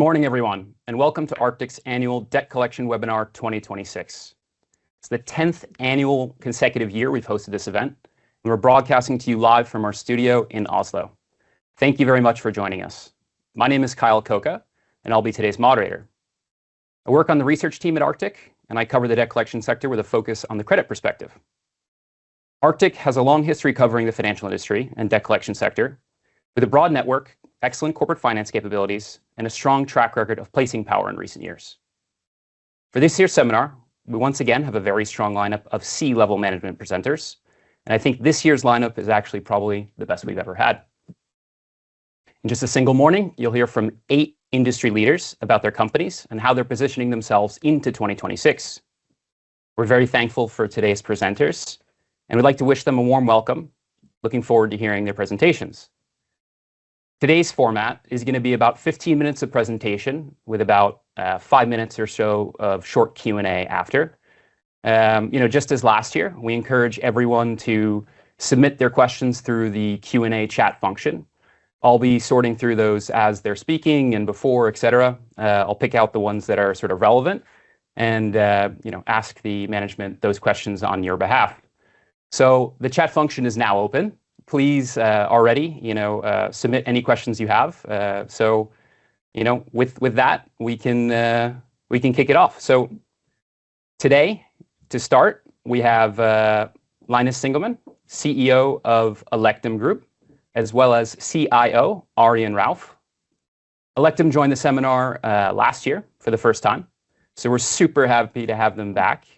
Good morning, everyone. Welcome to Arctic's Annual Debt Collection Webinar 2026. It's the 10th annual consecutive year we've hosted this event. We're broadcasting to you live from our studio in Oslo. Thank you very much for joining us. My name is Kyle Coca, and I'll be today's moderator. I work on the research team at Arctic. I cover the debt collection sector with a focus on the credit perspective. Arctic has a long history covering the financial industry and debt collection sector with a broad network, excellent corporate finance capabilities, and a strong track record of placing power in recent years. For this year's seminar, we once again have a very strong lineup of C-level management presenters. I think this year's lineup is actually probably the best we've ever had. In just a single morning, you'll hear from eight industry leaders about their companies and how they're positioning themselves into 2026. We're very thankful for today's presenters. We'd like to wish them a warm welcome, looking forward to hearing their presentations. Today's format is going to be about 15 minutes of presentation with about five minutes or so of short Q&A after. Just as last year, we encourage everyone to submit their questions through the Q&A chat function. I'll be sorting through those as they're speaking and before, et cetera. I'll pick out the ones that are relevant and ask the management those questions on your behalf. The chat function is now open. Please already submit any questions you have. With that, we can kick it off. Today, to start, we have Linus Singelman, CEO of Alektum Group, as well as CIO, Örjan Rauf. Alektum joined the seminar last year for the first time. We're super happy to have them back.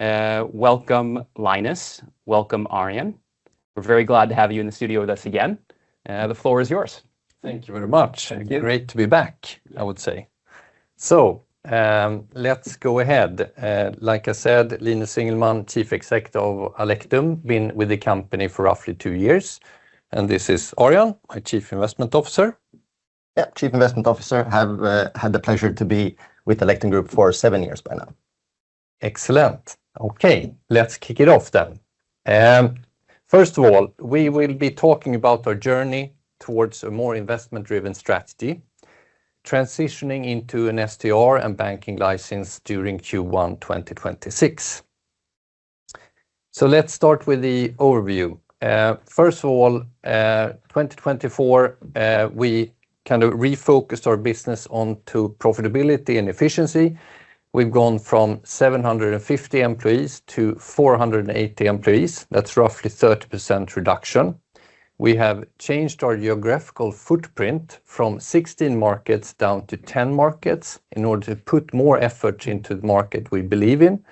Welcome, Linus. Welcome, Örjan. We're very glad to have you in the studio with us again. The floor is yours. Thank you very much. Thank you. Great to be back, I would say. Let's go ahead. Like I said, Linus Singelman, Chief Executive of Alektum, been with the company for roughly two years. This is Örjan, my Chief Investment Officer. Yep, Chief Investment Officer. Have had the pleasure to be with Alektum Group for seven years by now. Excellent. Okay, let's kick it off then. First of all, we will be talking about our journey towards a more investment-driven strategy, transitioning into an SDR and banking license during Q1 2026. Let's start with the overview. First of all, 2024, we kind of refocused our business onto profitability and efficiency. We've gone from 750 employees to 480 employees. That's roughly 30% reduction. We have changed our geographical footprint from 16 markets down to 10 markets in order to put more effort into the market we believe in.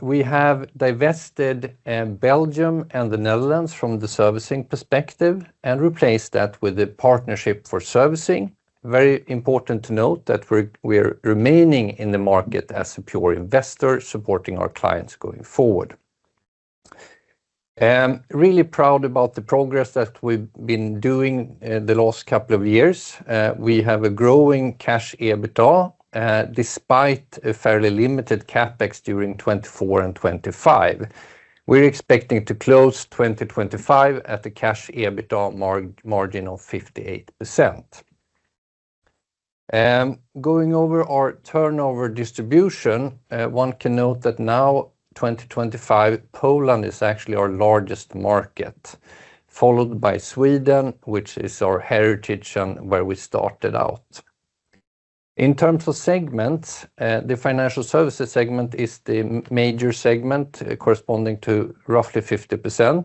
We have divested Belgium and the Netherlands from the servicing perspective and replaced that with a partnership for servicing. Very important to note that we're remaining in the market as a pure investor, supporting our clients going forward. Really proud about the progress that we've been doing the last couple of years. We have a growing cash EBITDA, despite a fairly limited CapEx during 2024 and 2025. We're expecting to close 2025 at a cash EBITDA margin of 58%. Going over our turnover distribution, one can note that now, 2025, Poland is actually our largest market, followed by Sweden, which is our heritage and where we started out. In terms of segments, the financial services segment is the major segment corresponding to roughly 50%.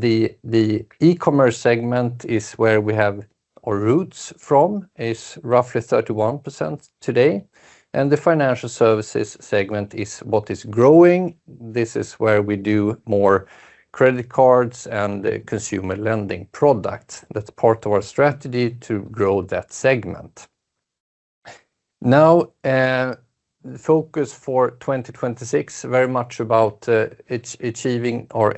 The e-commerce segment is where we have our roots from, is roughly 31% today. The financial services segment is what is growing. This is where we do more credit cards and consumer lending products. That's part of our strategy to grow that segment. Focus for 2026, very much about achieving our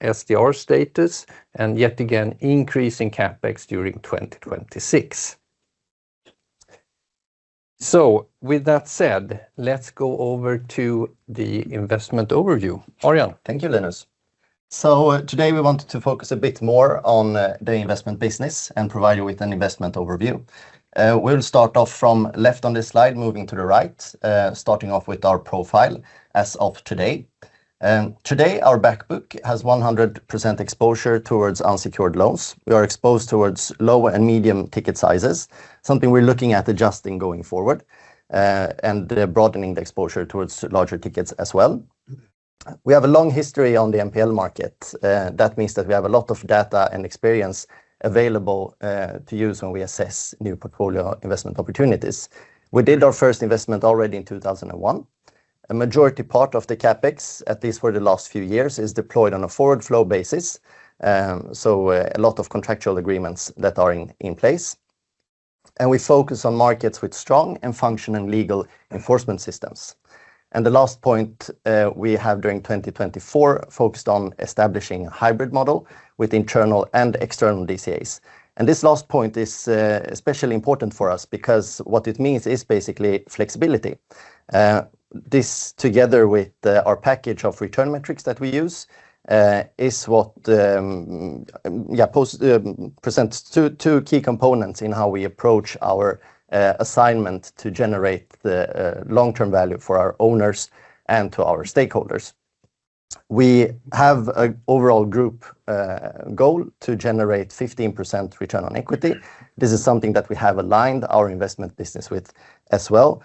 SDR status, yet again, increasing CapEx during 2026. With that said, let's go over to the investment overview. Örjan. Thank you, Linus. Today, we wanted to focus a bit more on the investment business and provide you with an investment overview. We'll start off from left on this slide, moving to the right, starting off with our profile as of today. Today, our back book has 100% exposure towards unsecured loans. We are exposed towards lower and medium ticket sizes, something we're looking at adjusting going forward, and broadening the exposure towards larger tickets as well. We have a long history on the NPL market. That means that we have a lot of data and experience available to use when we assess new portfolio investment opportunities. We did our first investment already in 2001. A majority part of the CapEx, at least for the last few years, is deployed on a forward flow basis. A lot of contractual agreements that are in place. We focus on markets with strong and functioning legal enforcement systems. The last point, we have during 2024, focused on establishing a hybrid model with internal and external DCAs. This last point is especially important for us because what it means is basically flexibility. This together with our package of return metrics that we use, presents two key components in how we approach our assignment to generate the long-term value for our owners and to our stakeholders. We have an overall group goal to generate 15% return on equity. This is something that we have aligned our investment business with as well.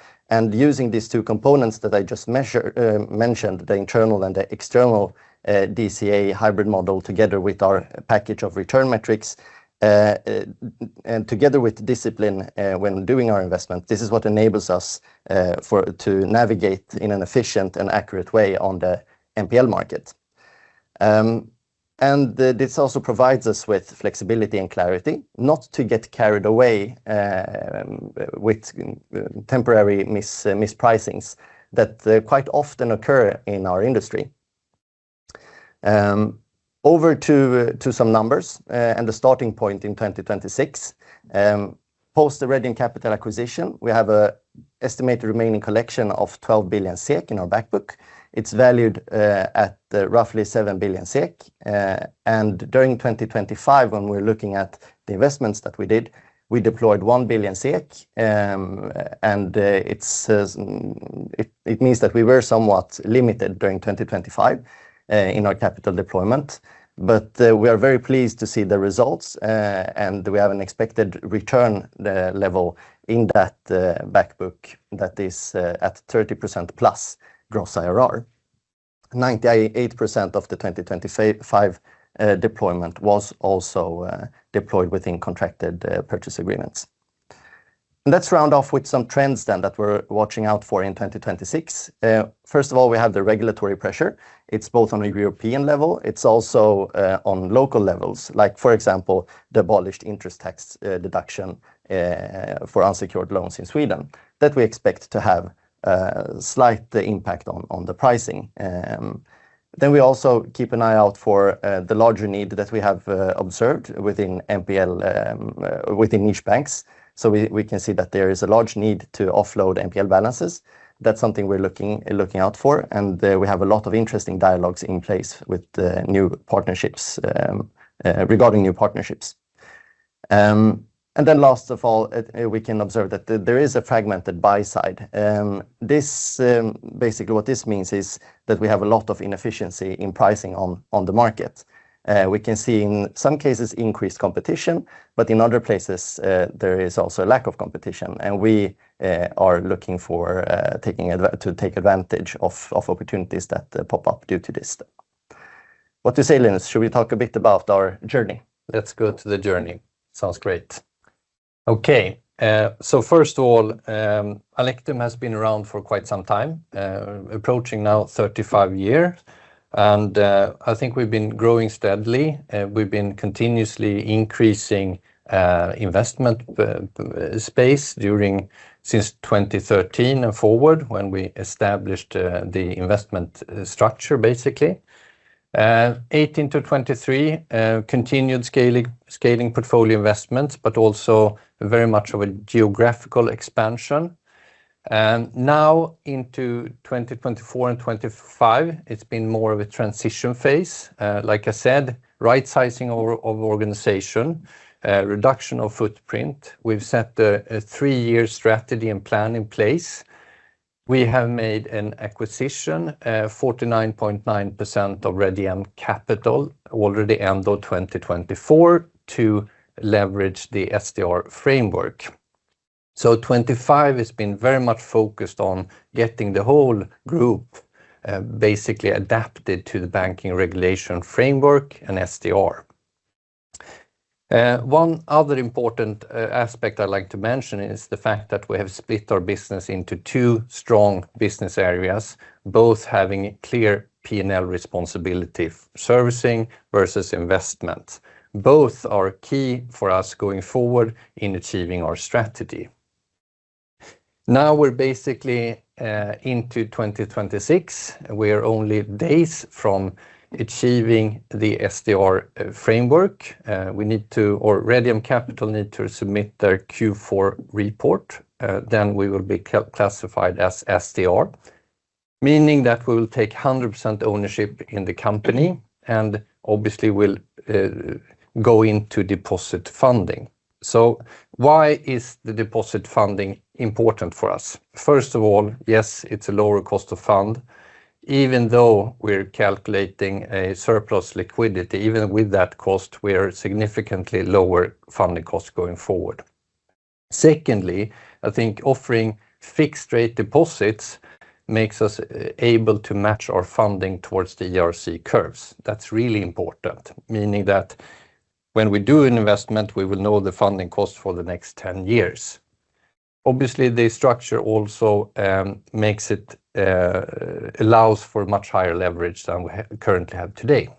Using these two components that I just mentioned, the internal and the external DCA hybrid model, together with our package of return metrics, and together with discipline when doing our investment, this is what enables us to navigate in an efficient and accurate way on the NPL market. This also provides us with flexibility and clarity not to get carried away with temporary mispricings that quite often occur in our industry. Over to some numbers and the starting point in 2026. Post the Rediem Capital acquisition, we have an estimated remaining collection of 12 billion SEK in our back book. It's valued at roughly 7 billion SEK. During 2025, when we're looking at the investments that we did, we deployed 1 billion SEK, and it means that we were somewhat limited during 2025 in our capital deployment. We are very pleased to see the results, and we have an expected return level in that back book that is at 30% plus gross IRR. 98% of the 2025 deployment was also deployed within contracted purchase agreements. Let's round off with some trends that we're watching out for in 2026. First of all, we have the regulatory pressure. It's both on a European level, it's also on local levels, like for example, the abolished interest tax deduction for unsecured loans in Sweden that we expect to have slight impact on the pricing. We also keep an eye out for the larger need that we have observed within NPL, within niche banks. We can see that there is a large need to offload NPL balances. That's something we're looking out for, and we have a lot of interesting dialogues in place regarding new partnerships. Last of all, we can observe that there is a fragmented buy side. Basically what this means is that we have a lot of inefficiency in pricing on the market. We can see in some cases increased competition, but in other places, there is also a lack of competition and we are looking to take advantage of opportunities that pop up due to this. What do you say, Linus? Should we talk a bit about our journey? Let's go to the journey. Sounds great. Okay. First of all, Alektum has been around for quite some time, approaching now 35 years. I think we've been growing steadily. We've been continuously increasing investment space during since 2013 and forward when we established the investment structure, basically. 2018 to 2023, continued scaling portfolio investments, but also very much of a geographical expansion. Into 2024 and 2025, it's been more of a transition phase. Like I said, right-sizing of organization, reduction of footprint. We've set a three-year strategy and plan in place. We have made an acquisition, 49.9% of Rediem Capital already end of 2024 to leverage the SDR framework. 2025 has been very much focused on getting the whole group basically adapted to the banking regulation framework and SDR. One other important aspect I'd like to mention is the fact that we have split our business into two strong business areas, both having clear P&L responsibility, servicing versus investment. Both are key for us going forward in achieving our strategy. We're basically into 2026. We are only days from achieving the SDR framework. Rediem Capital need to submit their Q4 report, we will be classified as SDR, meaning that we'll take 100% ownership in the company, and obviously we'll go into deposit funding. Why is the deposit funding important for us? First of all, yes, it's a lower cost of fund. Even though we are calculating a surplus liquidity, even with that cost, we are significantly lower funding costs going forward. Secondly, I think offering fixed rate deposits makes us able to match our funding towards the ERC curves. That's really important. Meaning that when we do an investment, we will know the funding cost for the next 10 years. Obviously, the structure also allows for much higher leverage than we currently have today.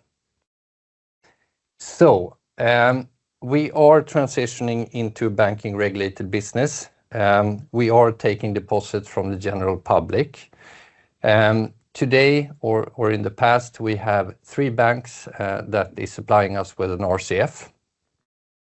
We are transitioning into banking regulated business. We are taking deposits from the general public. Today or in the past, we have three banks that is supplying us with an RCF.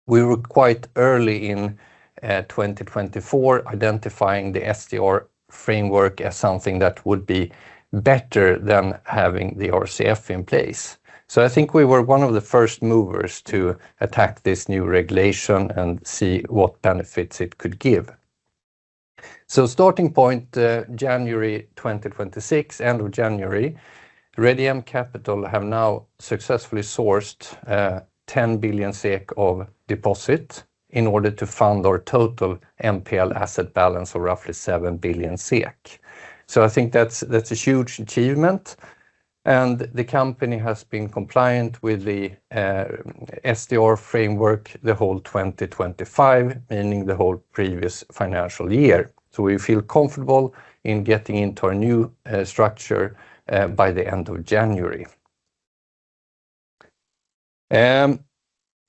We were quite early in 2024 identifying the SDR framework as something that would be better than having the RCF in place. I think we were one of the first movers to attack this new regulation and see what benefits it could give. Starting point January 2026, end of January, Rediem Capital have now successfully sourced 10 billion SEK of deposit in order to fund our total NPL asset balance of roughly 7 billion SEK. I think that's a huge achievement, and the company has been compliant with the SDR framework the whole 2025, meaning the whole previous financial year. We feel comfortable in getting into a new structure by the end of January.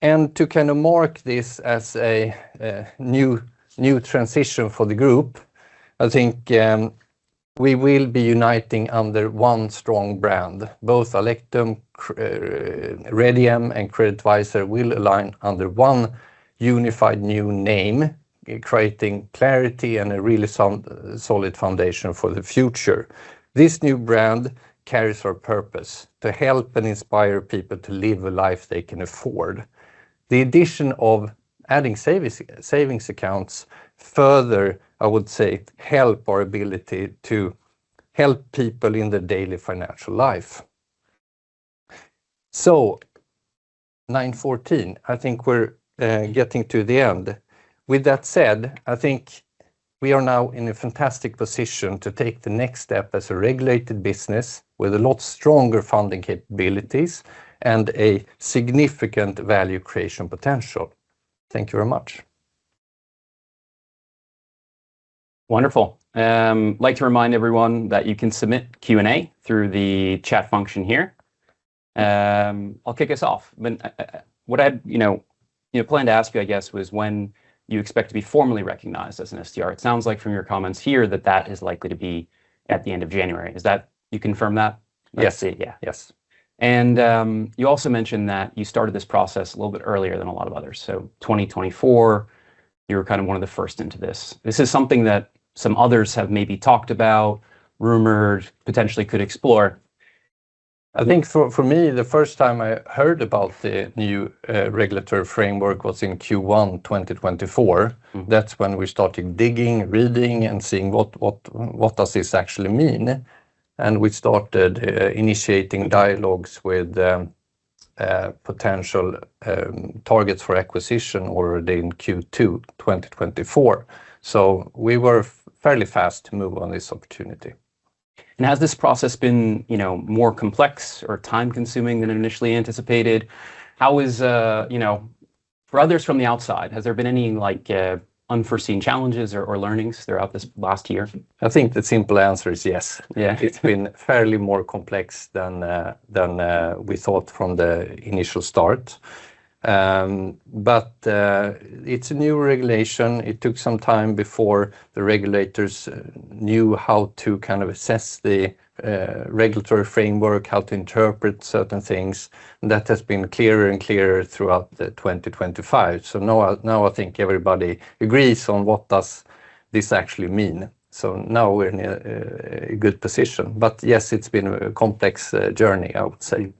To kind of mark this as a new transition for the group, I think we will be uniting under one strong brand, both Alektum, Rediem, and CreditVisor will align under one unified new name, creating clarity and a really solid foundation for the future. This new brand carries our purpose, to help and inspire people to live a life they can afford. The addition of adding savings accounts further, I would say, help our ability to help people in their daily financial life. 9:14, I think we're getting to the end. With that said, I think we are now in a fantastic position to take the next step as a regulated business with a lot stronger funding capabilities and a significant value creation potential. Thank you very much. Wonderful. I'd like to remind everyone that you can submit Q&A through the chat function here. I'll kick us off. What I planned to ask you, I guess, was when you expect to be formally recognized as an SDR. It sounds like from your comments here that that is likely to be at the end of January. You confirm that? Yes. I see. Yeah. Yes. You also mentioned that you started this process a little bit earlier than a lot of others. 2024, you were kind of one of the first into this. This is something that some others have maybe talked about, rumored, potentially could explore. I think for me, the first time I heard about the new regulatory framework was in Q1 2024. That's when we started digging, reading, and seeing what does this actually mean. We started initiating dialogues with potential targets for acquisition already in Q2 2024. We were fairly fast to move on this opportunity. Has this process been more complex or time-consuming than initially anticipated? For others from the outside, has there been any unforeseen challenges or learnings throughout this last year? I think the simple answer is yes. Yeah. It's been fairly more complex than we thought from the initial start. It's a new regulation. It took some time before the regulators knew how to kind of assess the regulatory framework, how to interpret certain things, and that has been clearer and clearer throughout the 2025. Now I think everybody agrees on what does this actually mean. Now we're in a good position. Yes, it's been a complex journey, I would say.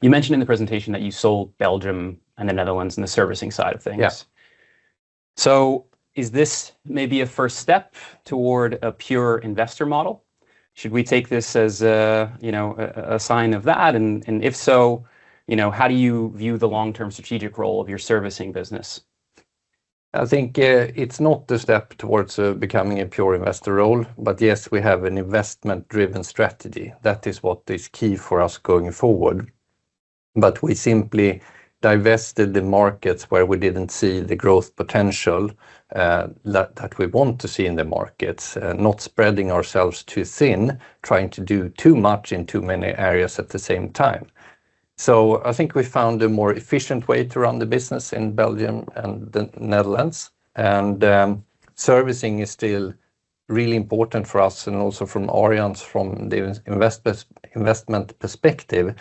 You mentioned in the presentation that you sold Belgium and the Netherlands in the servicing side of things. Yeah. Is this maybe a first step toward a pure investor model? Should we take this as a sign of that? If so, how do you view the long-term strategic role of your servicing business? I think it's not a step towards becoming a pure investor role. Yes, we have an investment-driven strategy. That is what is key for us going forward. We simply divested the markets where we didn't see the growth potential that we want to see in the markets. Not spreading ourselves too thin, trying to do too much in too many areas at the same time. I think we found a more efficient way to run the business in Belgium and the Netherlands, and servicing is still really important for us and also from Ørjan's, from the investment perspective,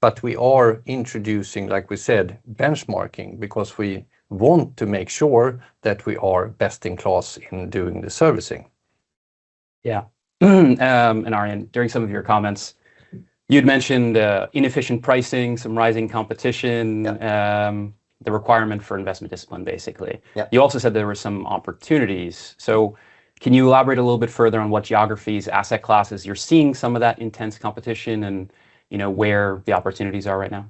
but we are introducing, like we said, benchmarking because we want to make sure that we are best in class in doing the servicing. Yeah. Ørjan, during some of your comments, you'd mentioned inefficient pricing, some rising competition. Yeah The requirement for investment discipline, basically. Yeah. You also said there were some opportunities. Can you elaborate a little bit further on what geographies, asset classes you're seeing some of that intense competition and where the opportunities are right now?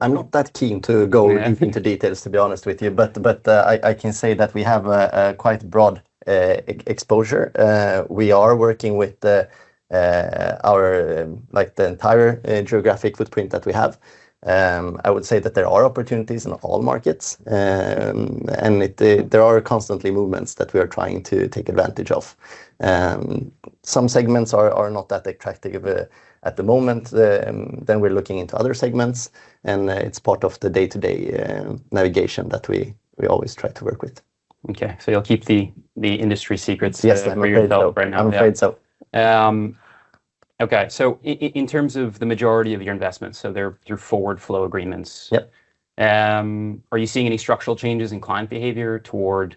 I'm not that keen to go into details, to be honest with you. I can say that we have a quite broad exposure. We are working with the entire geographic footprint that we have. I would say that there are opportunities in all markets, and there are constantly movements that we are trying to take advantage of. Some segments are not that attractive at the moment. We're looking into other segments, and it's part of the day-to-day navigation that we always try to work with. Okay. You'll keep the industry secrets. Yes For your development right now. I'm afraid so. Okay. In terms of the majority of your investments, so they're through forward flow agreements. Yep. Are you seeing any structural changes in client behavior toward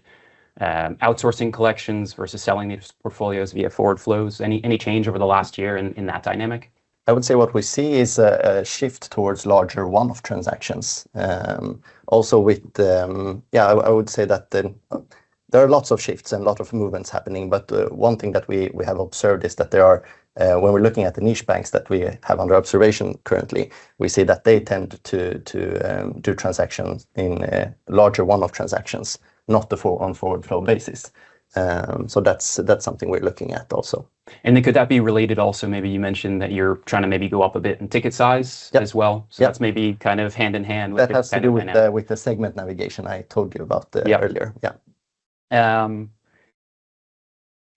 outsourcing collections versus selling these portfolios via forward flows? Any change over the last year in that dynamic? I would say what we see is a shift towards larger one-off transactions. I would say that there are lots of shifts and lot of movements happening, but one thing that we have observed is that when we're looking at the niche banks that we have under observation currently, we see that they tend to do transactions in larger one-off transactions, not on forward flow basis. That's something we're looking at also. Could that be related also, maybe you mentioned that you're trying to maybe go up a bit in ticket size as well. Yep. That's maybe kind of hand in hand with the kind of. That has to do with the segment navigation I told you about earlier. Yep.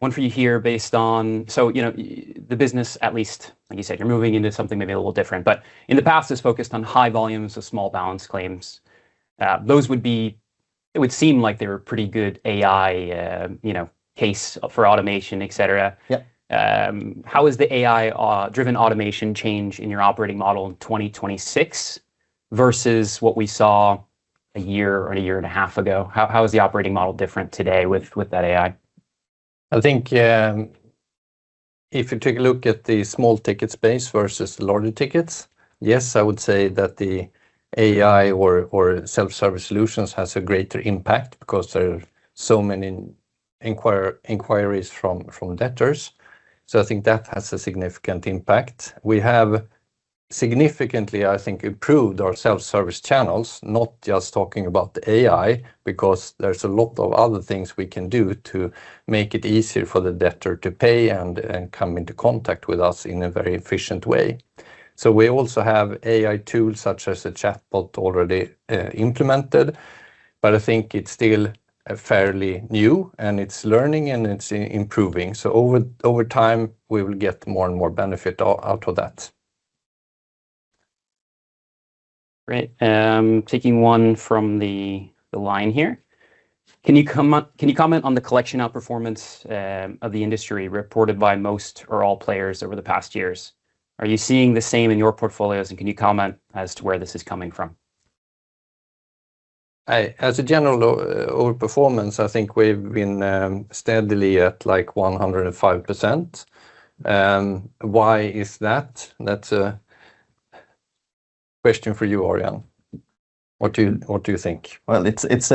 One for you here. The business, at least like you said, you're moving into something maybe a little different, but in the past it's focused on high volumes of small balance claims. It would seem like they're pretty good AI case for automation, et cetera. Yep. How has the AI-driven automation change in your operating model in 2026 versus what we saw a year or a year and a half ago? How is the operating model different today with that AI? I think if you take a look at the small ticket space versus larger tickets, yes, I would say that the AI or self-service solutions has a greater impact because there are so many inquiries from debtors. I think that has a significant impact. We have significantly, I think, improved our self-service channels, not just talking about the AI, because there's a lot of other things we can do to make it easier for the debtor to pay and come into contact with us in a very efficient way. We also have AI tools such as the chatbot already implemented, but I think it's still fairly new and it's learning and it's improving. Over time we will get more and more benefit out of that. Great. Taking one from the line here. Can you comment on the collection outperformance of the industry reported by most or all players over the past years? Are you seeing the same in your portfolios, and can you comment as to where this is coming from? As a general outperformance, I think we've been steadily at like 105%. Why is that? That's a question for you, Örjan. What do you think? Well, it's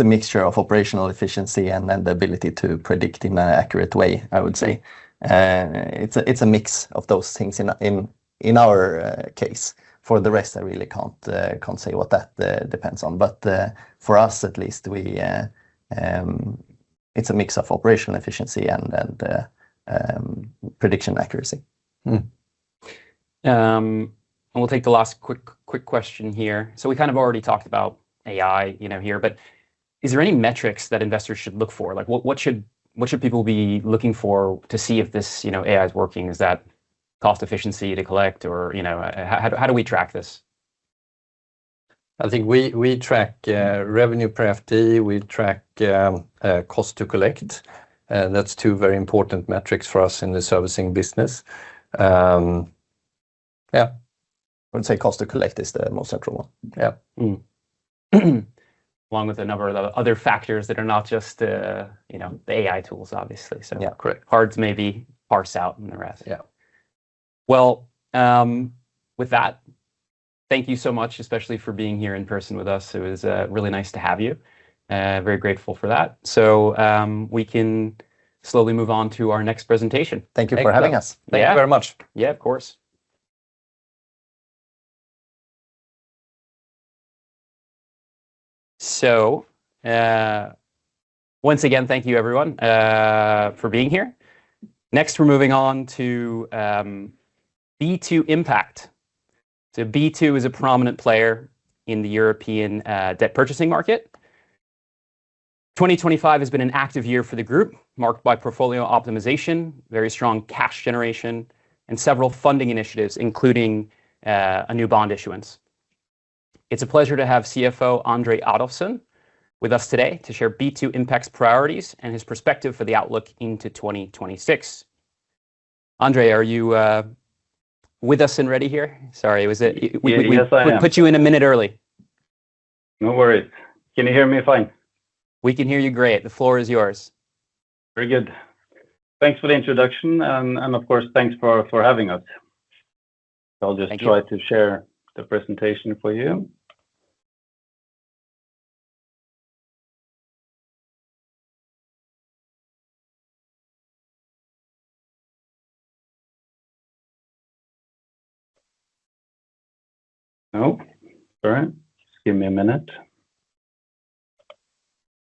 a mixture of operational efficiency and then the ability to predict in an accurate way, I would say. It's a mix of those things in our case. For the rest, I really can't say what that depends on. For us at least, it's a mix of operational efficiency and prediction accuracy. We'll take the last quick question here. We kind of already talked about AI here, but is there any metrics that investors should look for? What should people be looking for to see if this AI is working? Is that cost efficiency to collect or how do we track this? I think we track revenue per FTE. We track cost to collect. That's two very important metrics for us in the servicing business. Yeah. I would say cost to collect is the most central one. Yeah. Along with a number of other factors that are not just the AI tools obviously. Yeah. Correct. Hard to maybe parse out and the rest. Yeah. Well, with that, thank you so much, especially for being here in person with us. It was really nice to have you. Very grateful for that. We can slowly move on to our next presentation. Thank you for having us. Yeah. Thank you very much. Yeah. Of course. Once again, thank you everyone for being here. Next we're moving on to B2 Impact. B2 is a prominent player in the European debt purchasing market. 2025 has been an active year for the group, marked by portfolio optimization, very strong cash generation, and several funding initiatives, including a new bond issuance. It's a pleasure to have CFO Andre Adolfsson with us today to share B2 Impact's priorities and his perspective for the outlook into 2026. Andre, are you with us and ready here? Sorry, we- Yes, I am We put you in a minute early. No worries. Can you hear me fine? We can hear you great. The floor is yours. Very good. Thanks for the introduction and of course, thanks for having us. Thank you. I'll just try to share the presentation for you. No? All right. Just give me a minute.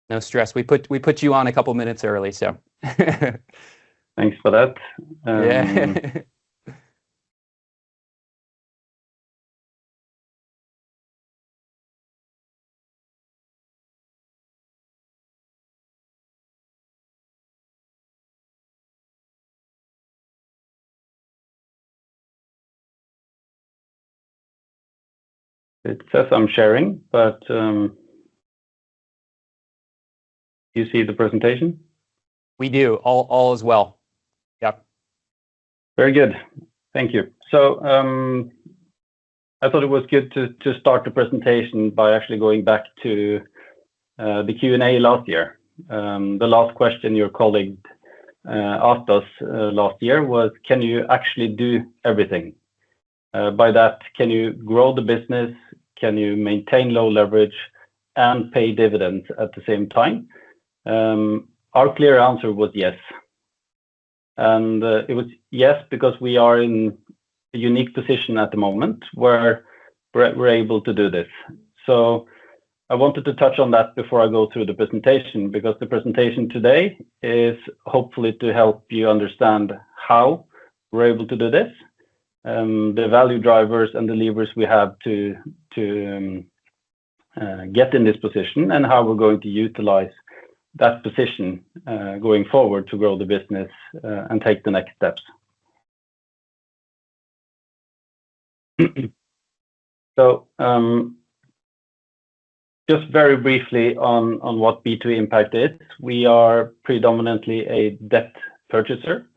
No stress. We put you on a couple of minutes early, so Thanks for that. Yeah. It says I'm sharing, but do you see the presentation? We do. All is well. Yep. Very good. Thank you. I thought it was good to start the presentation by actually going back to the Q&A last year. The last question your colleague asked us last year was, can you actually do everything? By that, can you grow the business, can you maintain low leverage and pay dividends at the same time? Our clear answer was yes. It was yes because we are in a unique position at the moment where we're able to do this. I wanted to touch on that before I go through the presentation, because the presentation today is hopefully to help you understand how we're able to do this, the value drivers and the levers we have to get in this position and how we're going to utilize that position going forward to grow the business and take the next steps. Just very briefly on what B2 Impact is. We are predominantly a debt purchaser.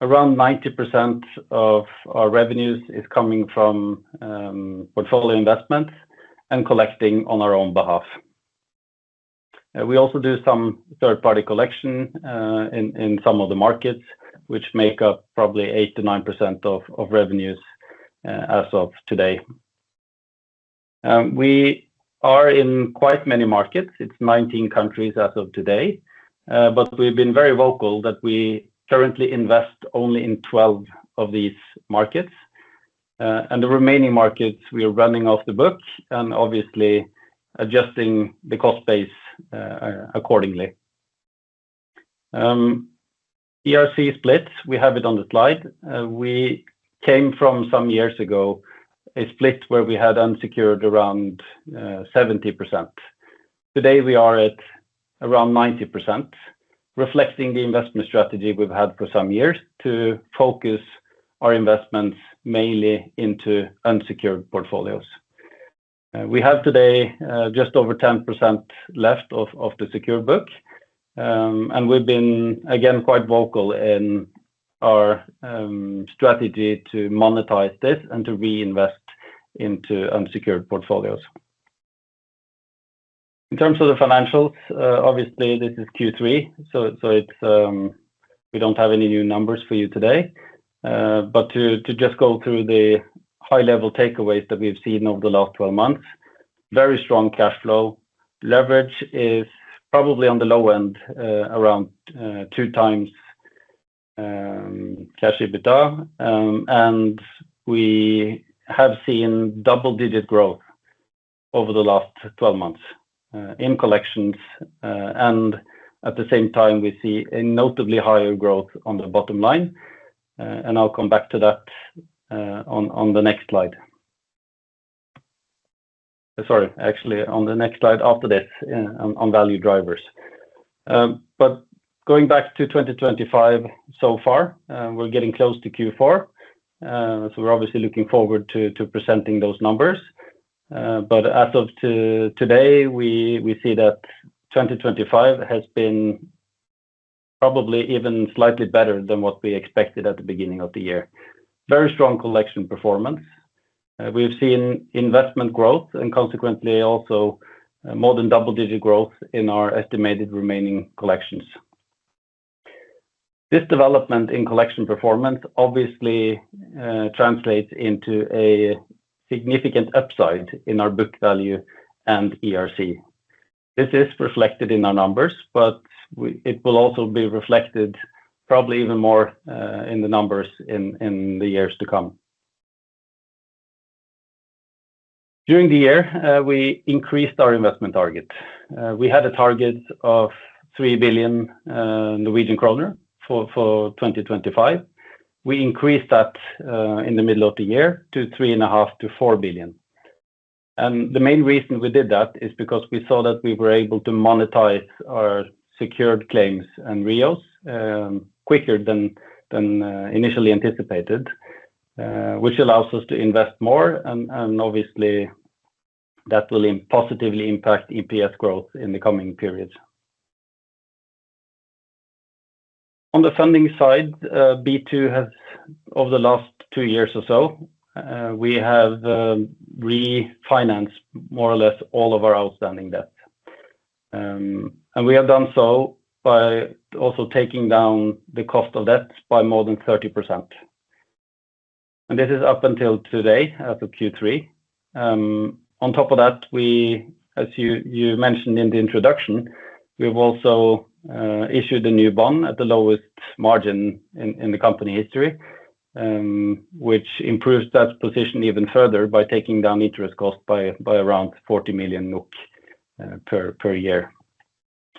Around 90% of our revenues is coming from portfolio investments and collecting on our own behalf. We also do some third-party collection in some of the markets which make up probably 8%-9% of revenues as of today. We are in quite many markets. It's 19 countries as of today. We've been very vocal that we currently invest only in 12 of these markets. The remaining markets we are running off the books and obviously adjusting the cost base accordingly. ERC split, we have it on the slide. We came from some years ago, a split where we had unsecured around 70%. Today we are at around 90%, reflecting the investment strategy we've had for some years to focus our investments mainly into unsecured portfolios. We have today just over 10% left of the secure book. We've been, again, quite vocal in our strategy to monetize this and to reinvest into unsecured portfolios. In terms of the financials, obviously this is Q3, we don't have any new numbers for you today. To just go through the high-level takeaways that we've seen over the last 12 months, very strong cash flow. Leverage is probably on the low end, around 2 times cash EBITDA. We have seen double-digit growth over the last 12 months in collections. At the same time, we see a notably higher growth on the bottom line. I'll come back to that on the next slide. Sorry, actually on the next slide after this on value drivers. Going back to 2025 so far, we're getting close to Q4, we're obviously looking forward to presenting those numbers. As of today, we see that 2025 has been probably even slightly better than what we expected at the beginning of the year. Very strong collection performance. We've seen investment growth and consequently also more than double-digit growth in our ERC. This development in collection performance obviously translates into a significant upside in our book value and ERC. This is reflected in our numbers, but it will also be reflected probably even more in the numbers in the years to come. During the year, we increased our investment target. We had a target of 3 billion Norwegian kroner for 2025. We increased that in the middle of the year to 3.5 billion-4 billion. The main reason we did that is because we saw that we were able to monetize our secured claims and REO quicker than initially anticipated, which allows us to invest more and obviously that will positively impact EPS growth in the coming periods. On the funding side, B2 has over the last two years or so, we have refinanced more or less all of our outstanding debt. We have done so by also taking down the cost of debt by more than 30%. This is up until today as of Q3. On top of that, as you mentioned in the introduction, we've also issued a new bond at the lowest margin in the company history, which improves that position even further by taking down interest cost by around 40 million NOK per year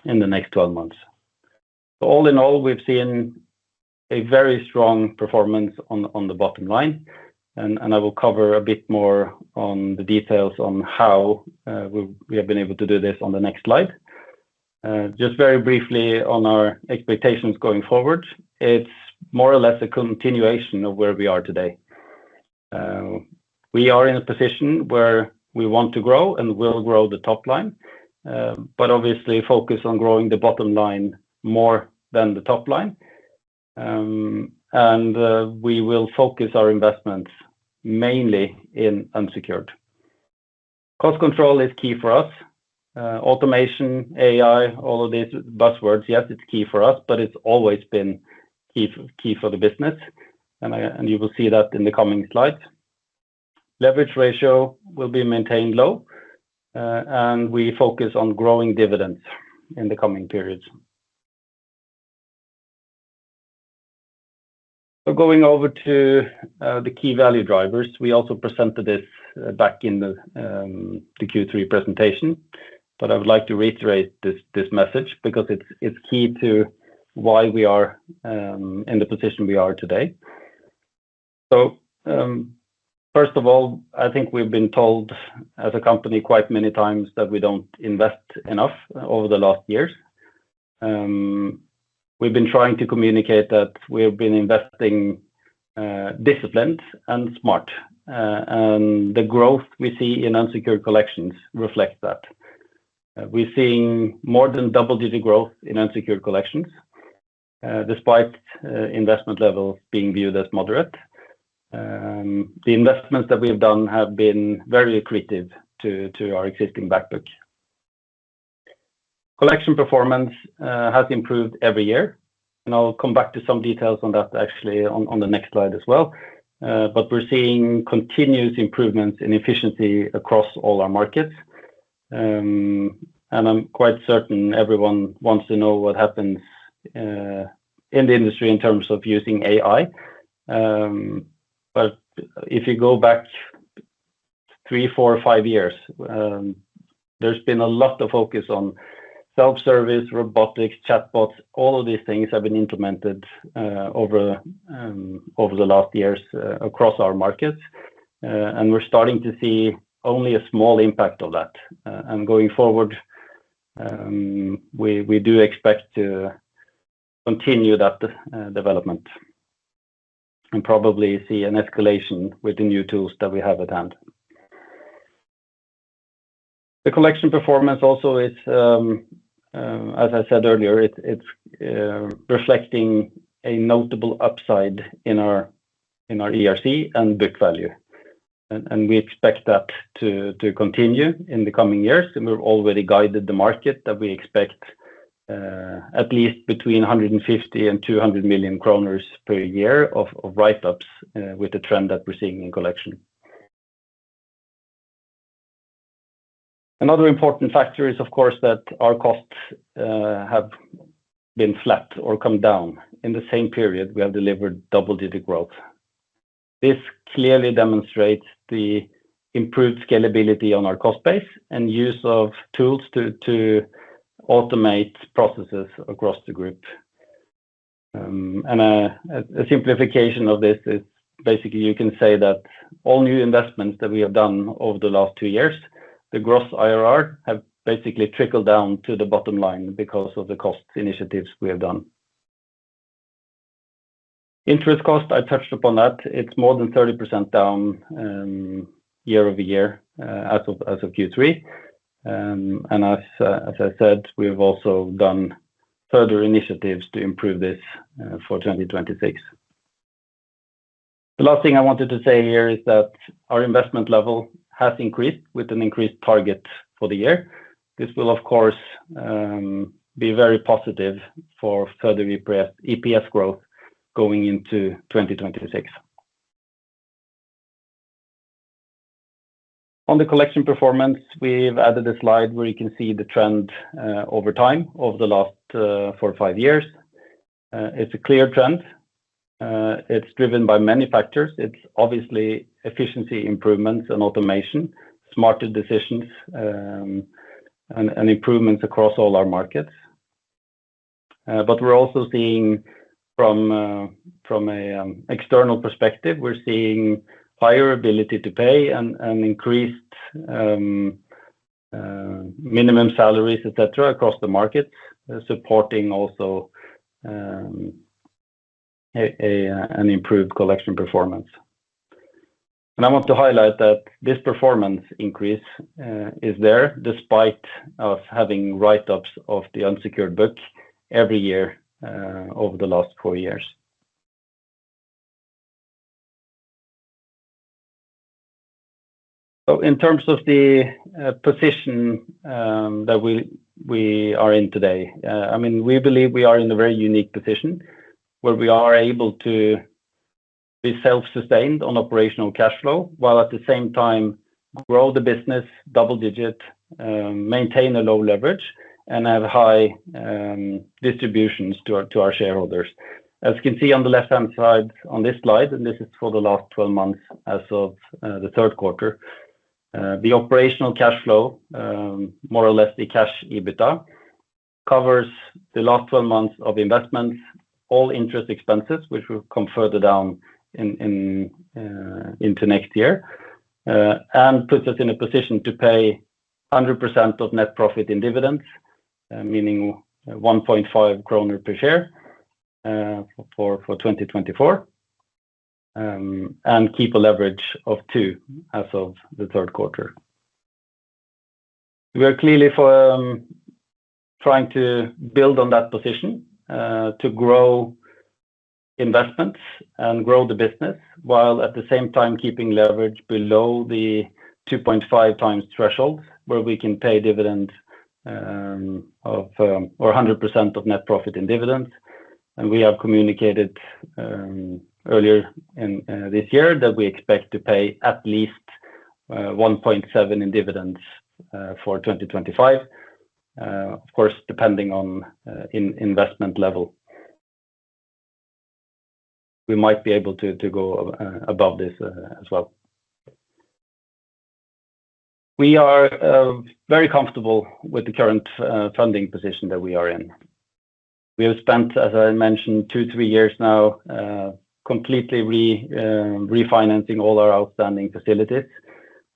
in the next 12 months. All in all, we've seen a very strong performance on the bottom line, I will cover a bit more on the details on how we have been able to do this on the next slide. Just very briefly on our expectations going forward. It's more or less a continuation of where we are today. We are in a position where we want to grow and will grow the top line. Obviously focus on growing the bottom line more than the top line. We will focus our investments mainly in unsecured. Cost control is key for us. Automation, AI, all of these buzzwords, yes, it's key for us, but it's always been key for the business, and you will see that in the coming slides. Leverage ratio will be maintained low, and we focus on growing dividends in the coming periods. Going over to the key value drivers, we also presented this back in the Q3 presentation, I would like to reiterate this message because it's key to why we are in the position we are today. First of all, I think we've been told as a company quite many times that we don't invest enough over the last years. We've been trying to communicate that we have been investing disciplined and smart. The growth we see in unsecured collections reflects that. We're seeing more than double-digit growth in unsecured collections, despite investment levels being viewed as moderate. The investments that we have done have been very accretive to our existing back book. Collection performance has improved every year, and I'll come back to some details on that actually on the next slide as well. We're seeing continuous improvements in efficiency across all our markets. I'm quite certain everyone wants to know what happens in the industry in terms of using AI. If you go back three, four, five years, there's been a lot of focus on self-service, robotics, chatbots, all of these things have been implemented over the last years across our markets. We're starting to see only a small impact of that. Going forward, we do expect to continue that development and probably see an escalation with the new tools that we have at hand. The collection performance also is, as I said earlier, it's reflecting a notable upside in our ERC and book value. We expect that to continue in the coming years, and we've already guided the market that we expect at least between 150 million and 200 million kroner per year of write-ups with the trend that we're seeing in collection. Another important factor is, of course, that our costs have been flat or come down. In the same period, we have delivered double-digit growth. This clearly demonstrates the improved scalability on our cost base and use of tools to automate processes across the group. A simplification of this is basically you can say that all new investments that we have done over the last two years, the gross IRR have basically trickled down to the bottom line because of the cost initiatives we have done. Interest cost, I touched upon that. It's more than 30% down year-over-year as of Q3. As I said, we've also done further initiatives to improve this for 2026. The last thing I wanted to say here is that our investment level has increased with an increased target for the year. This will, of course, be very positive for further EPS growth going into 2026. On the collection performance, we've added a slide where you can see the trend over time of the last four or five years. It's a clear trend. It's driven by many factors. It's obviously efficiency improvements and automation, smarter decisions, and improvements across all our markets. We're also seeing from an external perspective, we're seeing higher ability to pay and increased minimum salaries, et cetera, across the market, supporting also an improved collection performance. I want to highlight that this performance increase is there despite us having write-ups of the unsecured book every year over the last four years. In terms of the position that we are in today, we believe we are in a very unique position where we are able to be self-sustained on operational cash flow while at the same time grow the business double-digit, maintain a low leverage, and have high distributions to our shareholders. As you can see on the left-hand side on this slide, and this is for the last 12 months as of the third quarter, the operational cash flow, more or less the cash EBITDA, covers the last 12 months of investments, all interest expenses, which will come further down into next year, and puts us in a position to pay 100% of net profit in dividends, meaning 1.5 kroner per share for 2024, and keep a leverage of two as of the third quarter. We are clearly trying to build on that position to grow investments and grow the business, while at the same time keeping leverage below the 2.5 times threshold where we can pay dividend of, or 100% of net profit in dividends. We have communicated earlier this year that we expect to pay at least 1.7 in dividends for 2025. Of course, depending on investment level, we might be able to go above this as well. We are very comfortable with the current funding position that we are in. We have spent, as I mentioned, two, three years now, completely refinancing all our outstanding facilities.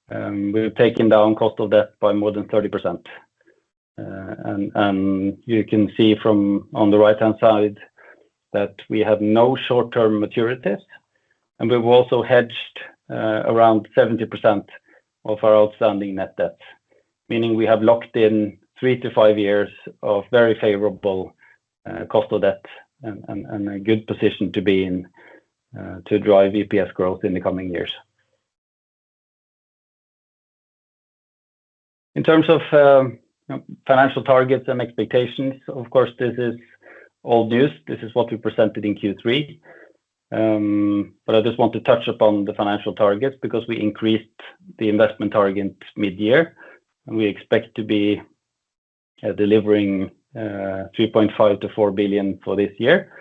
We've taken down cost of debt by more than 30%. You can see from on the right-hand side that we have no short-term maturities, we've also hedged around 70% of our outstanding net debt, meaning we have locked in three to five years of very favorable cost of debt and a good position to be in to drive EPS growth in the coming years. In terms of financial targets and expectations, of course, this is old news. This is what we presented in Q3. I just want to touch upon the financial targets because we increased the investment target mid-year, we expect to be delivering 3.5 billion to 4 billion for this year,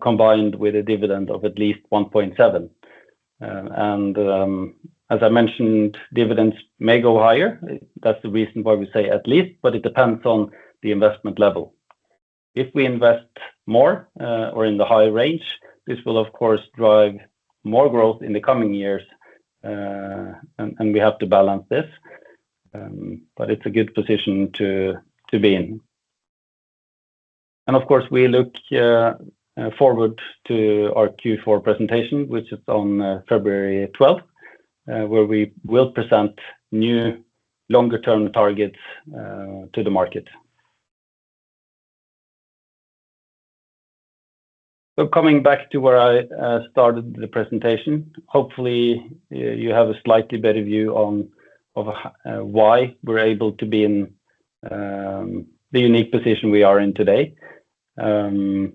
combined with a dividend of at least 1.7. As I mentioned, dividends may go higher. That's the reason why we say at least, but it depends on the investment level. If we invest more or in the high range, this will of course drive more growth in the coming years, we have to balance this. It's a good position to be in. Of course we look forward to our Q4 presentation, which is on February 12th, where we will present new longer term targets to the market. Coming back to where I started the presentation, hopefully you have a slightly better view of why we're able to be in the unique position we are in today. Hopefully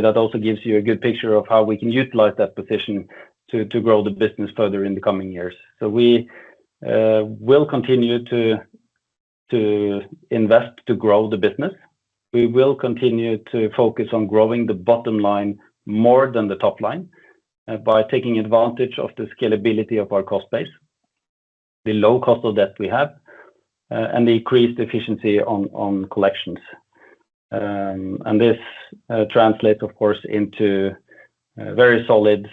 that also gives you a good picture of how we can utilize that position to grow the business further in the coming years. We will continue to invest to grow the business. We will continue to focus on growing the bottom line more than the top line by taking advantage of the scalability of our cost base, the low cost of debt we have, and the increased efficiency on collections. This translates of course into very solid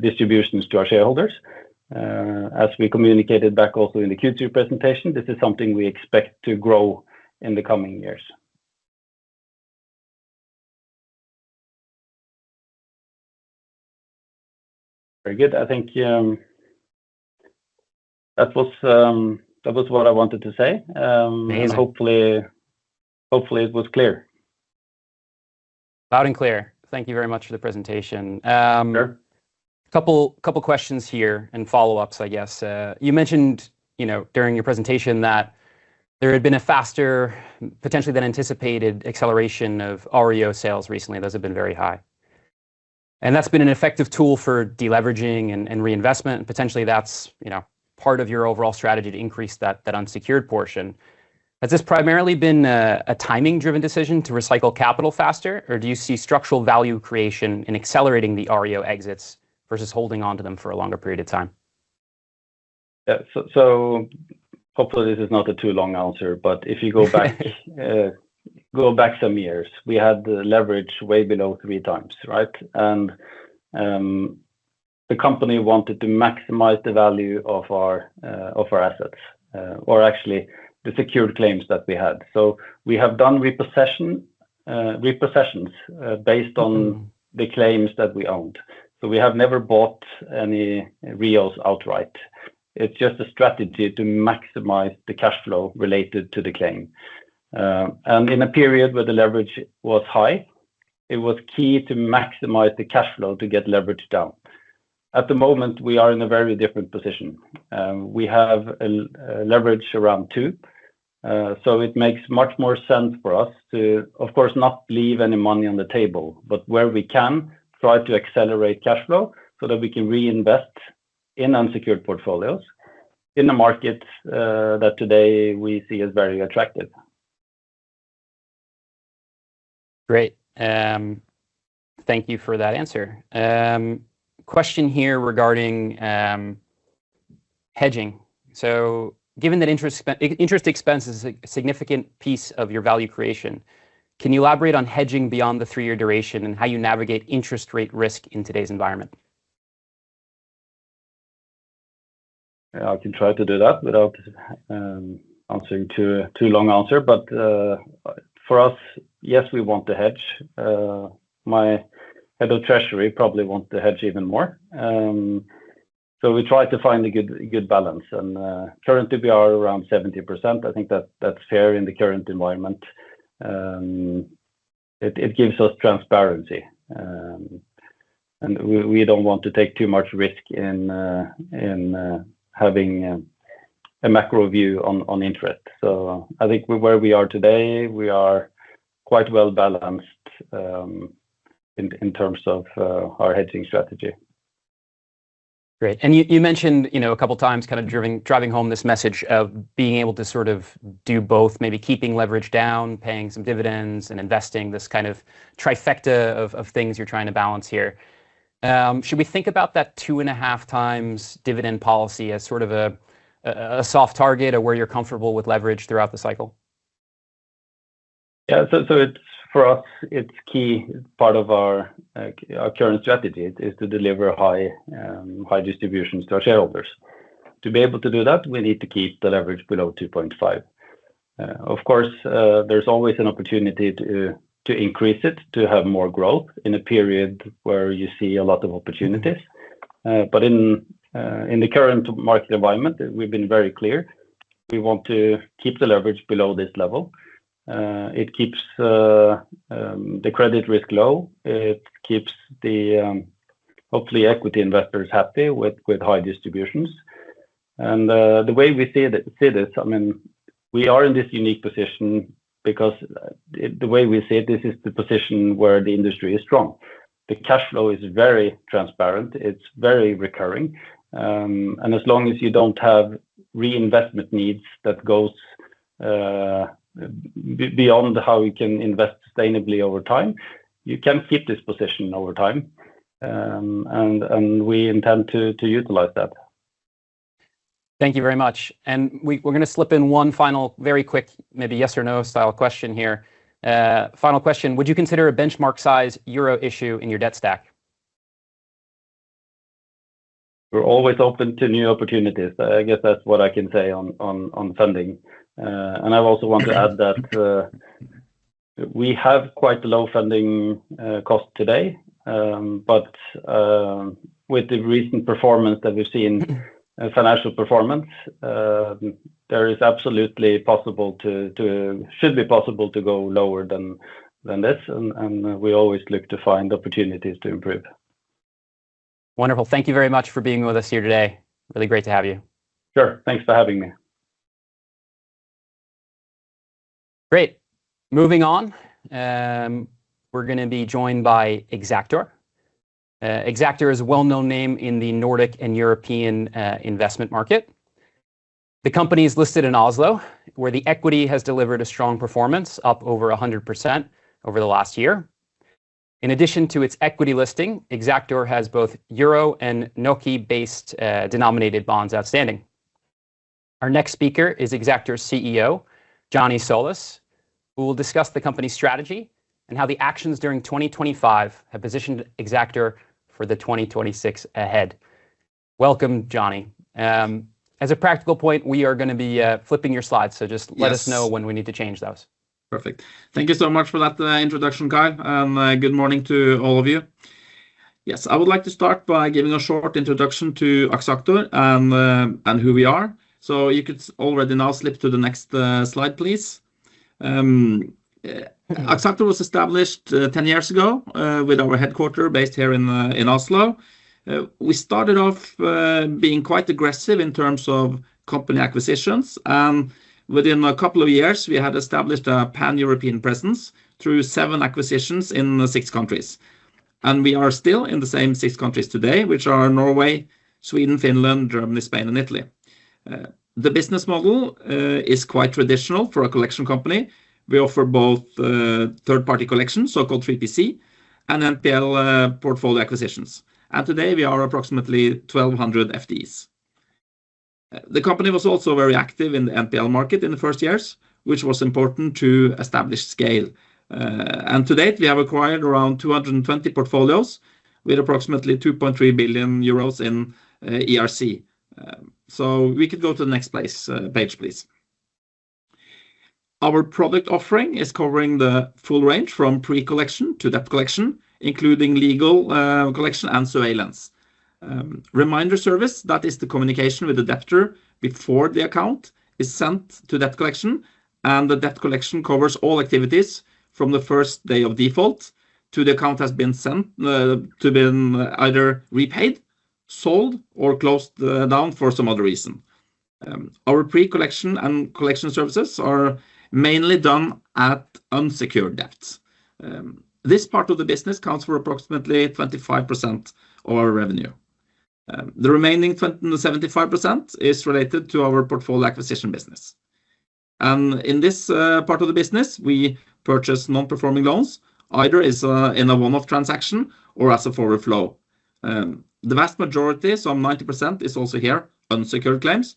distributions to our shareholders. As we communicated back also in the Q2 presentation, this is something we expect to grow in the coming years. Very good. I think that was what I wanted to say. Amazing. Hopefully it was clear. Loud and clear. Thank you very much for the presentation. Sure. A couple of questions here, and follow-ups, I guess. You mentioned during your presentation that there had been a faster potentially than anticipated acceleration of REO sales recently. Those have been very high. That's been an effective tool for deleveraging and reinvestment. Potentially that's part of your overall strategy to increase that unsecured portion. Has this primarily been a timing driven decision to recycle capital faster, or do you see structural value creation in accelerating the REO exits versus holding onto them for a longer period of time? Yeah. Hopefully this is not a too long answer, but if you go back some years, we had the leverage way below three times, right? The company wanted to maximize the value of our assets or actually the secured claims that we had. We have done repossessions based on the claims that we owned. We have never bought any REOs outright. It's just a strategy to maximize the cash flow related to the claim. In a period where the leverage was high, it was key to maximize the cash flow to get leverage down. At the moment, we are in a very different position. We have a leverage around two. It makes much more sense for us to, of course, not leave any money on the table, but where we can try to accelerate cash flow so that we can reinvest in unsecured portfolios in the market that today we see as very attractive. Great. Thank you for that answer. Question here regarding hedging. Given that interest expense is a significant piece of your value creation, can you elaborate on hedging beyond the three-year duration and how you navigate interest rate risk in today's environment? I can try to do that without answering too long answer. For us, yes, we want to hedge. My head of treasury probably wants to hedge even more. We try to find a good balance, and currently we are around 70%. I think that's fair in the current environment. It gives us transparency, and we don't want to take too much risk in having a macro view on interest. I think where we are today, we are quite well-balanced in terms of our hedging strategy. Great. You mentioned a couple of times driving home this message of being able to do both, maybe keeping leverage down, paying some dividends, and investing, this kind of trifecta of things you're trying to balance here. Should we think about that two and a half times dividend policy as sort of a soft target of where you're comfortable with leverage throughout the cycle? For us, it's key part of our current strategy is to deliver high distributions to our shareholders. To be able to do that, we need to keep the leverage below 2.5. Of course, there's always an opportunity to increase it to have more growth in a period where you see a lot of opportunities. In the current market environment, we've been very clear we want to keep the leverage below this level. It keeps the credit risk low. It keeps the, hopefully, equity investors happy with high distributions. The way we see this, we are in this unique position because the way we see it, this is the position where the industry is strong. The cash flow is very transparent. It's very recurring. As long as you don't have reinvestment needs that goes beyond how you can invest sustainably over time, you can keep this position over time. We intend to utilize that. Thank you very much. We're going to slip in one final very quick, maybe yes or no style question here. Final question. Would you consider a benchmark size EUR issue in your debt stack? We're always open to new opportunities. I guess that's what I can say on funding. I also want to add that we have quite a low funding cost today, with the recent performance that we've seen, financial performance, should be possible to go lower than this, we always look to find opportunities to improve. Wonderful. Thank you very much for being with us here today. Really great to have you. Sure. Thanks for having me. Great. Moving on, we're going to be joined by Axactor. Axactor is a well-known name in the Nordic and European investment market. The company is listed in Oslo, where the equity has delivered a strong performance, up over 100% over the last year. In addition to its equity listing, Axactor has both EUR and NOK-based denominated bonds outstanding. Our next speaker is Axactor's CEO, Johnny Tsolis, who will discuss the company strategy and how the actions during 2025 have positioned Axactor for the 2026 ahead. Welcome, Johnny. As a practical point, we are going to be flipping your slides, so just- Yes let us know when we need to change those. Perfect. Thank you so much for that introduction, Kyle, and good morning to all of you. I would like to start by giving a short introduction to Axactor and who we are. You could already now slip to the next slide, please. Axactor was established 10 years ago with our headquarter based here in Oslo. We started off being quite aggressive in terms of company acquisitions, and within a couple of years, we had established a pan-European presence through seven acquisitions in six countries. We are still in the same six countries today, which are Norway, Sweden, Finland, Germany, Spain, and Italy. The business model is quite traditional for a collection company. We offer both third-party collection, so-called 3PC, and NPL portfolio acquisitions. Today, we are approximately 1,200 FTEs. The company was also very active in the NPL market in the first years, which was important to establish scale. To date, we have acquired around 220 portfolios with approximately €2.3 billion in ERC. We could go to the next page please. Our product offering is covering the full range from pre-collection to debt collection, including legal collection and surveillance. Reminder service, that is the communication with the debtor before the account is sent to debt collection, and the debt collection covers all activities from the first day of default to the account has been either repaid, sold, or closed down for some other reason. Our pre-collection and collection services are mainly done at unsecured debts. This part of the business accounts for approximately 25% of our revenue. The remaining 75% is related to our portfolio acquisition business. In this part of the business, we purchase non-performing loans, either is in a one-off transaction or as a forward flow. The vast majority, 90%, is also here unsecured claims.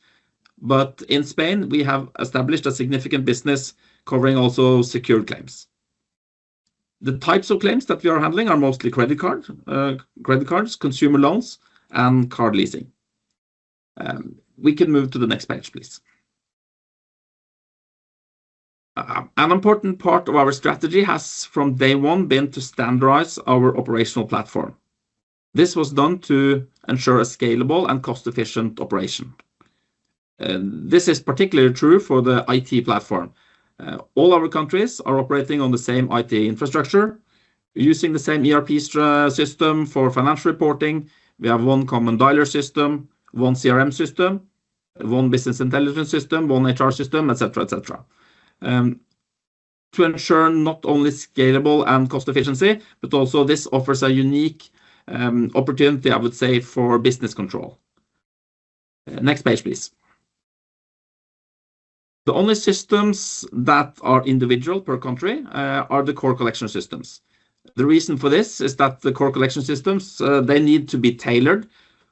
In Spain, we have established a significant business covering also secured claims. The types of claims that we are handling are mostly credit cards, consumer loans, and car leasing. We can move to the next page, please. An important part of our strategy has, from day one, been to standardize our operational platform. This was done to ensure a scalable and cost-efficient operation. This is particularly true for the IT platform. All our countries are operating on the same IT infrastructure using the same ERP system for financial reporting. We have one common dialer system, one CRM system, one business intelligence system, one HR system, et cetera. To ensure not only scalable and cost efficiency, but also this offers a unique opportunity, I would say, for business control. Next page, please. The only systems that are individual per country are the core collection systems. The reason for this is that the core collection systems, they need to be tailored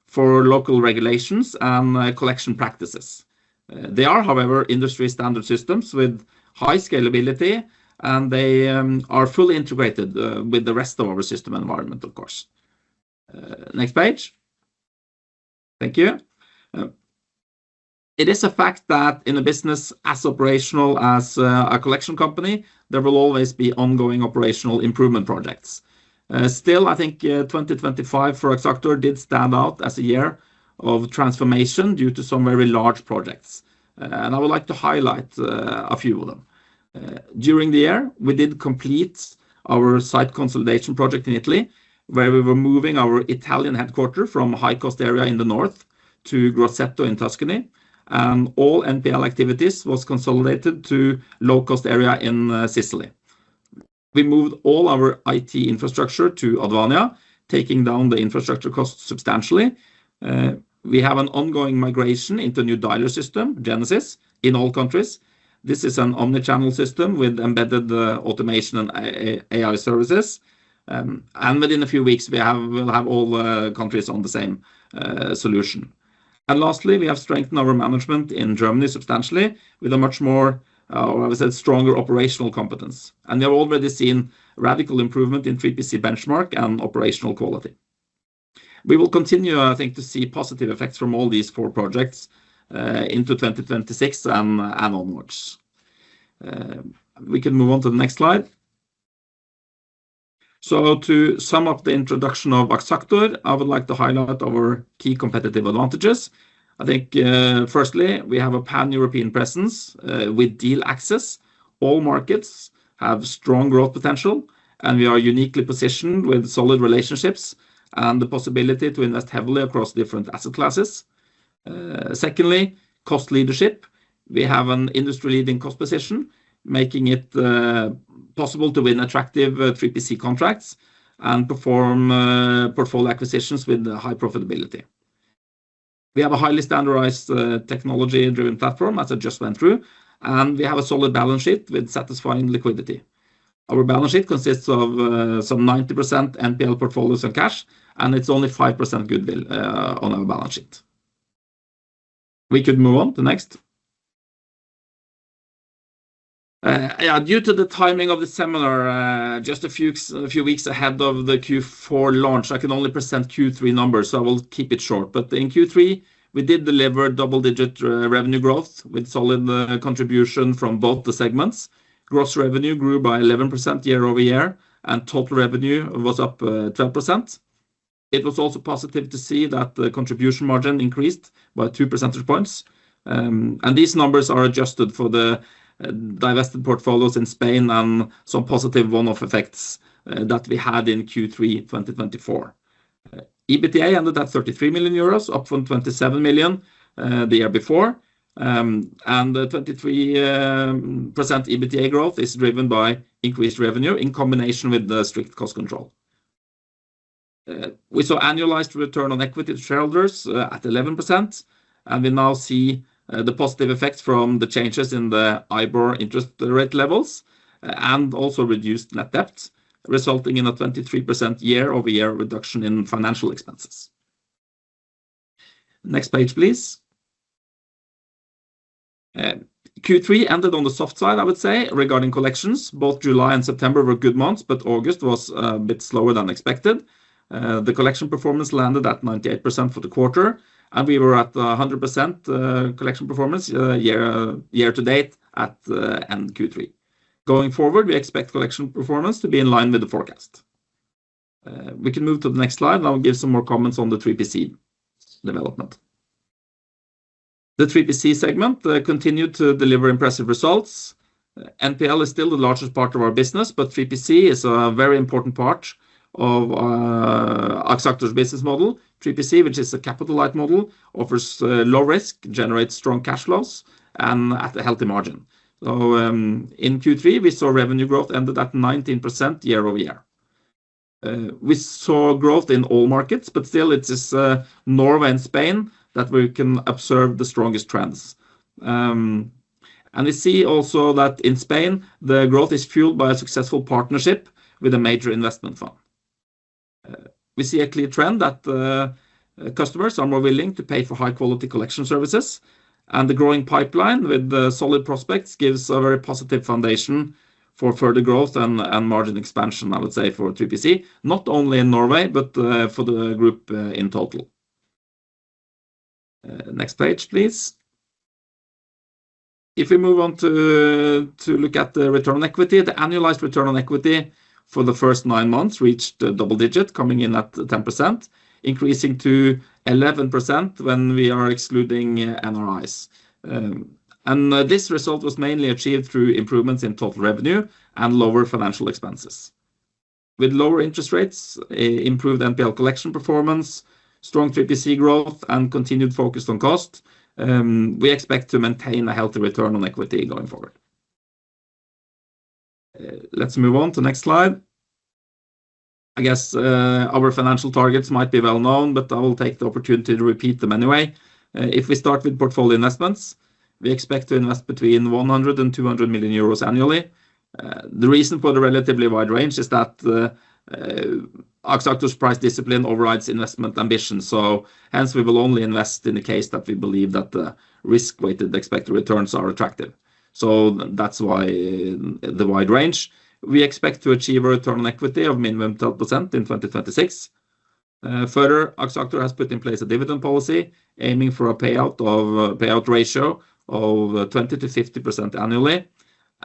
for local regulations and collection practices. They are, however, industry-standard systems with high scalability, and they are fully integrated with the rest of our system environment, of course. Next page. Thank you. It is a fact that in a business as operational as a collection company, there will always be ongoing operational improvement projects. Still, I think 2025 for Axactor did stand out as a year of transformation due to some very large projects, and I would like to highlight a few of them. During the year, we did complete our site consolidation project in Italy, where we were moving our Italian headquarters from high-cost area in the north to Grosseto in Tuscany, and all NPL activities were consolidated to low-cost area in Sicily. We moved all our IT infrastructure to Advania, taking down the infrastructure costs substantially. We have an ongoing migration into new dialer system, Genesys, in all countries. This is an omnichannel system with embedded automation and AI services. Within a few weeks, we'll have all countries on the same solution. Lastly, we have strengthened our management in Germany substantially with a much more, I would say, stronger operational competence. They've already seen radical improvement in 3PC benchmark and operational quality. We will continue, I think, to see positive effects from all these four projects into 2026 and onwards. We can move on to the next slide. To sum up the introduction of Axactor, I would like to highlight our key competitive advantages. I think, firstly, we have a pan-European presence with deal access. All markets have strong growth potential, and we are uniquely positioned with solid relationships and the possibility to invest heavily across different asset classes. Secondly, cost leadership. We have an industry-leading cost position, making it possible to win attractive 3PC contracts and perform portfolio acquisitions with high profitability. We have a highly standardized technology-driven platform, as I just went through, and we have a solid balance sheet with satisfying liquidity. Our balance sheet consists of some 90% NPL portfolios and cash, and it's only 5% goodwill on our balance sheet. We could move on to next. Due to the timing of the seminar, just a few weeks ahead of the Q4 launch, I can only present Q3 numbers, so I will keep it short. In Q3, we did deliver double-digit revenue growth with solid contribution from both the segments. Gross revenue grew by 11% year-over-year, and total revenue was up 12%. Also positive to see that the contribution margin increased by two percentage points. These numbers are adjusted for the divested portfolios in Spain and some positive one-off effects that we had in Q3 2024. EBITDA ended at 33 million euros, up from 27 million the year before. The 23% EBITDA growth is driven by increased revenue in combination with the strict cost control. We saw annualized return on equity to shareholders at 11%, and we now see the positive effects from the changes in the IBOR interest rate levels and also reduced net debt, resulting in a 23% year-over-year reduction in financial expenses. Next page, please. Q3 ended on the soft side, I would say, regarding collections. Both July and September were good months, but August was a bit slower than expected. The collection performance landed at 98% for the quarter, and we were at 100% collection performance year to date at end Q3. Going forward, we expect collection performance to be in line with the forecast. We can move to the next slide, and I will give some more comments on the 3PC development. The 3PC segment continued to deliver impressive results. NPL is still the largest part of our business, but 3PC is a very important part of Axactor's business model. 3PC, which is a capital-light model, offers low risk, generates strong cash flows, and at a healthy margin. In Q3, we saw revenue growth ended at 19% year-over-year. We saw growth in all markets, but still it is Norway and Spain that we can observe the strongest trends. We see also that in Spain, the growth is fueled by a successful partnership with a major investment fund. We see a clear trend that customers are more willing to pay for high-quality collection services, and the growing pipeline with solid prospects gives a very positive foundation for further growth and margin expansion, I would say for 3PC, not only in Norway, but for the group in total. Next page, please. If we move on to look at the return on equity, the annualized return on equity for the first nine months reached double digits, coming in at 10%, increasing to 11% when we are excluding NRIs. This result was mainly achieved through improvements in total revenue and lower financial expenses. With lower interest rates, improved NPL collection performance, strong 3PC growth, and continued focus on cost, we expect to maintain a healthy return on equity going forward. Let's move on to the next slide. I guess our financial targets might be well known, but I will take the opportunity to repeat them anyway. If we start with portfolio investments, we expect to invest between 100 million euros and 200 million euros annually. The reason for the relatively wide range is that Axactor's price discipline overrides investment ambition, hence, we will only invest in the case that we believe that the risk-weighted expected returns are attractive. That's why the wide range. We expect to achieve a return on equity of minimum 12% in 2026. Further, Axactor has put in place a dividend policy aiming for a payout ratio of 20%-50% annually.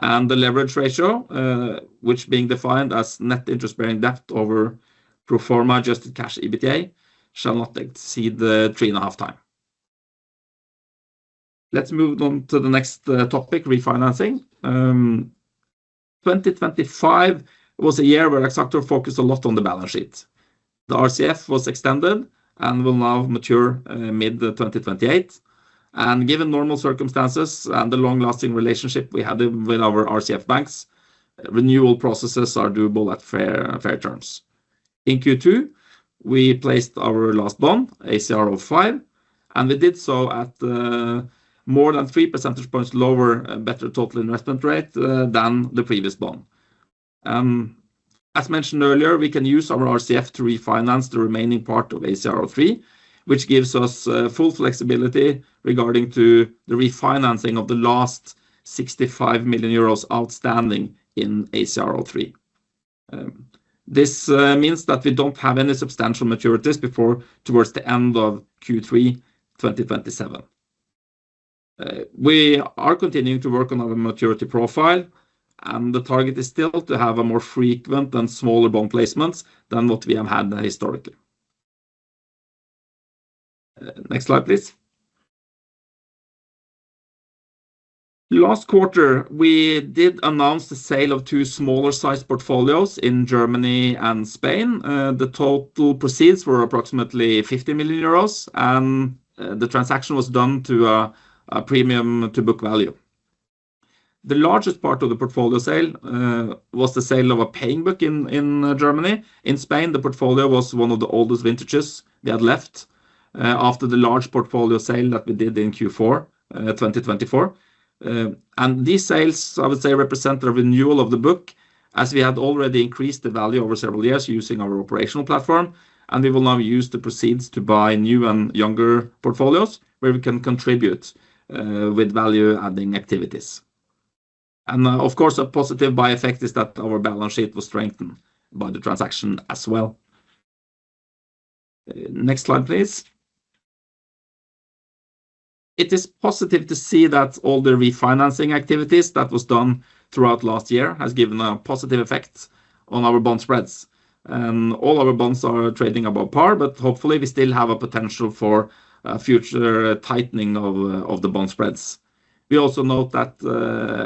The leverage ratio, which being defined as net interest-bearing debt over pro forma adjusted cash EBITDA, shall not exceed 3.5x. Let's move on to the next topic, refinancing. 2025 was a year where Axactor focused a lot on the balance sheet. The RCF was extended and will now mature mid-2028. Given normal circumstances and the long-lasting relationship we have with our RCF banks, renewal processes are doable at fair terms. In Q2, we placed our last bond, ACRO five, and we did so at more than three percentage points lower, better total investment rate than the previous bond. As mentioned earlier, we can use our RCF to refinance the remaining part of ACRO three, which gives us full flexibility regarding to the refinancing of the last 65 million euros outstanding in ACRO three. This means that we don't have any substantial maturities before towards the end of Q3 2027. We are continuing to work on our maturity profile, and the target is still to have a more frequent and smaller bond placements than what we have had historically. Next slide, please. Last quarter, we did announce the sale of two smaller-sized portfolios in Germany and Spain. The total proceeds were approximately 50 million euros, and the transaction was done to a premium to book value. The largest part of the portfolio sale was the sale of a paying book in Germany. In Spain, the portfolio was one of the oldest vintages we had left, after the large portfolio sale that we did in Q4 2024. These sales, I would say, represent a renewal of the book, as we had already increased the value over several years using our operational platform. We will now use the proceeds to buy new and younger portfolios where we can contribute with value-adding activities. Of course, a positive by effect is that our balance sheet was strengthened by the transaction as well. Next slide, please. It is positive to see that all the refinancing activities that was done throughout last year has given a positive effect on our bond spreads. All our bonds are trading above par, but hopefully, we still have a potential for future tightening of the bond spreads. We also note that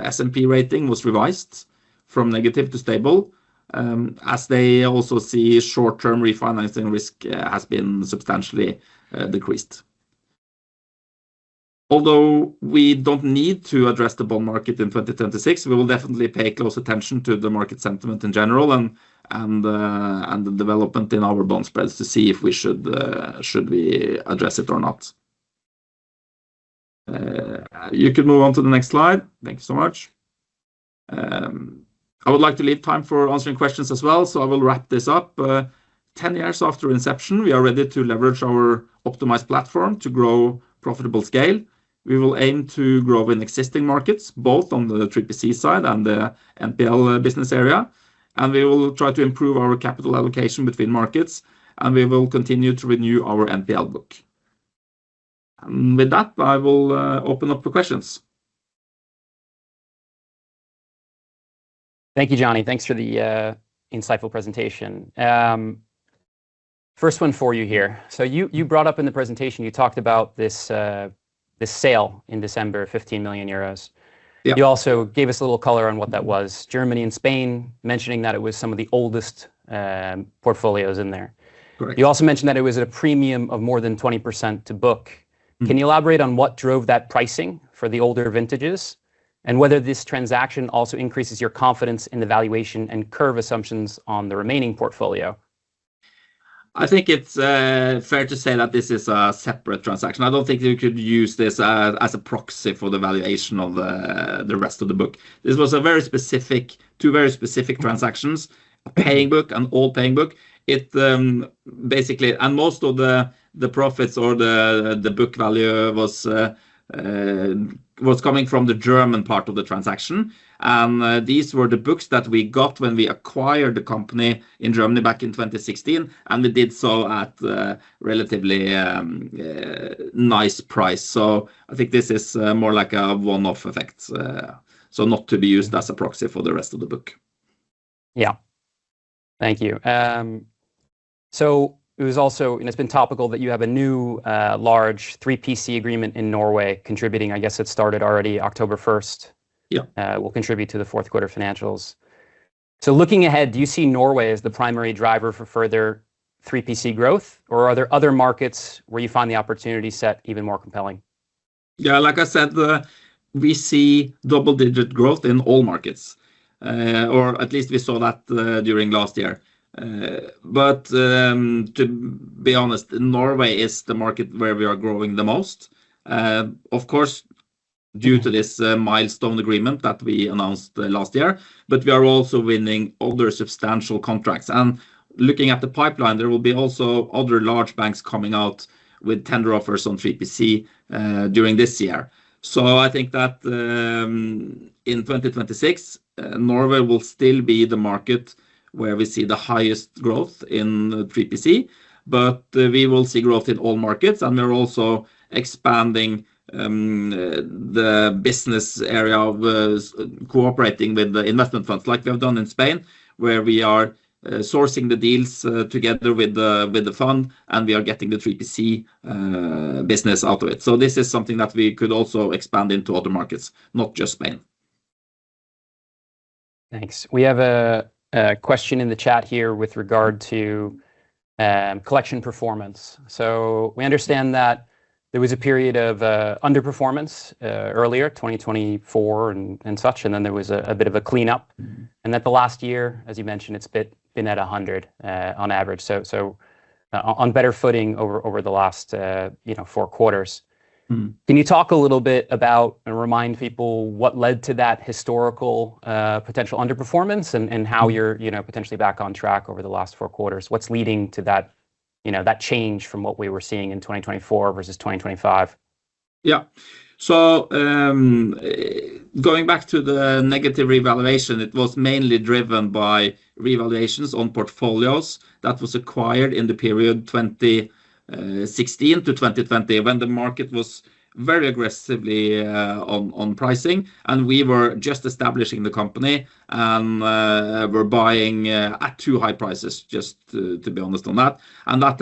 S&P rating was revised from negative to stable, as they also see short-term refinancing risk has been substantially decreased. Although we don't need to address the bond market in 2026, we will definitely pay close attention to the market sentiment in general and the development in our bond spreads to see if we should address it or not. You can move on to the next slide. Thank you so much. I would like to leave time for answering questions as well, so I will wrap this up. 10 years after inception, we are ready to leverage our optimized platform to grow profitable scale. We will aim to grow in existing markets, both on the 3PC side and the NPL business area, we will try to improve our capital allocation between markets, we will continue to renew our NPL book. With that, I will open up for questions. Thank you, Johnny. Thanks for the insightful presentation. First one for you here. You brought up in the presentation, you talked about this sale in December, 15 million euros. Yep. You also gave us a little color on what that was, Germany and Spain, mentioning that it was some of the oldest portfolios in there. Correct. You also mentioned that it was at a premium of more than 20% to book. Can you elaborate on what drove that pricing for the older vintages, and whether this transaction also increases your confidence in the valuation and curve assumptions on the remaining portfolio? I think it's fair to say that this is a separate transaction. I don't think you could use this as a proxy for the valuation of the rest of the book. This was two very specific transactions, a paying book, an all-paying book. Most of the profits or the book value was coming from the German part of the transaction. These were the books that we got when we acquired the company in Germany back in 2016, and we did so at a relatively nice price. I think this is more like a one-off effect, not to be used as a proxy for the rest of the book. Thank you. It was also, and it's been topical, that you have a new large 3PC agreement in Norway contributing, I guess it started already October 1st. Yeah. Will contribute to the fourth quarter financials. Looking ahead, do you see Norway as the primary driver for further 3PC growth? Or are there other markets where you find the opportunity set even more compelling? Like I said, we see double-digit growth in all markets, or at least we saw that during last year. To be honest, Norway is the market where we are growing the most. Of course, due to this milestone agreement that we announced last year. We are also winning other substantial contracts. Looking at the pipeline, there will be also other large banks coming out with tender offers on 3PC during this year. I think that in 2026, Norway will still be the market where we see the highest growth in 3PC, but we will see growth in all markets. We're also expanding the business area of cooperating with the investment funds like we have done in Spain, where we are sourcing the deals together with the fund, and we are getting the 3PC business out of it. This is something that we could also expand into other markets, not just Spain. Thanks. We have a question in the chat here with regard to collection performance. We understand that there was a period of underperformance earlier, 2024 and such, and then there was a bit of a cleanup. That the last year, as you mentioned, it's been at 100 on average, on better footing over the last four quarters. Can you talk a little bit about, and remind people, what led to that historical potential underperformance and how you're potentially back on track over the last four quarters? What's leading to that change from what we were seeing in 2024 versus 2025? Yeah. Going back to the negative revaluation, it was mainly driven by revaluations on portfolios that was acquired in the period 2016 to 2020, when the market was very aggressively on pricing, and we were just establishing the company and were buying at too high prices, just to be honest on that. That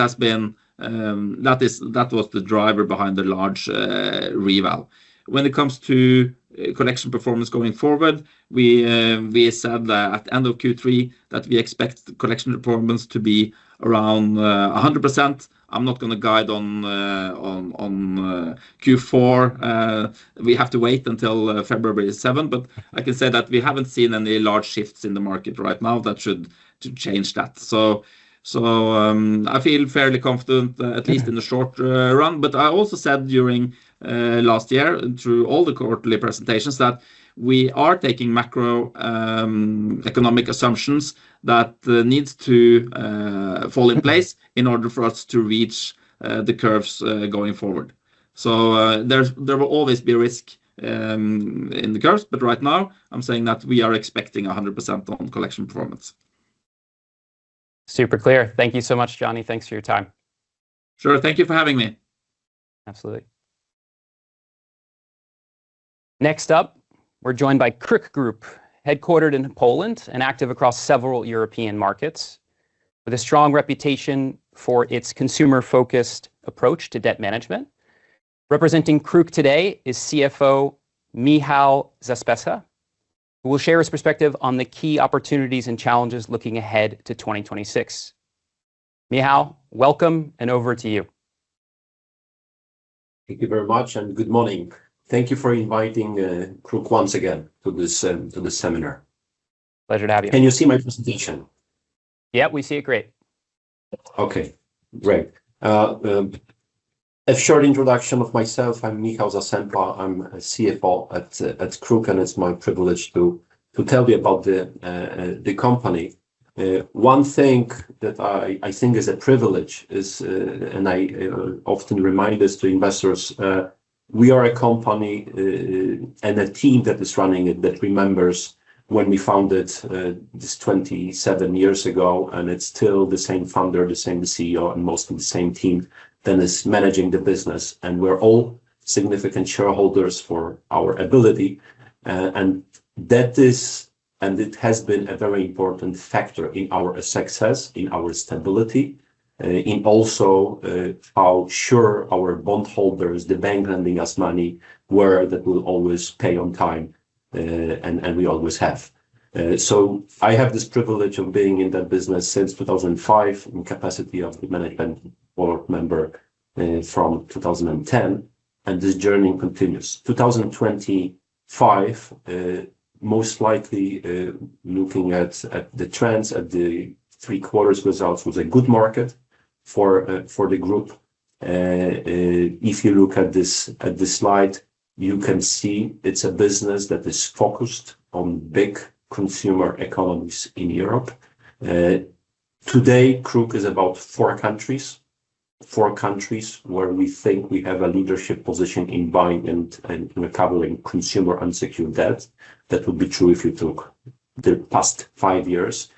was the driver behind the large reval. When it comes to collection performance going forward, we said that at the end of Q3 that we expect collection performance to be around 100%. I'm not going to guide on Q4. We have to wait until February 7th. I can say that we haven't seen any large shifts in the market right now that should change that. I feel fairly confident, at least in the short run. I also said during last year, through all the quarterly presentations, that we are taking macroeconomic assumptions that needs to fall in place in order for us to reach the curves going forward. There will always be risk in the curves, but right now I'm saying that we are expecting 100% on collection performance. Super clear. Thank you so much, Johnny. Thanks for your time. Sure. Thank you for having me. Absolutely. Next up, we're joined by KRUK Group, headquartered in Poland and active across several European markets, with a strong reputation for its consumer-focused approach to debt management. Representing KRUK today is CFO Michał Zasępa, who will share his perspective on the key opportunities and challenges looking ahead to 2026. Michał, welcome, and over to you. Thank you very much. Good morning. Thank you for inviting KRUK once again to this seminar. Pleasure to have you. Can you see my presentation? Yeah, we see it great. Okay, great. A short introduction of myself. I'm Michał Zasępa. I'm a CFO at KRUK, and it's my privilege to tell you about the company. One thing that I think is a privilege is, I often remind this to investors, we are a company and a team that is running it that remembers when we founded this 27 years ago, and it's still the same founder, the same CEO, and mostly the same team that is managing the business. We're all significant shareholders for our ability. That is, it has been a very important factor in our success, in our stability, in also how sure our bondholders, the bank lending us money, were that we'll always pay on time, and we always have. I have this privilege of being in that business since 2005, in capacity of the management board member from 2010. This journey continues. 2025, most likely, looking at the trends, at the three quarters results, was a good market for the group. If you look at this slide, you can see it's a business that is focused on big consumer economies in Europe. Today, KRUK is about four countries, where we think we have a leadership position in buying and recovering consumer unsecured debt. That would be true if you took the past five years,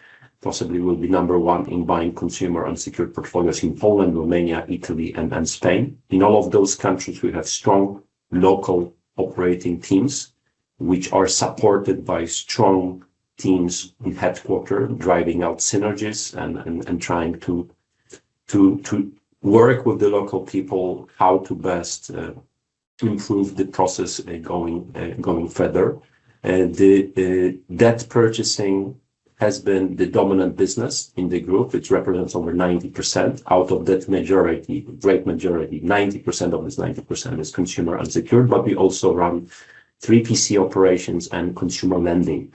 possibly we'll be number one in buying consumer unsecured portfolios in Poland, Romania, Italy, and Spain. In all of those countries, we have strong local operating teams, which are supported by strong teams in headquarter, driving out synergies and trying to work with the local people how to best improve the process going further. The debt purchasing has been the dominant business in the group, which represents over 90%. Out of that great majority, 90% of this 90% is consumer unsecured, but we also run 3PC operations and consumer lending,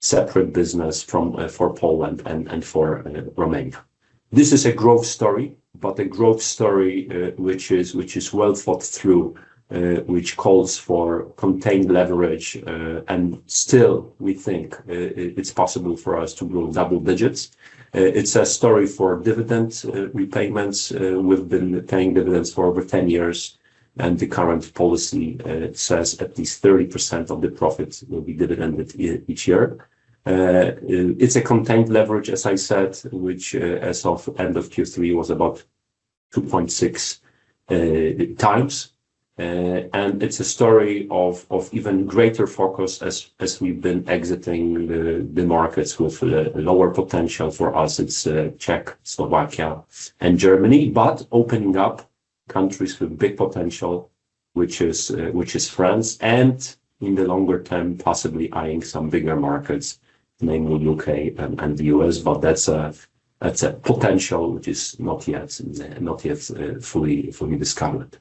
separate business for Poland and for Romania. This is a growth story, a growth story which is well thought through, which calls for contained leverage. Still, we think it's possible for us to grow double digits. It's a story for dividend repayments. We've been paying dividends for over 10 years, and the current policy says at least 30% of the profit will be dividended each year. It's a contained leverage, as I said, which, as of end of Q3, was about 2.6 times. It's a story of even greater focus as we've been exiting the markets with lower potential for us. It's Czech, Slovakia, and Germany. Opening up countries with big potential, which is France, and in the longer term, possibly eyeing some bigger markets, namely U.K. and the U.S. That's a potential which is not yet fully discovered.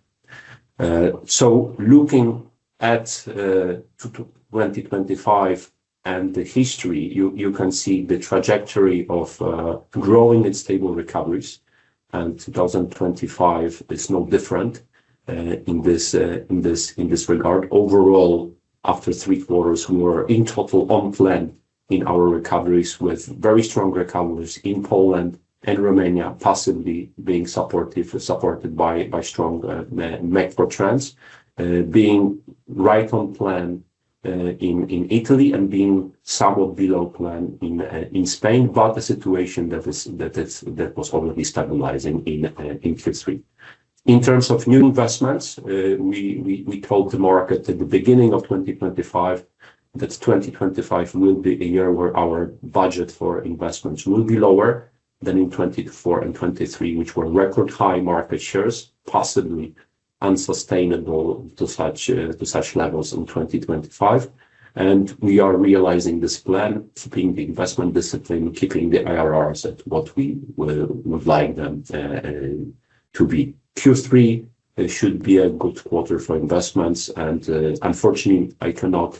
Looking at 2025 and the history, you can see the trajectory of growing and stable recoveries, 2025 is no different in this regard. Overall, after three quarters, we were, in total, on plan in our recoveries, with very strong recoveries in Poland and Romania, possibly being supported by strong macro trends. Being right on plan in Italy and being somewhat below plan in Spain. The situation that was already stabilizing in Q3. In terms of new investments, we told the market at the beginning of 2025 that 2025 will be a year where our budget for investments will be lower than in 2024 and 2023, which were record high market shares, possibly unsustainable to such levels in 2025. We are realizing this plan, keeping the investment discipline, keeping the IRRs at what we would like them to be. Q3 should be a good quarter for investments, and unfortunately, I cannot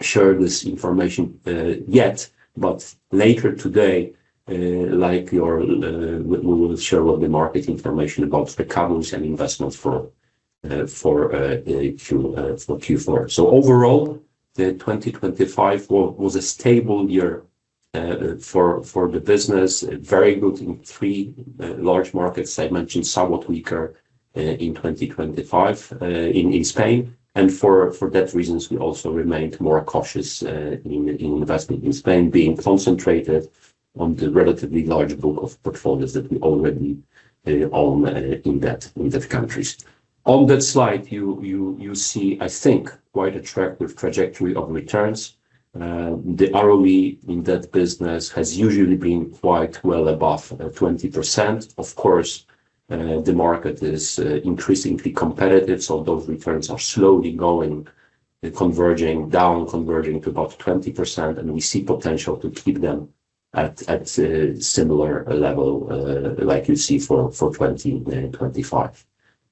share this information yet, but later today, we will share with the market information about the coverage and investments for Q4. Overall, the 2025 was a stable year for the business. Very good in three large markets I mentioned. Somewhat weaker in 2025 in Spain. For that reasons, we also remained more cautious in investing in Spain, being concentrated on the relatively large book of portfolios that we already own in that countries. On that slide, you see, I think, quite attractive trajectory of returns. The ROE in that business has usually been quite well above 20%. Of course, the market is increasingly competitive, so those returns are slowly going, converging down, converging to about 20%, and we see potential to keep them at similar level, like you see for 2025.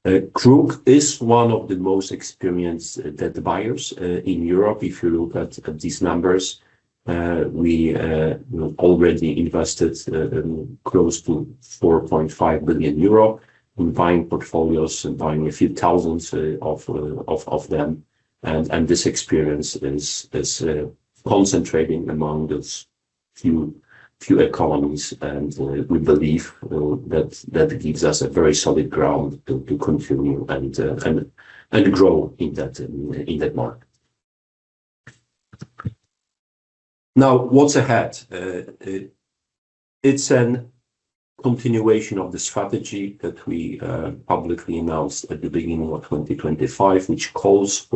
KRUK is one of the most experienced debt buyers in Europe. If you look at these numbers, we already invested close to 4.5 billion euro in buying portfolios and buying a few thousands of them. This experience is concentrating among those few economies, and we believe that gives us a very solid ground to continue and grow in that market. What's ahead? It's an continuation of the strategy that we publicly announced at the beginning of 2025, which calls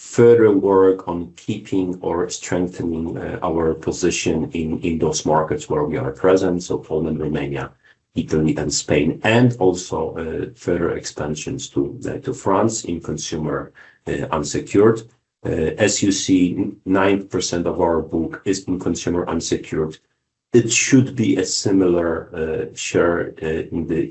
for further work on keeping or strengthening our position in those markets where we are present. Poland, Romania, Italy, and Spain. Also further expansions to France in consumer unsecured. As you see, 9% of our book is in consumer unsecured. It should be a similar share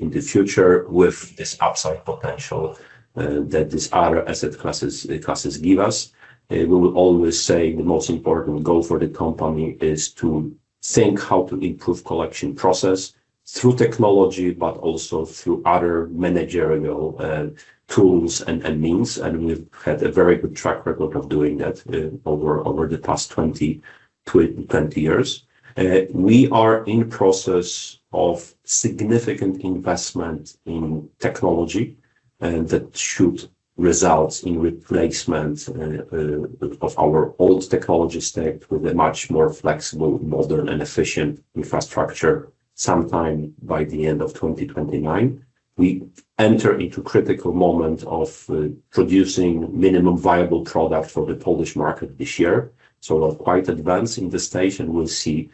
in the future with this upside potential that these other asset classes give us. We will always say the most important goal for the company is to think how to improve collection process through technology, but also through other managerial tools and means. We've had a very good track record of doing that over the past 20 years. We are in the process of significant investment in technology that should result in replacement of our old technology stack with a much more flexible, modern, and efficient infrastructure sometime by the end of 2029. We enter into critical moment of producing minimum viable product for the Polish market this year, so we are quite advanced in the stage, and we'll see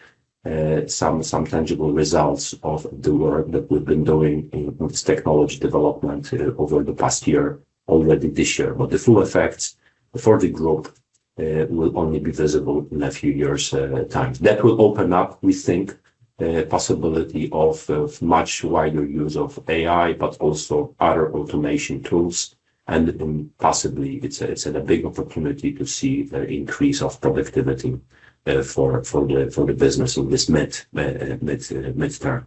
some tangible results of the work that we've been doing with technology development over the past year already this year. The full effects for the growth will only be visible in a few years time. That will open up, we think, the possibility of much wider use of AI, but also other automation tools, and possibly it's a big opportunity to see the increase of productivity for the business in this mid-term.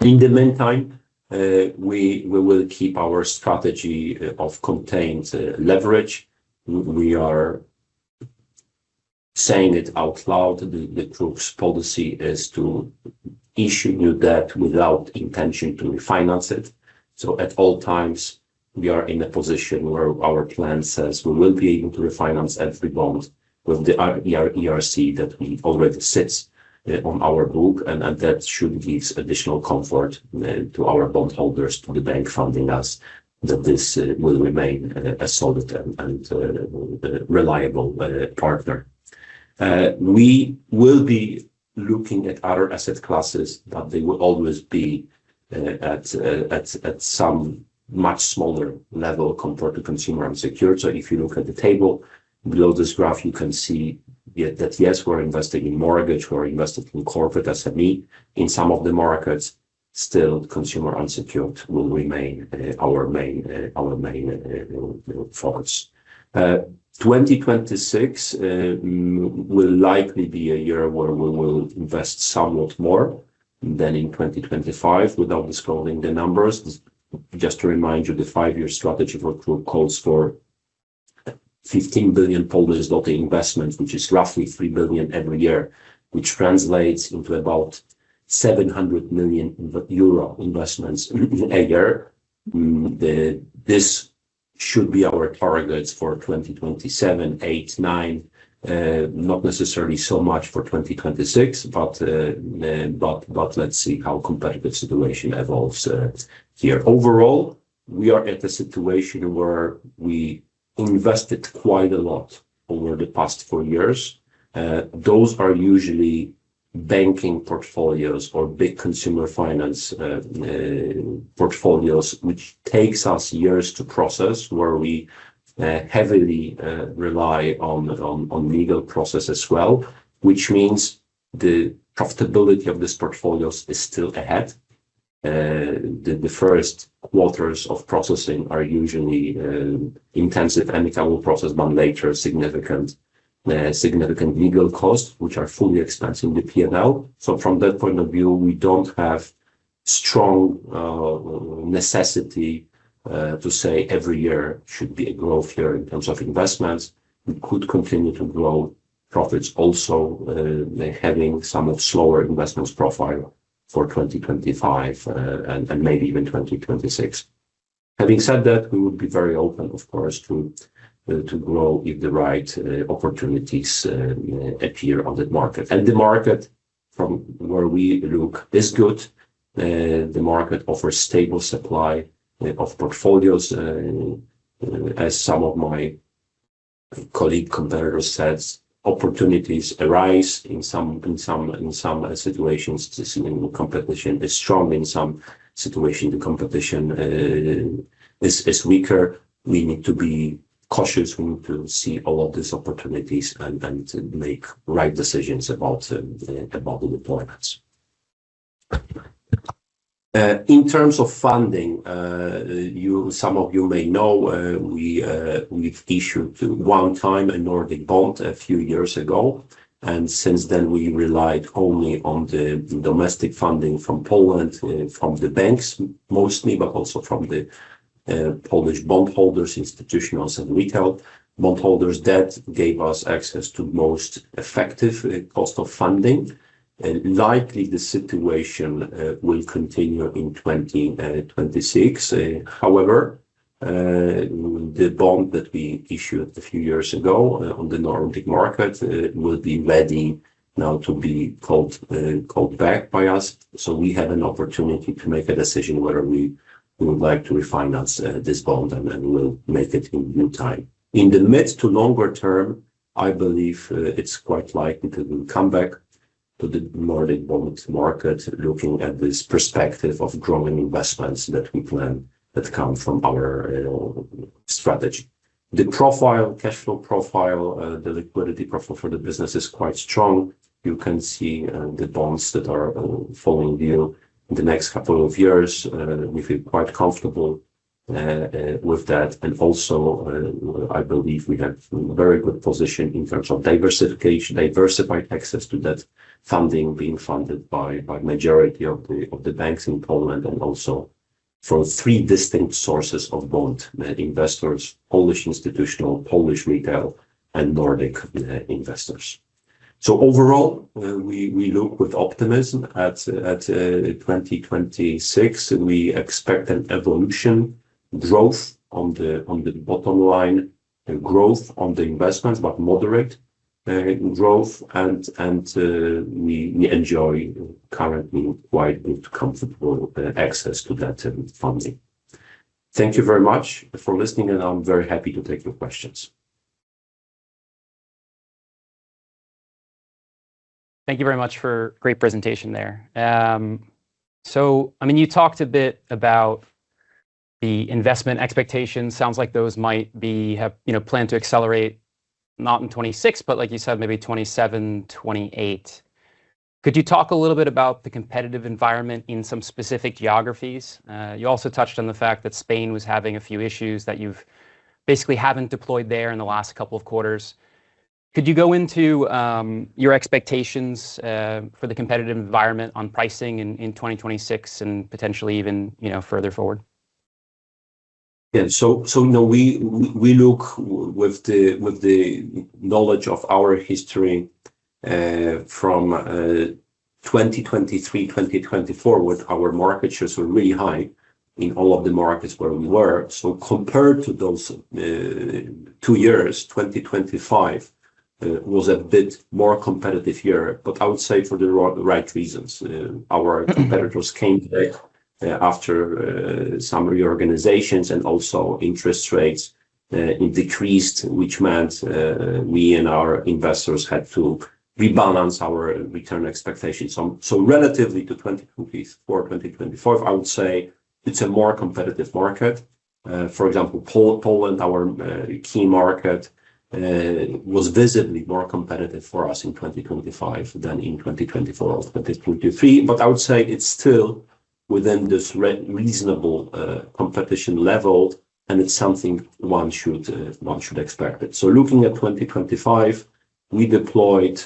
In the meantime, we will keep our strategy of contained leverage. We are saying it out loud. The group's policy is to issue new debt without intention to refinance it. At all times, we are in a position where our plan says we will be able to refinance every bond with the ERC that already sits on our book, and that should give additional comfort to our bondholders, to the bank funding us, that this will remain a solid and reliable partner. We will be looking at other asset classes, but they will always be at some much smaller level compared to consumer unsecured. If you look at the table below this graph, you can see that, yes, we're investing in mortgage, we're invested in corporate SME in some of the markets. Still, consumer unsecured will remain our main focus. 2026 will likely be a year where we will invest somewhat more than in 2025 without disclosing the numbers. Just to remind you, the five-year strategy for group calls for 15 billion Polish zloty investment, which is roughly 3 billion PLN every year, which translates into about 700 million euro investments a year. This should be our targets for 2027, 2028, 2029. Not necessarily so much for 2026, but let's see how competitive situation evolves here. Overall, we are at a situation where we invested quite a lot over the past four years. Those are usually banking portfolios or big consumer finance portfolios, which takes us years to process, where we heavily rely on legal process as well, which means the profitability of these portfolios is still ahead. The first quarters of processing are usually intensive, and we can process only later significant legal cost, which are fully expensed in the P&L. From that point of view, we don't have strong necessity to say every year should be a growth year in terms of investments. We could continue to grow profits also, having somewhat slower investments profile for 2025, and maybe even 2026. Having said that, we would be very open, of course, to grow if the right opportunities appear on the market. The market, from where we look, is good. The market offers stable supply of portfolios. As some of my colleague competitor says, opportunities arise in some situations. The competition is strong. In some situation, the competition is weaker. We need to be cautious. We need to see all of these opportunities and make right decisions about the deployments. In terms of funding, some of you may know, we've issued one time a Nordic bond a few years ago, and since then, we relied only on the domestic funding from Poland, from the banks mostly, but also from the Polish bondholders, institutionals, and retail bondholders. That gave us access to most effective cost of funding, and likely the situation will continue in 2026. However, the bond that we issued a few years ago on the Nordic market will be ready now to be called back by us. We have an opportunity to make a decision whether we would like to refinance this bond, and we'll make it in due time. In the mid to longer term, I believe it's quite likely we'll come back to the Nordic bond market looking at this perspective of growing investments that we plan that come from our strategy. The cash flow profile, the liquidity profile for the business is quite strong. You can see the bonds that are falling due in the next couple of years. We feel quite comfortable with that. Also, I believe we have a very good position in terms of diversified access to that funding, being funded by the majority of the banks in Poland, and also from three distinct sources of bond investors, Polish institutional, Polish retail, and Nordic investors. Overall, we look with optimism at 2026, and we expect an evolution, growth on the bottom line, and growth on the investments, but moderate growth, and we enjoy currently quite good, comfortable access to that funding. Thank you very much for listening, and I'm very happy to take your questions. Thank you very much for a great presentation there. You talked a bit about the investment expectations. Sounds like those might plan to accelerate, not in 2026, but like you said, maybe 2027, 2028. Could you talk a little bit about the competitive environment in some specific geographies? You also touched on the fact that Spain was having a few issues, that you basically haven't deployed there in the last couple of quarters. Could you go into your expectations for the competitive environment on pricing in 2026 and potentially even further forward? We look with the knowledge of our history, from 2023, 2024, with our market shares were really high in all of the markets where we were. Compared to those two years, 2025 was a bit more competitive year, but I would say for the right reasons. Our competitors came back after some reorganizations, and also interest rates decreased, which meant we and our investors had to rebalance our return expectations. Relatively to 2024, 2025, I would say it's a more competitive market. For example, Poland, our key market, was visibly more competitive for us in 2025 than in 2024 or 2023. I would say it's still within this reasonable competition level, and it's something one should expect. Looking at 2025, we deployed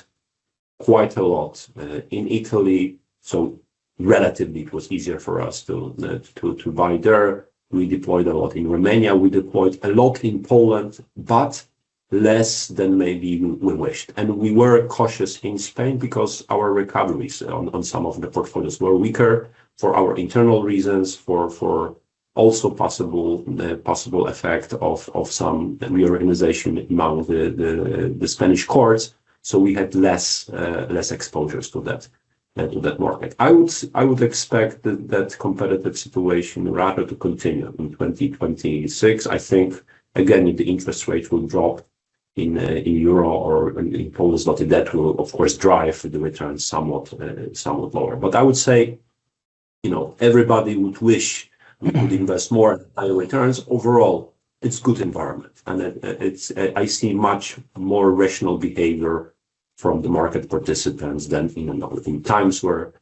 quite a lot in Italy, so relatively it was easier for us to buy there. We deployed a lot in Romania, we deployed a lot in Poland, but less than maybe we wished. We were cautious in Spain because our recoveries on some of the portfolios were weaker for our internal reasons, for also the possible effect of some reorganization among the Spanish courts. We had less exposures to that market. I would expect that competitive situation rather to continue in 2026. I think, again, if the interest rate will drop in euro or in Poland, that will, of course, drive the returns somewhat lower. I would say, everybody would wish we could invest more at higher returns. Overall, it's a good environment, and I see much more rational behavior from the market participants than in times where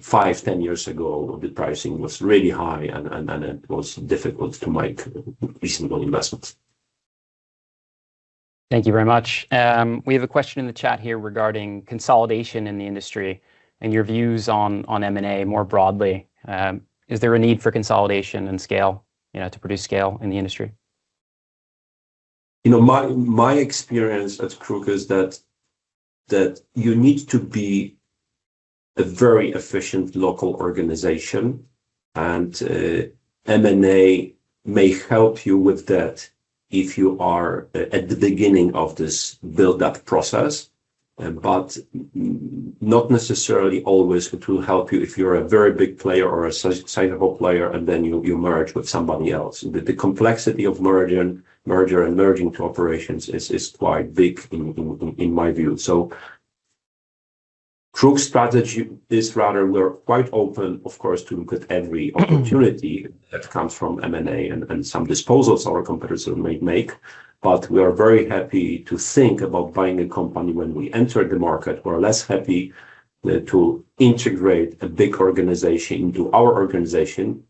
5, 10 years ago, the pricing was really high, and it was difficult to make reasonable investments. Thank you very much. We have a question in the chat here regarding consolidation in the industry and your views on M&A more broadly. Is there a need for consolidation and scale, to produce scale in the industry? My experience at KRUK is that you need to be a very efficient local organization, and M&A may help you with that if you are at the beginning of this build-up process, but not necessarily always it will help you if you're a very big player or a sizable player and then you merge with somebody else. The complexity of merger and merging operations is quite big in my view. KRUK's strategy is rather, we're quite open, of course, to look at every opportunity that comes from M&A and some disposals our competitors may make, but we are very happy to think about buying a company when we enter the market. We're less happy to integrate a big organization into our organization,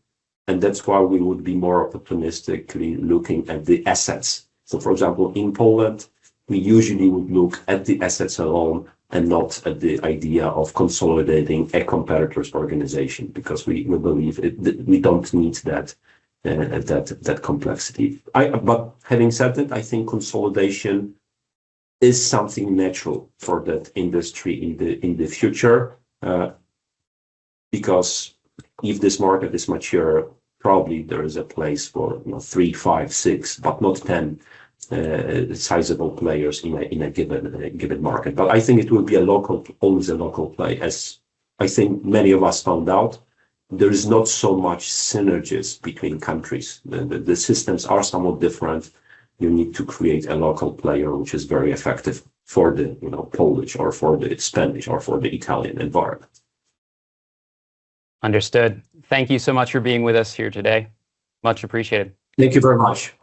and that's why we would be more opportunistically looking at the assets. For example, in Poland, we usually would look at the assets alone and not at the idea of consolidating a competitor's organization, because we believe that we don't need that complexity. Having said that, I think consolidation is something natural for that industry in the future, because if this market is mature, probably there is a place for three, five, six, but not 10 sizable players in a given market. I think it will be always a local play, as I think many of us found out, there is not so much synergies between countries. The systems are somewhat different. You need to create a local player, which is very effective for the Polish or for the Spanish or for the Italian environment. Understood. Thank you so much for being with us here today. Much appreciated. Thank you very much.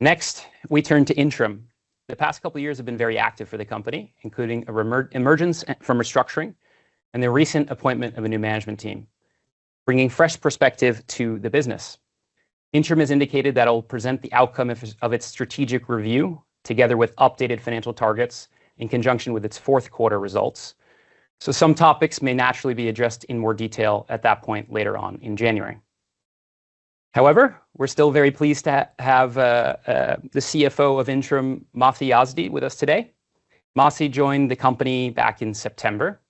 Next, we turn to Intrum. The past couple of years have been very active for the company, including an emergence from restructuring and the recent appointment of a new management team, bringing fresh perspective to the business. Intrum has indicated that it'll present the outcome of its strategic review together with updated financial targets in conjunction with its fourth quarter results. Some topics may naturally be addressed in more detail at that point later on in January. However, we're still very pleased to have the CFO of Intrum, Måns Yazdi, with us today. Måns joined the company back in September.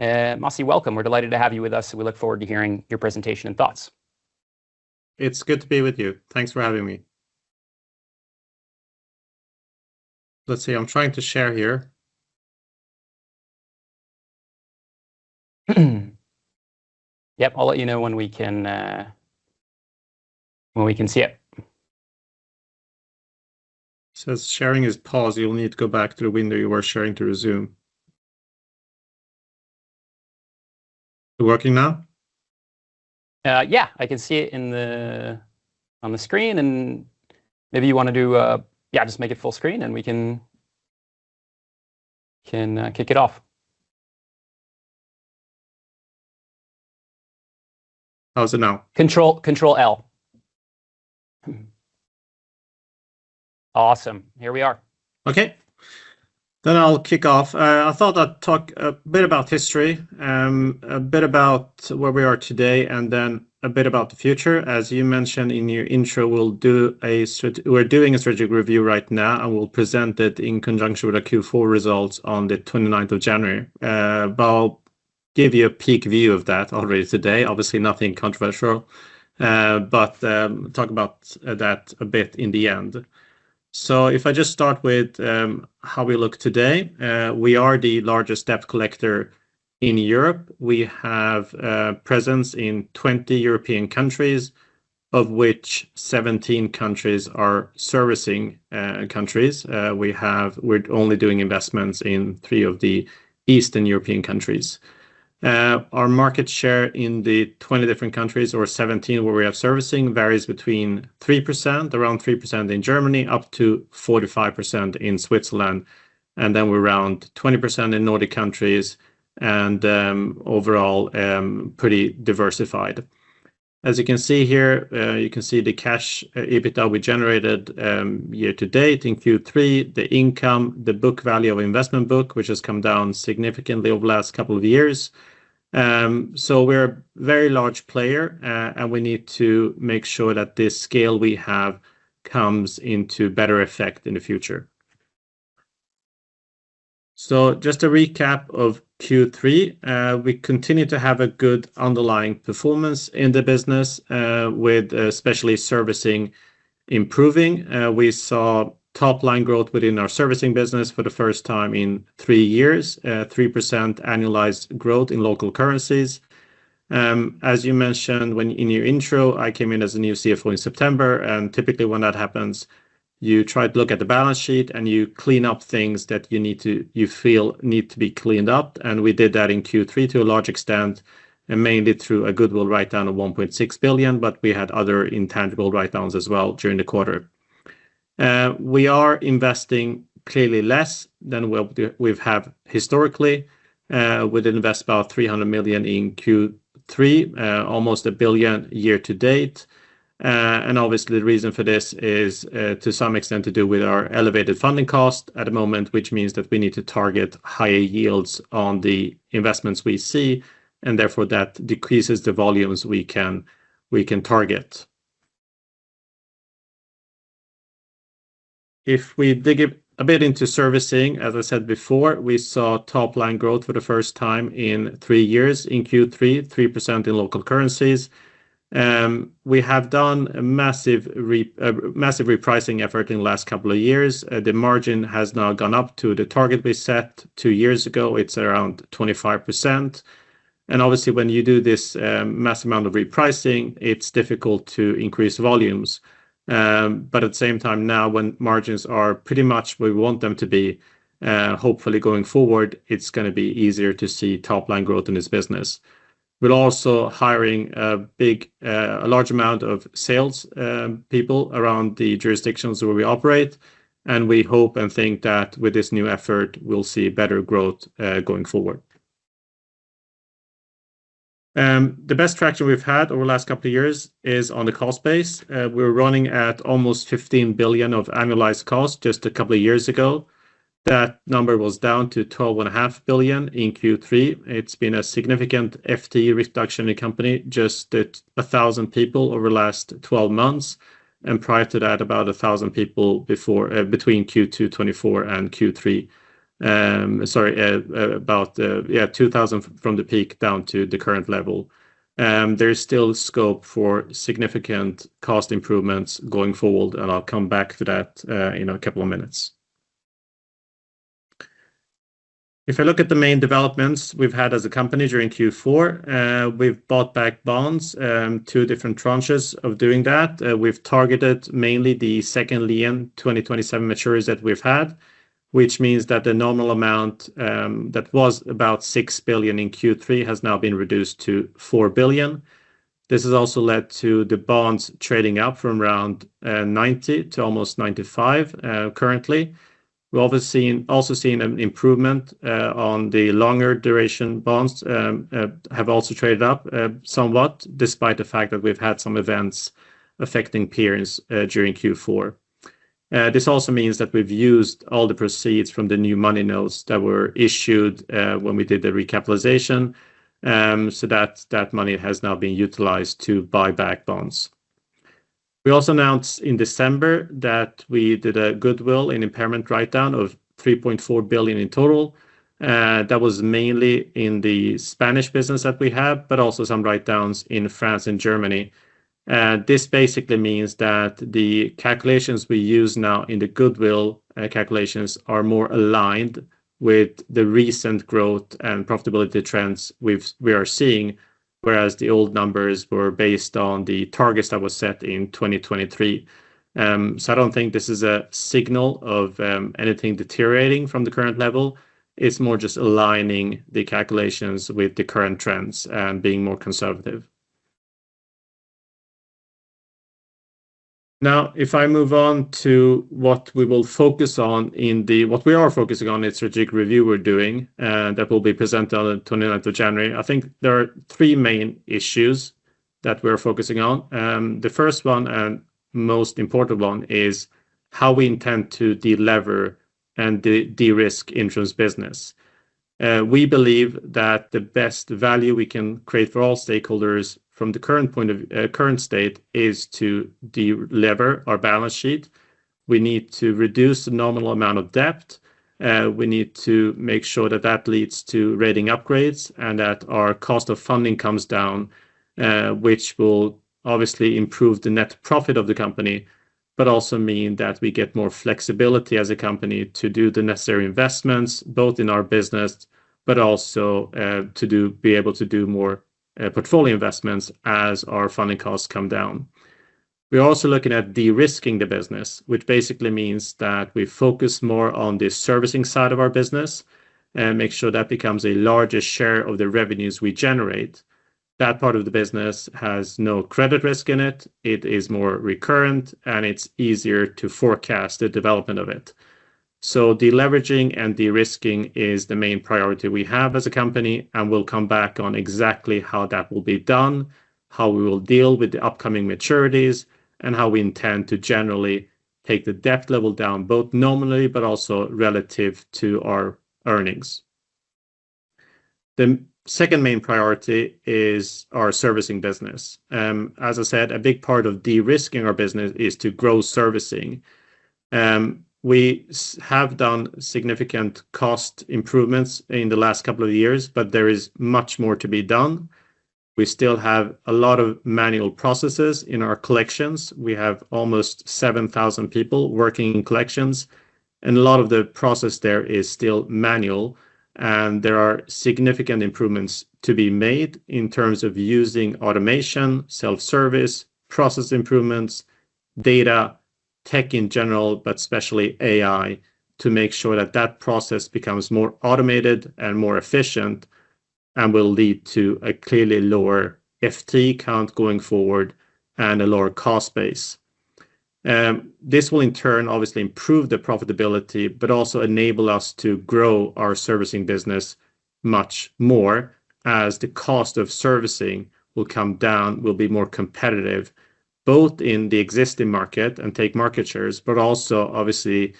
Måns, welcome. We're delighted to have you with us, and we look forward to hearing your presentation and thoughts. It's good to be with you. Thanks for having me. Let's see. I'm trying to share here. Yep, I'll let you know when we can see it. It says, "Sharing is paused. You'll need to go back to the window you were sharing to resume." It working now? Yeah. I can see it on the screen, and maybe you want to just make it full screen, and we can kick it off. How is it now? Control L. Awesome. Here we are. I'll kick off. I thought I'd talk a bit about history, a bit about where we are today, and then a bit about the future. As you mentioned in your intro, we're doing a strategic review right now, and we'll present it in conjunction with our Q4 results on the 29th of January. I'll give you a peak view of that already today. Obviously, nothing controversial. Talk about that a bit in the end. If I just start with how we look today, we are the largest debt collector in Europe. We have presence in 20 European countries, of which 17 countries are servicing countries. We're only doing investments in three of the Eastern European countries. Our market share in the 20 different countries, or 17 where we have servicing, varies between 3%, around 3% in Germany, up to 45% in Switzerland, and then we're around 20% in Nordic countries, and overall, pretty diversified. As you can see here, you can see the cash EBITDA we generated year to date in Q3, the income, the book value of investment book, which has come down significantly over the last couple of years. We're a very large player, and we need to make sure that this scale we have comes into better effect in the future. Just a recap of Q3. We continue to have a good underlying performance in the business, with especially servicing improving. We saw top line growth within our servicing business for the first time in three years. 3% annualized growth in local currencies. As you mentioned in your intro, I came in as a new CFO in September, and typically when that happens, you try to look at the balance sheet, and you clean up things that you feel need to be cleaned up. We did that in Q3 to a large extent, and mainly through a goodwill write-down of 1.6 billion. We had other intangible write-downs as well during the quarter. We are investing clearly less than we have historically. We did invest about 300 million in Q3, almost 1 billion year to date. Obviously the reason for this is, to some extent, to do with our elevated funding cost at the moment, which means that we need to target higher yields on the investments we see, and therefore that decreases the volumes we can target. If we dig a bit into servicing, as I said before, we saw top line growth for the first time in three years in Q3, 3% in local currencies. We have done a massive repricing effort in the last couple of years. The margin has now gone up to the target we set two years ago. It's around 25%. Obviously when you do this mass amount of repricing, it's difficult to increase volumes. At the same time now, when margins are pretty much where we want them to be, hopefully going forward, it's going to be easier to see top line growth in this business. We're also hiring a large amount of sales people around the jurisdictions where we operate, and we hope and think that with this new effort, we'll see better growth going forward. The best traction we've had over the last couple of years is on the cost base. We were running at almost 15 billion of annualized cost just a couple of years ago. That number was down to 12.5 billion in Q3. It's been a significant FTE reduction in the company, just at 1,000 people over the last 12 months. Prior to that, about 1,000 people between Q2 2024 and Q3. Sorry, about 2,000 from the peak down to the current level. There is still scope for significant cost improvements going forward. I'll come back to that in a couple of minutes. If I look at the main developments we've had as a company during Q4, we've bought back bonds, two different tranches of doing that. We've targeted mainly the second lien 2027 maturities that we've had, which means that the normal amount that was about 6 billion in Q3 has now been reduced to 4 billion. This has also led to the bonds trading up from around 90 to almost 95 currently. We're also seeing an improvement on the longer duration bonds have also traded up somewhat, despite the fact that we've had some events affecting peers during Q4. This also means that we've used all the proceeds from the new money notes that were issued when we did the recapitalization, so that money has now been utilized to buy back bonds. We also announced in December that we did a goodwill and impairment write-down of 3.4 billion in total. That was mainly in the Spanish business that we have, but also some write-downs in France and Germany. This basically means that the calculations we use now in the goodwill calculations are more aligned with the recent growth and profitability trends we are seeing, whereas the old numbers were based on the targets that were set in 2023. I don't think this is a signal of anything deteriorating from the current level. It's more just aligning the calculations with the current trends and being more conservative. If I move on to what we are focusing on in the strategic review we're doing that will be presented on the 29th of January. I think there are three main issues that we're focusing on. The first one and most important one is how we intend to delever and de-risk Intrum's business. We believe that the best value we can create for all stakeholders from the current state is to delever our balance sheet. We need to reduce the nominal amount of debt. We need to make sure that that leads to rating upgrades and that our cost of funding comes down, which will obviously improve the net profit of the company, but also mean that we get more flexibility as a company to do the necessary investments, both in our business, but also to be able to do more portfolio investments as our funding costs come down. We're also looking at de-risking the business, which basically means that we focus more on the servicing side of our business and make sure that becomes a larger share of the revenues we generate. That part of the business has no credit risk in it is more recurrent, and it's easier to forecast the development of it. De-leveraging and de-risking is the main priority we have as a company, and we will come back on exactly how that will be done, how we will deal with the upcoming maturities, and how we intend to generally take the debt level down, both nominally but also relative to our earnings. The second main priority is our servicing business. As I said, a big part of de-risking our business is to grow servicing. We have done significant cost improvements in the last couple of years, but there is much more to be done. We still have a lot of manual processes in our collections. We have almost 7,000 people working in collections, and a lot of the process there is still manual. There are significant improvements to be made in terms of using automation, self-service, process improvements, data tech in general, but especially AI, to make sure that that process becomes more automated and more efficient and will lead to a clearly lower FTE count going forward and a lower cost base. This will in turn obviously improve the profitability but also enable us to grow our servicing business much more as the cost of servicing will come down, will be more competitive, both in the existing market and take market shares, but also obviously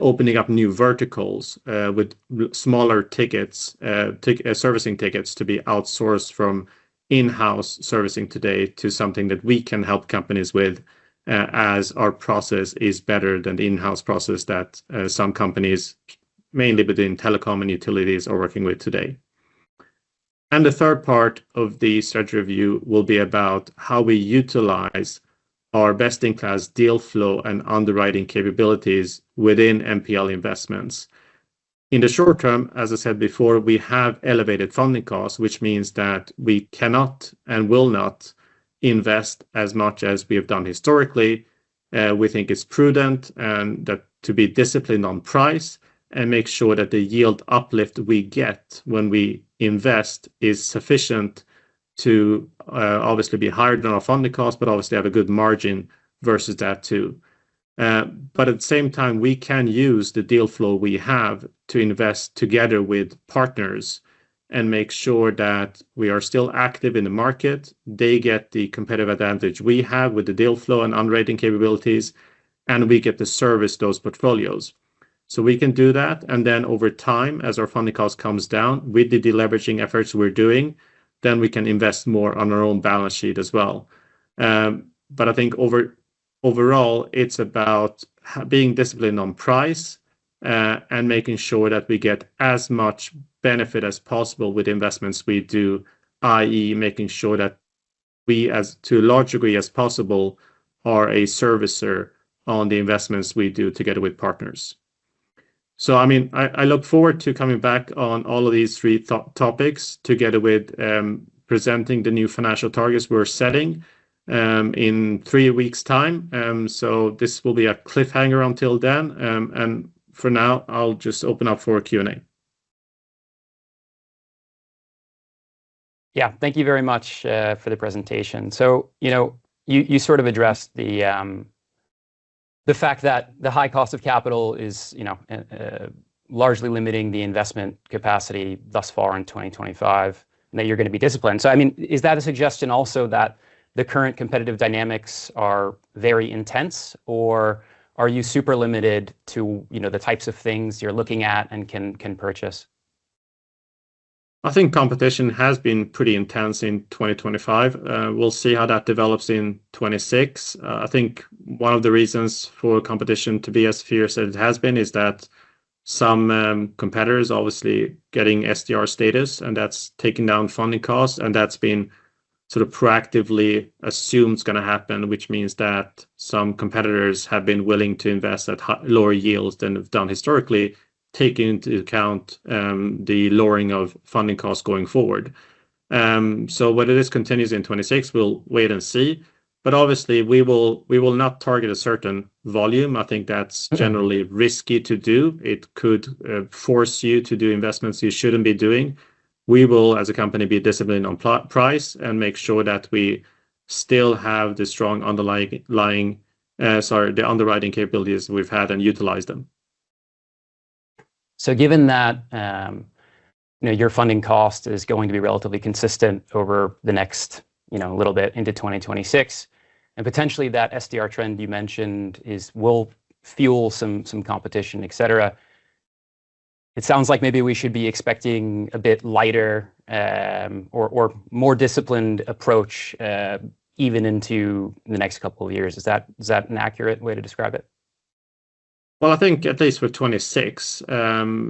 opening up new verticals with smaller servicing tickets to be outsourced from in-house servicing today to something that we can help companies with as our process is better than the in-house process that some companies, mainly within telecom and utilities, are working with today. The third part of the strategy review will be about how we utilize our best-in-class deal flow and underwriting capabilities within NPL investments. In the short term, as I said before, we have elevated funding costs, which means that we cannot and will not invest as much as we have done historically. We think it's prudent to be disciplined on price and make sure that the yield uplift we get when we invest is sufficient to obviously be higher than our funding costs, but obviously have a good margin versus that, too. But at the same time, we can use the deal flow we have to invest together with partners and make sure that we are still active in the market. They get the competitive advantage we have with the deal flow and underwriting capabilities, and we get to service those portfolios. We can do that, and then over time, as our funding cost comes down with the de-leveraging efforts we're doing, then we can invest more on our own balance sheet as well. But I think overall, it's about being disciplined on price and making sure that we get as much benefit as possible with investments we do, i.e., making sure that we, as logically as possible, are a servicer on the investments we do together with partners. I look forward to coming back on all of these three topics together with presenting the new financial targets we're setting in three weeks' time. This will be a cliffhanger until then. For now, I'll just open up for Q&A. Yeah. Thank you very much for the presentation. You sort of addressed the fact that the high cost of capital is largely limiting the investment capacity thus far in 2025, and that you're going to be disciplined. Is that a suggestion also that the current competitive dynamics are very intense, or are you super limited to the types of things you're looking at and can purchase? I think competition has been pretty intense in 2025. We'll see how that develops in 2026. I think one of the reasons for competition to be as fierce as it has been is that some competitors obviously getting SDR status, and that's taken down funding costs, and that's been sort of proactively assumed it's going to happen, which means that some competitors have been willing to invest at lower yields than they've done historically, taking into account the lowering of funding costs going forward. Obviously, we will not target a certain volume. I think that's generally risky to do. It could force you to do investments you shouldn't be doing. We will, as a company, be disciplined on price and make sure that we still have the strong underwriting capabilities we've had and utilize them. Given that your funding cost is going to be relatively consistent over the next little bit into 2026, and potentially that SDR trend you mentioned will fuel some competition, et cetera. It sounds like maybe we should be expecting a bit lighter, or more disciplined approach, even into the next couple of years. Is that an accurate way to describe it? I think at least for 2026,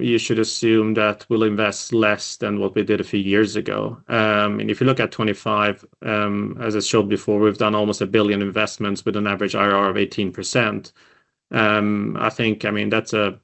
you should assume that we'll invest less than what we did a few years ago. If you look at 2025, as I showed before, we've done almost 1 billion investments with an average IRR of 18%. I think that's a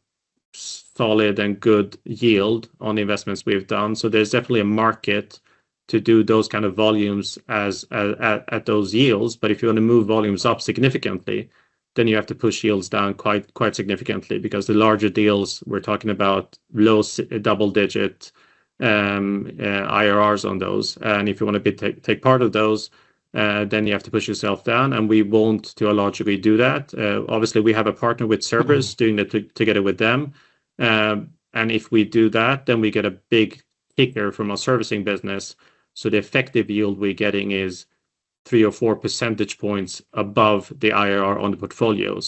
solid and good yield on the investments we've done. There's definitely a market to do those kind of volumes at those yields. If you want to move volumes up significantly, then you have to push yields down quite significantly, because the larger deals, we're talking about low double-digit IRRs on those. If you want to take part of those, then you have to push yourself down, and we won't logically do that. Obviously, we have a partner with Cerberus doing it together with them. If we do that, then we get a big kicker from our servicing business. The effective yield we're getting is 3 or 4 percentage points above the IRR on the portfolio.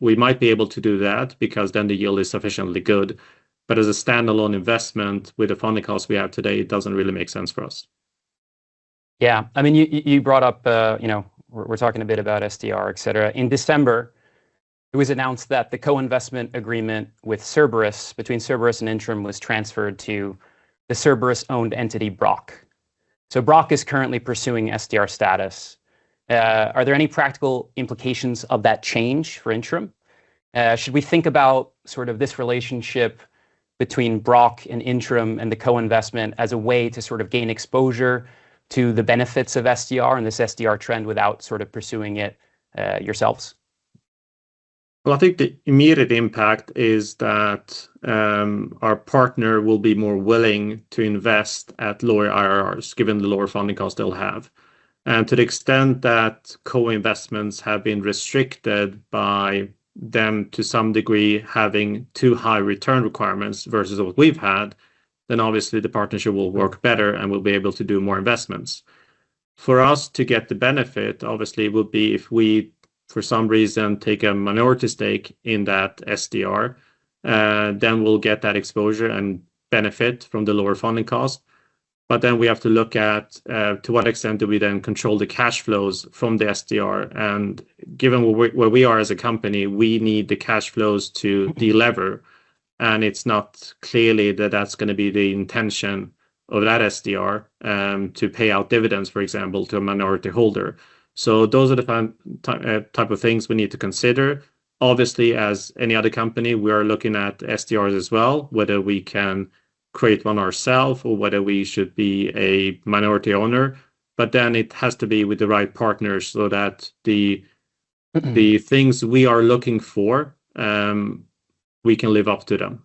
We might be able to do that because the yield is sufficiently good. As a standalone investment with the funding costs we have today, it doesn't really make sense for us. You brought up, we're talking a bit about SDR, et cetera. In December, it was announced that the co-investment agreement with Cerberus, between Cerberus and Intrum, was transferred to the Cerberus-owned entity, Brocc. Brocc is currently pursuing SDR status. Are there any practical implications of that change for Intrum? Should we think about this relationship between Brocc and Intrum and the co-investment as a way to gain exposure to the benefits of SDR and this SDR trend without pursuing it yourselves? I think the immediate impact is that our partner will be more willing to invest at lower IRRs, given the lower funding costs they'll have. To the extent that co-investments have been restricted by them to some degree, having too high return requirements versus what we've had, then obviously the partnership will work better, and we'll be able to do more investments. For us to get the benefit, obviously, would be if we, for some reason, take a minority stake in that SDR, then we'll get that exposure and benefit from the lower funding cost. We have to look at to what extent do we then control the cash flows from the SDR. Given where we are as a company, we need the cash flows to delever, and it's not clear that that's going to be the intention of that SDR to pay out dividends, for example, to a minority holder. Those are the type of things we need to consider. Obviously, as any other company, we are looking at SDRs as well, whether we can create one ourself or whether we should be a minority owner. It has to be with the right partners so that the things we are looking for, we can live up to them.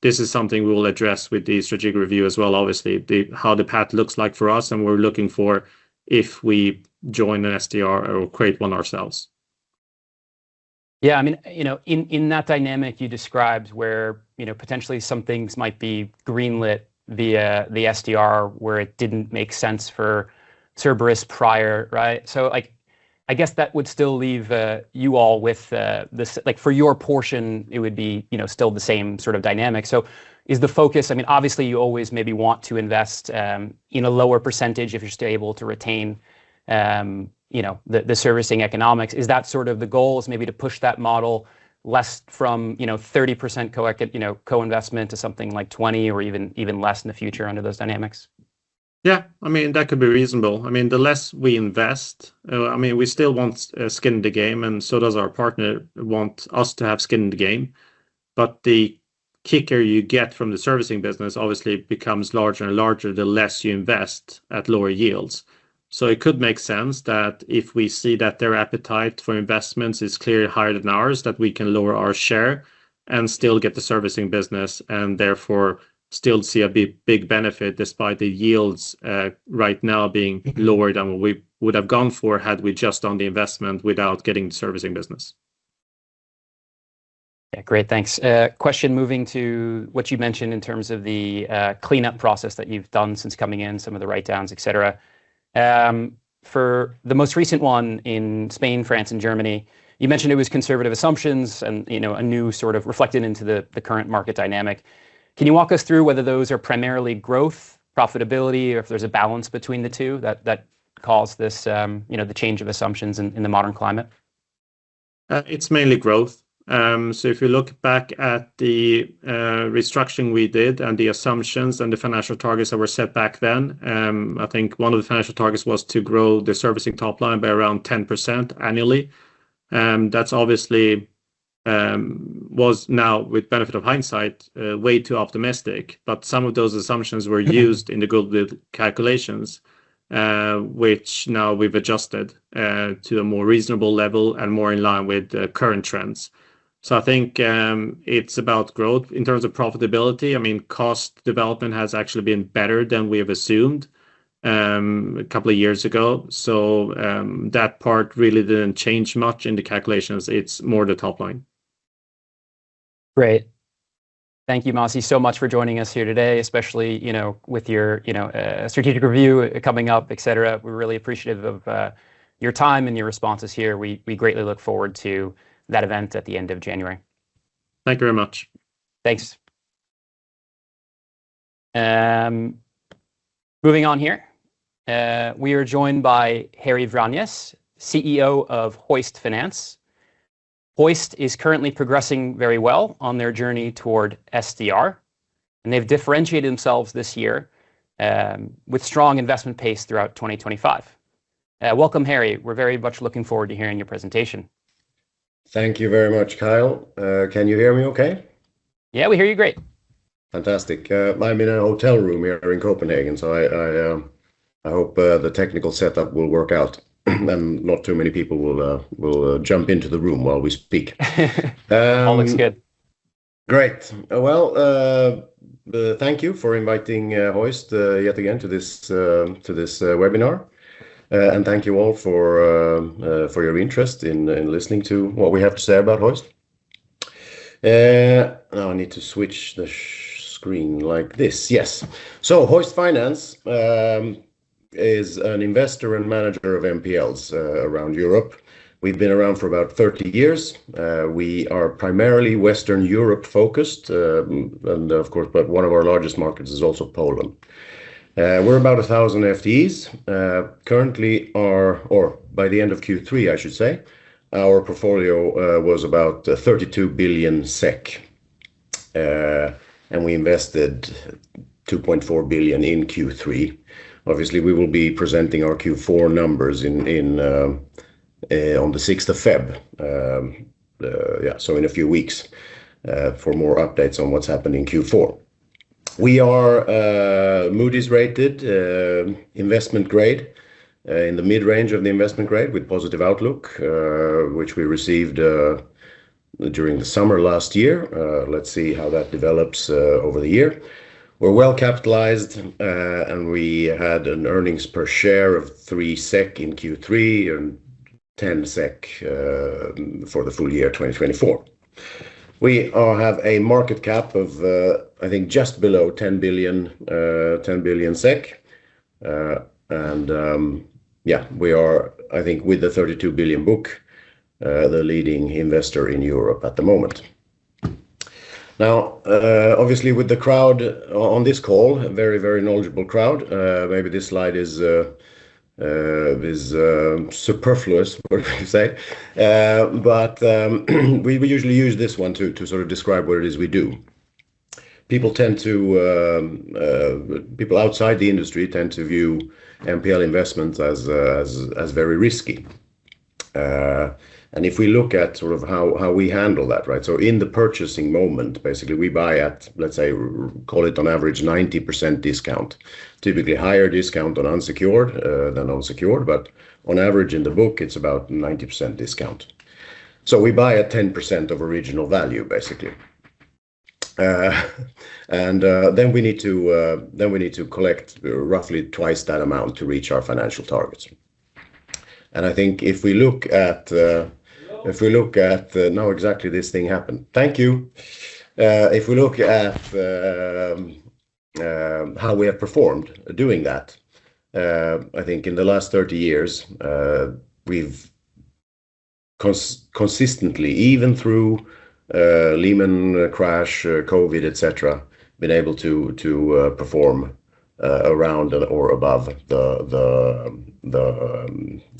This is something we will address with the strategic review as well, obviously, how the path looks like for us, and we're looking for if we join an SDR or create one ourselves. Yeah. In that dynamic you described where potentially some things might be green-lit via the SDR, where it didn't make sense for Cerberus prior, right? For your portion, it would be still the same sort of dynamic. Is the focus? Obviously, you always maybe want to invest in a lower percentage if you're still able to retain the servicing economics. Is that sort of the goal is maybe to push that model less from 30% co-investment to something like 20 or even less in the future under those dynamics? Yeah. That could be reasonable. The less we invest, we still want skin in the game, and so does our partner want us to have skin in the game. The kicker you get from the servicing business obviously becomes larger and larger the less you invest at lower yields. It could make sense that if we see that their appetite for investments is clearly higher than ours, that we can lower our share and still get the servicing business and therefore still see a big benefit despite the yields right now being lower than what we would have gone for had we just done the investment without getting the servicing business. Yeah, great. Thanks. Question, moving to what you mentioned in terms of the cleanup process that you've done since coming in, some of the writedowns, et cetera. For the most recent one in Spain, France, and Germany, you mentioned it was conservative assumptions and reflected into the current market dynamic. Can you walk us through whether those are primarily growth, profitability, or if there's a balance between the two that caused this the change of assumptions in the modern climate? It's mainly growth. If you look back at the restructuring we did and the assumptions and the financial targets that were set back then, I think one of the financial targets was to grow the servicing top line by around 10% annually. That obviously was now, with benefit of hindsight, way too optimistic. Some of those assumptions were used in the goodwill calculations, which now we've adjusted to a more reasonable level and more in line with current trends. I think it's about growth in terms of profitability. Cost development has actually been better than we have assumed a couple of years ago. That part really didn't change much in the calculations. It's more the top line. Great. Thank you, Masi, so much for joining us here today, especially with your strategic review coming up, et cetera. We're really appreciative of your time and your responses here. We greatly look forward to that event at the end of January. Thank you very much. Thanks. Moving on here, we are joined by Harry Vranjes, CEO of Hoist Finance. Hoist is currently progressing very well on their journey toward SDR. They've differentiated themselves this year with strong investment pace throughout 2025. Welcome, Harry. We're very much looking forward to hearing your presentation. Thank you very much, Kyle. Can you hear me okay? Yeah, we hear you great. Fantastic. I'm in a hotel room here in Copenhagen, I hope the technical setup will work out, and not too many people will jump into the room while we speak. All looks good. Great. Well, thank you for inviting Hoist yet again to this webinar. Thank you all for your interest in listening to what we have to say about Hoist. Now I need to switch the screen like this. Yes. Hoist Finance is an investor and manager of NPLs around Europe. We've been around for about 30 years. We are primarily Western Europe-focused, and of course, but one of our largest markets is also Poland. We're about 1,000 FTEs. Currently, or by the end of Q3, I should say, our portfolio was about 32 billion SEK. We invested 2.4 billion in Q3. Obviously, we will be presenting our Q4 numbers on the 6th of February. Yeah, in a few weeks for more updates on what's happened in Q4. We are Moody's-rated investment grade in the mid-range of the investment grade with positive outlook, which we received during the summer last year. Let's see how that develops over the year. We're well capitalized, and we had an earnings per share of 3 SEK in Q3 and 10 SEK for the full year 2024. We all have a market cap of, I think just below 10 billion SEK. We are, I think with the 32 billion SEK book, the leading investor in Europe at the moment. Obviously with the crowd on this call, a very knowledgeable crowd, maybe this slide is superfluous, what can you say? We usually use this one to sort of describe what it is we do. People outside the industry tend to view NPL investments as very risky. If we look at sort of how we handle that. In the purchasing moment, we buy at, let's say, call it on average 90% discount, typically higher discount on unsecured than on secured. On average in the book, it's about 90% discount. We buy at 10% of original value. Then we need to collect roughly twice that amount to reach our financial targets. If we look at how we have performed doing that, I think in the last 30 years, we've consistently, even through Lehman crash, COVID, et cetera, been able to perform around or above the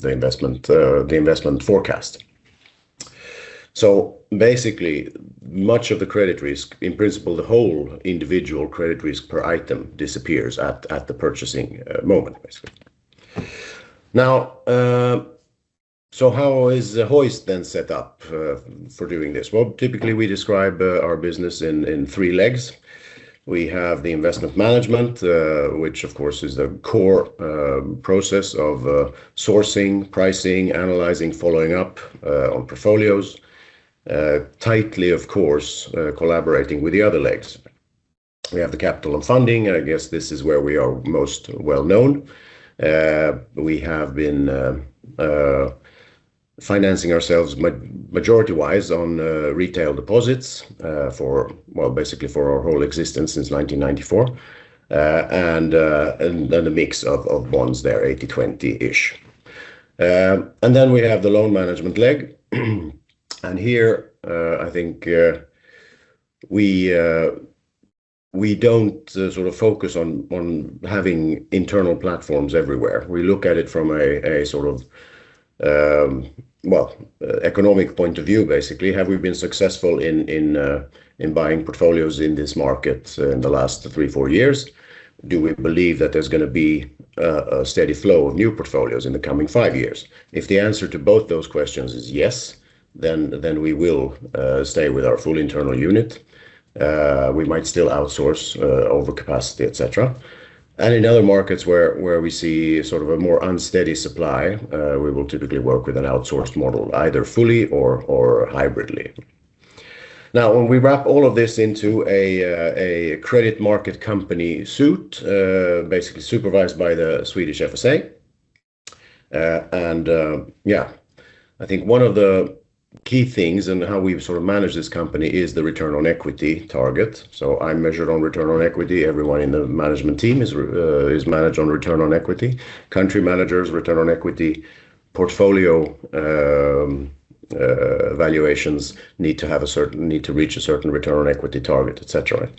investment forecast. Much of the credit risk, in principle, the whole individual credit risk per item disappears at the purchasing moment. How is Hoist then set up for doing this? Typically, we describe our business in three legs. We have the investment management, which of course is the core process of sourcing, pricing, analyzing, following up on portfolios, tightly, of course, collaborating with the other legs. We have the capital and funding, and I guess this is where we are most well-known. We have been financing ourselves majority-wise on retail deposits for, basically for our whole existence since 1994. Then the mix of bonds there, 80/20-ish. Then we have the loan management leg. Here, I think we don't focus on having internal platforms everywhere. We look at it from an economic point of view. Have we been successful in buying portfolios in this market in the last three, four years? Do we believe that there's going to be a steady flow of new portfolios in the coming five years? If the answer to both those questions is yes, we will stay with our full internal unit. We might still outsource over capacity, et cetera. In other markets where we see a more unsteady supply, we will typically work with an outsourced model, either fully or hybridly. When we wrap all of this into a credit market company suit, supervised by the Swedish FSA. I think one of the key things in how we've managed this company is the return on equity target. I'm measured on return on equity, everyone in the management team is managed on return on equity. Country managers, return on equity. Portfolio valuations need to reach a certain return on equity target, et cetera.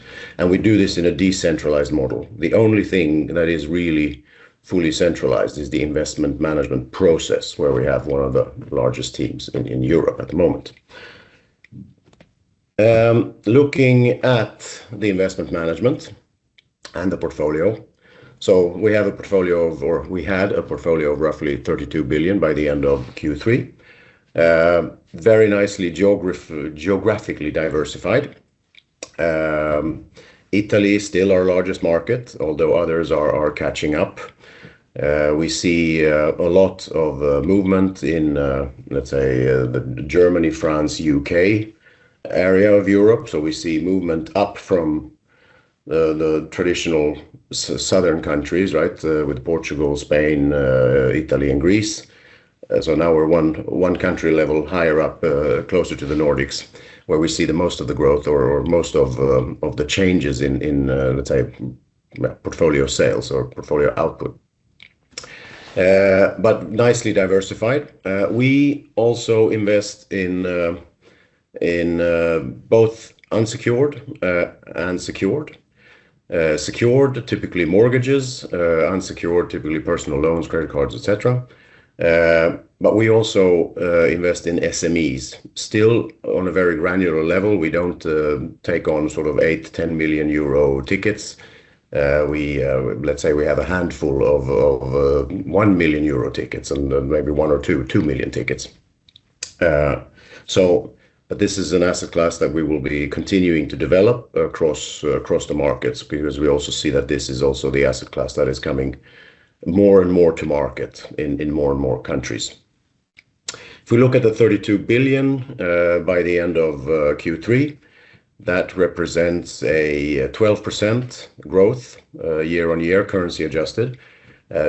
We do this in a decentralized model. The only thing that is really fully centralized is the investment management process, where we have one of the largest teams in Europe at the moment. Looking at the investment management and the portfolio, we had a portfolio of roughly 32 billion by the end of Q3. Very nicely geographically diversified. Italy is still our largest market, although others are catching up. We see a lot of movement in, let's say, the Germany, France, U.K. area of Europe. We see movement up from the traditional southern countries, with Portugal, Spain, Italy, and Greece. Now we're one country level higher up, closer to the Nordics, where we see the most of the growth or most of the changes in, let's say, portfolio sales or portfolio output. Nicely diversified. We also invest in both unsecured and secured. Secured are typically mortgages, unsecured, typically personal loans, credit cards, et cetera. We also invest in SMEs. Still, on a very granular level, we don't take on 8 million-10 million euro tickets. Let's say we have a handful of 1 million euro tickets, and then maybe one or two 2 million tickets. This is an asset class that we will be continuing to develop across the markets because we also see that this is also the asset class that is coming more and more to market in more and more countries. If we look at the 32 billion by the end of Q3, that represents a 12% growth year-over-year, currency adjusted,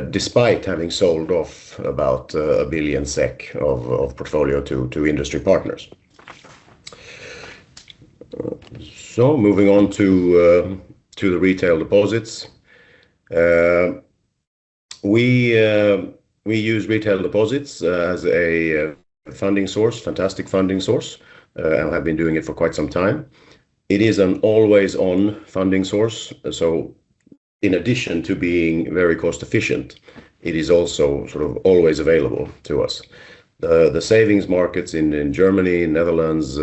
despite having sold off about 1 billion SEK of portfolio to industry partners. Moving on to the retail deposits. We use retail deposits as a funding source, fantastic funding source, and have been doing it for quite some time. It is an always-on funding source, in addition to being very cost-efficient, it is also always available to us. The savings markets in Germany, Netherlands,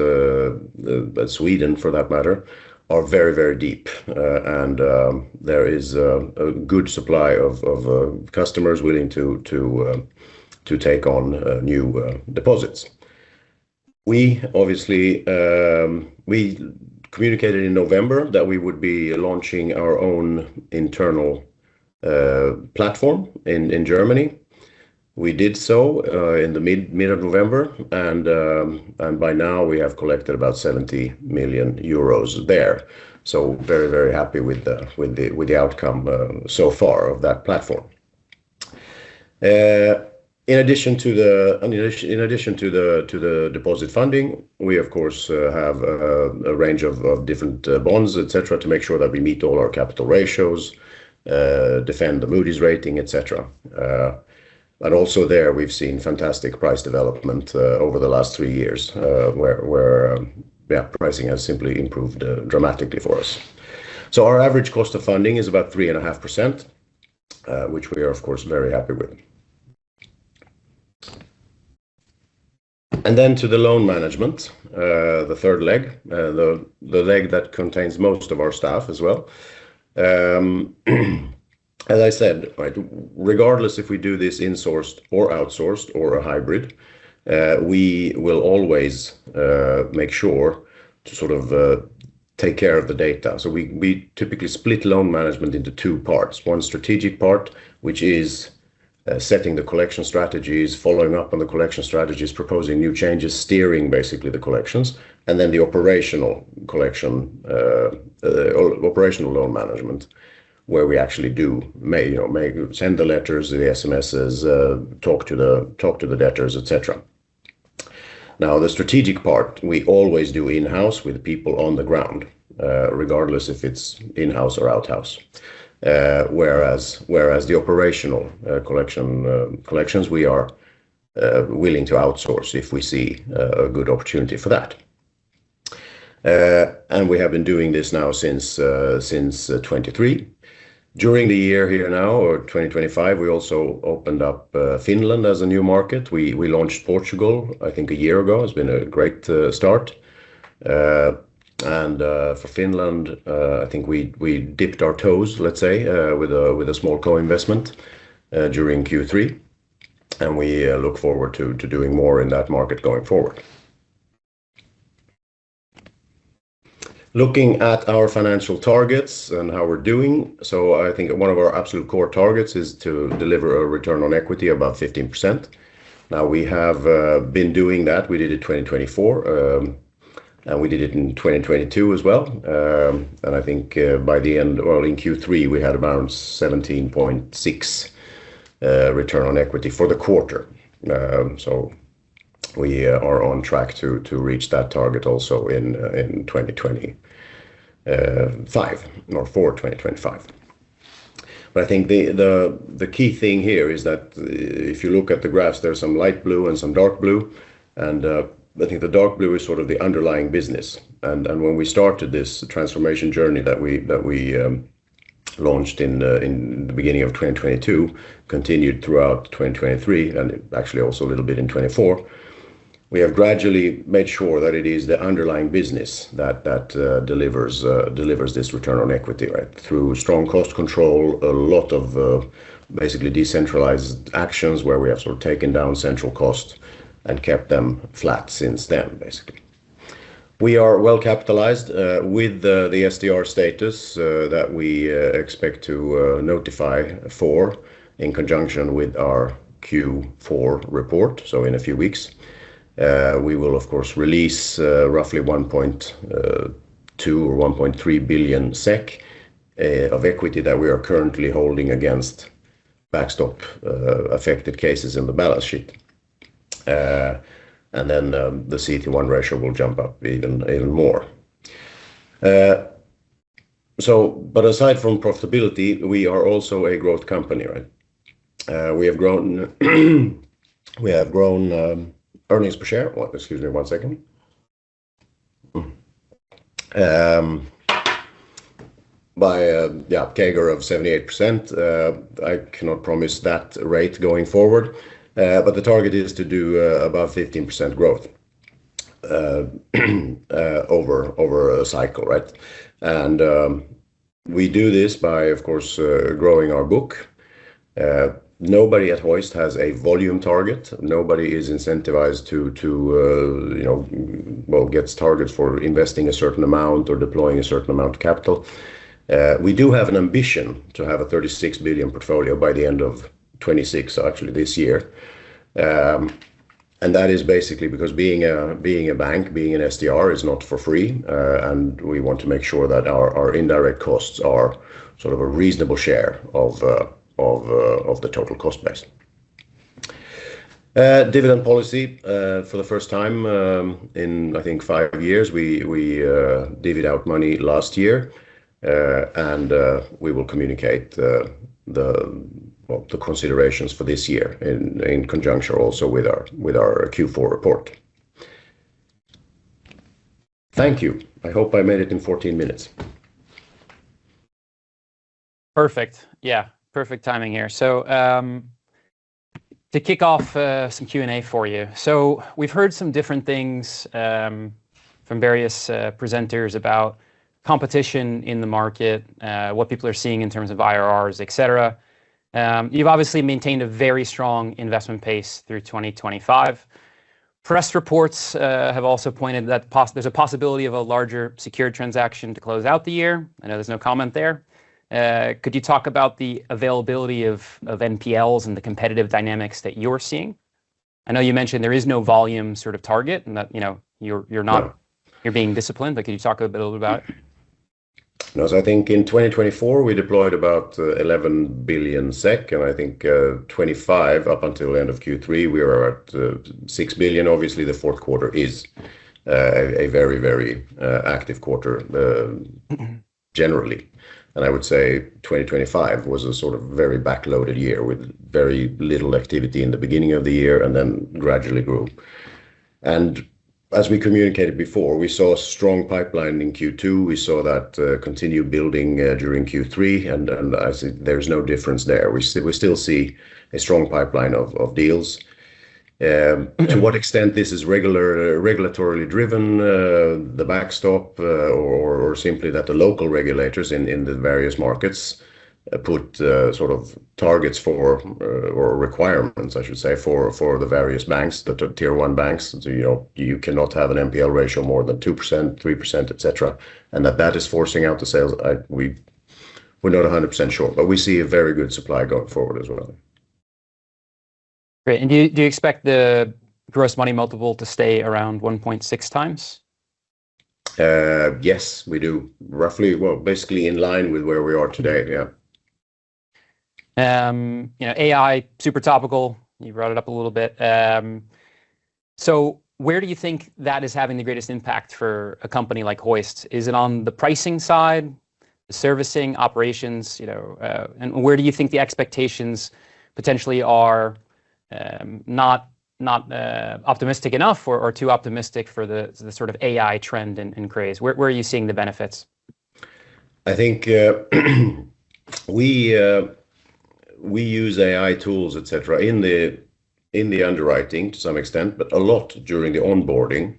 Sweden, for that matter, are very deep. There is a good supply of customers willing to take on new deposits. We communicated in November that we would be launching our own internal platform in Germany. We did so in the middle of November, and by now we have collected about 70 million euros there. Very happy with the outcome so far of that platform. In addition to the deposit funding, we of course have a range of different bonds, et cetera, to make sure that we meet all our capital ratios, defend the Moody's rating, et cetera. Also there, we've seen fantastic price development over the last three years, where pricing has simply improved dramatically for us. Our average cost of funding is about 3.5%, which we are of course very happy with. To the loan management, the third leg, the leg that contains most of our staff as well. As I said, regardless if we do this insourced or outsourced or a hybrid, we will always make sure to take care of the data. We typically split loan management into two parts. One strategic part, which is setting the collection strategies, following up on the collection strategies, proposing new changes, steering basically the collections, and then the operational loan management, where we actually do send the letters, the SMSs, talk to the debtors, et cetera. The strategic part, we always do in-house with people on the ground, regardless if it's in-house or outhouse. Whereas the operational collections, we are willing to outsource if we see a good opportunity for that. We have been doing this now since 2023. During the year here now, or 2025, we also opened up Finland as a new market. We launched Portugal, I think a year ago. It's been a great start. For Finland, I think we dipped our toes, let's say, with a small co-investment during Q3, and we look forward to doing more in that market going forward. Looking at our financial targets and how we're doing, I think one of our absolute core targets is to deliver a return on equity of about 15%. Now we have been doing that. We did it in 2024, and we did it in 2022 as well. I think by the end, or in Q3, we had around 17.6 return on equity for the quarter. We are on track to reach that target also in 2025 or for 2025. I think the key thing here is that if you look at the graphs, there's some light blue and some dark blue, and I think the dark blue is sort of the underlying business. When we started this transformation journey that we launched in the beginning of 2022, continued throughout 2023, and actually also a little bit in 2024, we have gradually made sure that it is the underlying business that delivers this return on equity through strong cost control, a lot of basically decentralized actions where we have sort of taken down central cost and kept them flat since then, basically. We are well capitalized with the SDR status that we expect to notify for in conjunction with our Q4 report, so in a few weeks. We will, of course, release roughly 1.2 billion or 1.3 billion SEK of equity that we are currently holding against backstop affected cases in the balance sheet. Then the CET1 ratio will jump up even more. Aside from profitability, we are also a growth company, right? We have grown earnings per share. Excuse me, one second. By a CAGR of 78%. I cannot promise that rate going forward. The target is to do above 15% growth over a cycle. We do this by, of course, growing our book. Nobody at Hoist has a volume target. Nobody is incentivized to, well, gets targets for investing a certain amount or deploying a certain amount of capital. We do have an ambition to have a 36 billion portfolio by the end of 2026, so actually this year. That is basically because being a bank, being an SDR is not for free, and we want to make sure that our indirect costs are sort of a reasonable share of the total cost base. Dividend policy, for the first time in I think five years, we divvied out money last year, and we will communicate the considerations for this year in conjuncture also with our Q4 report. Thank you. I hope I made it in 14 minutes. Perfect. Perfect timing here. To kick off some Q&A for you. We've heard some different things from various presenters about competition in the market, what people are seeing in terms of IRRs, et cetera. You've obviously maintained a very strong investment pace through 2025. Press reports have also pointed that there's a possibility of a larger secured transaction to close out the year. I know there's no comment there. Could you talk about the availability of NPLs and the competitive dynamics that you're seeing? I know you mentioned there is no volume sort of target and that you're being disciplined, but could you talk a bit about it? I think in 2024, we deployed about 11 billion SEK, and I think 2025, up until end of Q3, we are at 6 billion. Obviously, the fourth quarter is a very active quarter generally. I would say 2025 was a sort of very back-loaded year with very little activity in the beginning of the year and then gradually grew. As we communicated before, we saw a strong pipeline in Q2. We saw that continue building during Q3, and there's no difference there. We still see a strong pipeline of deals. To what extent this is regulatory driven, the backstop, or simply that the local regulators in the various markets put sort of targets for, or requirements, I should say, for the various banks, the tier 1 banks. You cannot have an NPL ratio more than 2%, 3%, et cetera, that is forcing out the sales. We're not 100% sure, but we see a very good supply going forward as well. Great. Do you expect the gross money multiple to stay around 1.6 times? Yes, we do. Roughly, well, basically in line with where we are today. Yeah. AI, super topical. You brought it up a little bit. Where do you think that is having the greatest impact for a company like Hoist? Is it on the pricing side, the servicing, operations? Where do you think the expectations potentially are not optimistic enough or too optimistic for the sort of AI trend and craze? Where are you seeing the benefits? I think we use AI tools, et cetera, in the underwriting to some extent, but a lot during the onboarding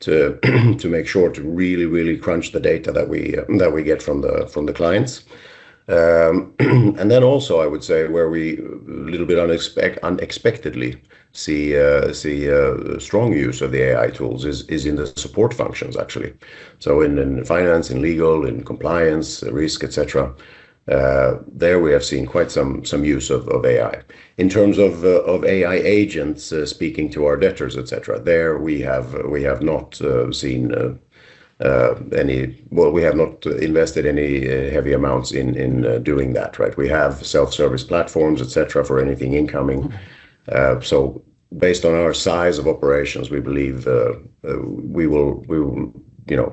to make sure to really crunch the data that we get from the clients. Also, I would say where we little bit unexpectedly see strong use of the AI tools is in the support functions, actually. In finance, in legal, in compliance, risk, et cetera, there we have seen quite some use of AI. In terms of AI agents speaking to our debtors, et cetera, there we have not seen, well, we have not invested any heavy amounts in doing that. We have self-service platforms, et cetera, for anything incoming. Based on our size of operations, we believe we will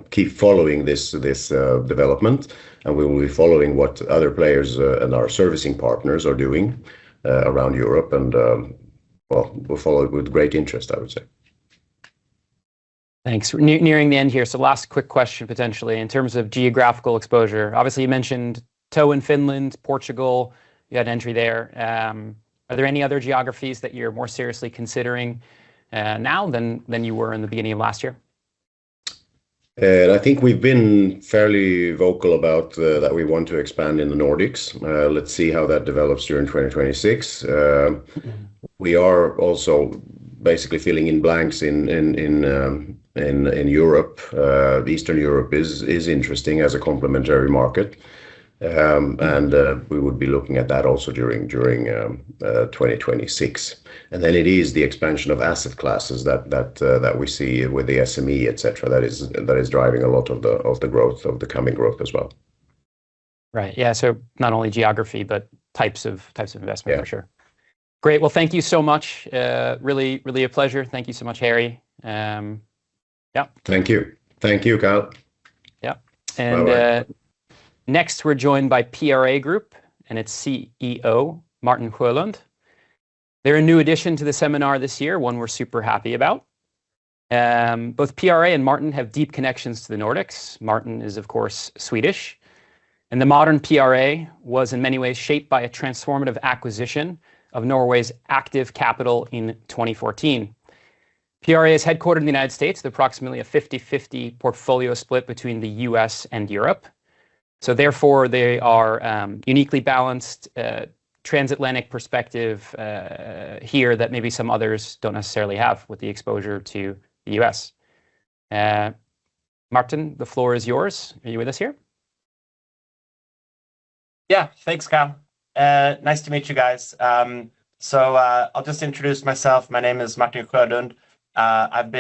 keep following this development, and we will be following what other players and our servicing partners are doing around Europe. Well, we'll follow with great interest, I would say. Thanks. Nearing the end here. Last quick question potentially. In terms of geographical exposure, obviously you mentioned two in Finland, Portugal, you had entry there. Are there any other geographies that you're more seriously considering now than you were in the beginning of last year? I think we've been fairly vocal about that we want to expand in the Nordics. Let's see how that develops during 2026. We are also basically filling in blanks in Europe. Eastern Europe is interesting as a complementary market. We would be looking at that also during 2026. It is the expansion of asset classes that we see with the SME, et cetera, that is driving a lot of the coming growth as well. Right. Yeah, not only geography, but types of investment. Yeah for sure. Great. Thank you so much. Really a pleasure. Thank you so much, Harry. Yeah. Thank you. Thank you, Kyle. Yeah. Bye-bye. Next we're joined by PRA Group and its CEO, Martin Sjolund. They're a new addition to the seminar this year, one we're super happy about. Both PRA and Martin have deep connections to the Nordics. Martin is, of course, Swedish, and the modern PRA was in many ways shaped by a transformative acquisition of Norway's Aktiv Kapital in 2014. PRA is headquartered in the United States. They're approximately a 50/50 portfolio split between the U.S. and Europe, therefore they are uniquely balanced transatlantic perspective here that maybe some others don't necessarily have with the exposure to the U.S. Martin, the floor is yours. Are you with us here? Thanks, Kyle. Nice to meet you guys. I'll just introduce myself. My name is Martin Sjolund, I'm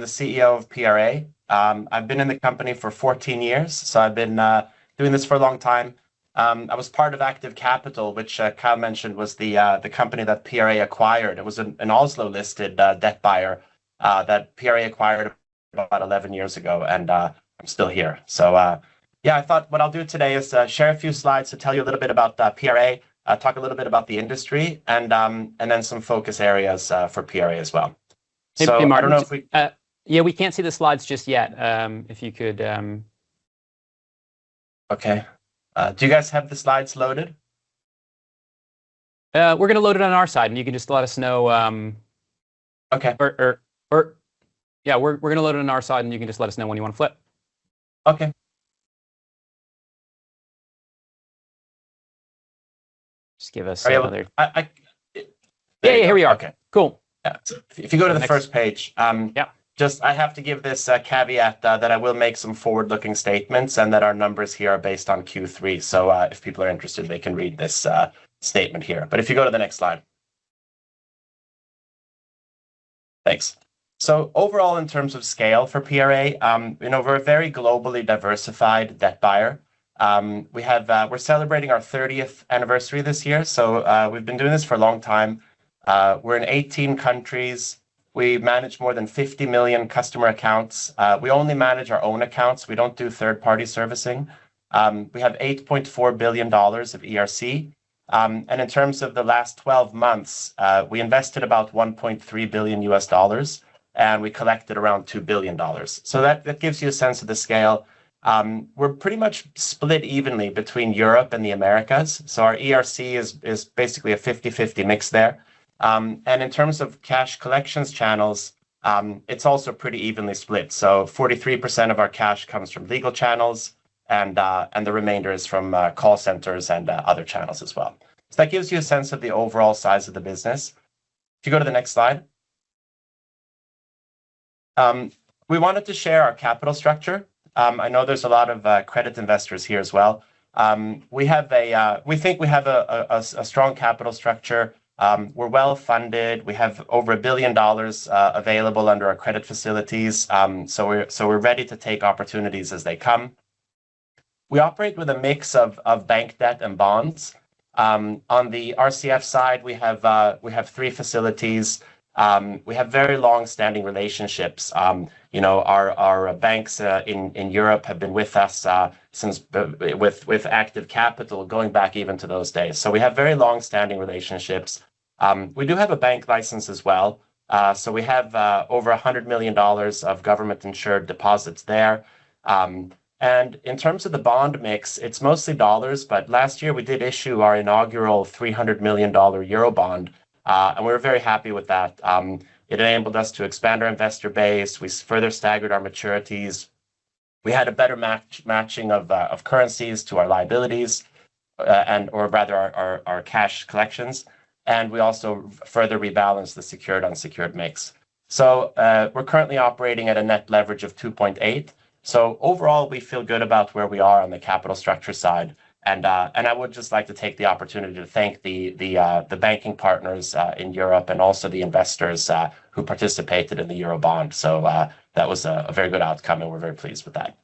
the CEO of PRA. I've been in the company for 14 years, I've been doing this for a long time. I was part of Aktiv Kapital, which Kyle mentioned was the company that PRA acquired. It was an Oslo-listed debt buyer that PRA acquired about 11 years ago, and I'm still here. I thought what I'll do today is share a few slides to tell you a little bit about PRA, talk a little bit about the industry, and then some focus areas for PRA as well. I don't know if we- Hey, Martin. We can't see the slides just yet. If you could Okay. Do you guys have the slides loaded? We're going to load it on our side, and you can just let us know. Okay. Yeah, we're going to load it on our side, and you can just let us know when you want to flip. Okay. Just give us one other- Are you able to? Yeah, here we are. Okay. Cool. Yeah. If you go to the first page. Yeah. Just I have to give this caveat that I will make some forward-looking statements and that our numbers here are based on Q3. If people are interested, they can read this statement here. If you go to the next slide. Thanks. Overall, in terms of scale for PRA, we're a very globally diversified debt buyer. We're celebrating our 30th anniversary this year, so we've been doing this for a long time. We're in 18 countries. We manage more than 50 million customer accounts. We only manage our own accounts. We don't do third-party servicing. We have $8.4 billion of ERC. In terms of the last 12 months, we invested about $1.3 billion, and we collected around $2 billion. That gives you a sense of the scale. We're pretty much split evenly between Europe and the Americas, our ERC is basically a 50/50 mix there. In terms of cash collections channels, it's also pretty evenly split. 43% of our cash comes from legal channels and the remainder is from call centers and other channels as well. That gives you a sense of the overall size of the business. If you go to the next slide. We wanted to share our capital structure. I know there's a lot of credit investors here as well. We think we have a strong capital structure. We're well-funded. We have over $1 billion available under our credit facilities, so we're ready to take opportunities as they come. We operate with a mix of bank debt and bonds. On the RCF side, we have three facilities. We have very long-standing relationships. Our banks in Europe have been with us with Aktiv Kapital going back even to those days. We have very long-standing relationships. We do have a bank license as well. We have over $100 million of government-insured deposits there. In terms of the bond mix, it's mostly dollars, but last year, we did issue our inaugural $300 million Euro bond. We're very happy with that. It enabled us to expand our investor base. We further staggered our maturities. We had a better matching of currencies to our liabilities, or rather our cash collections. We also further rebalanced the secured-unsecured mix. We're currently operating at a net leverage of 2.8. Overall, we feel good about where we are on the capital structure side. I would just like to take the opportunity to thank the banking partners in Europe and also the investors who participated in the Euro bond. That was a very good outcome, and we're very pleased with that.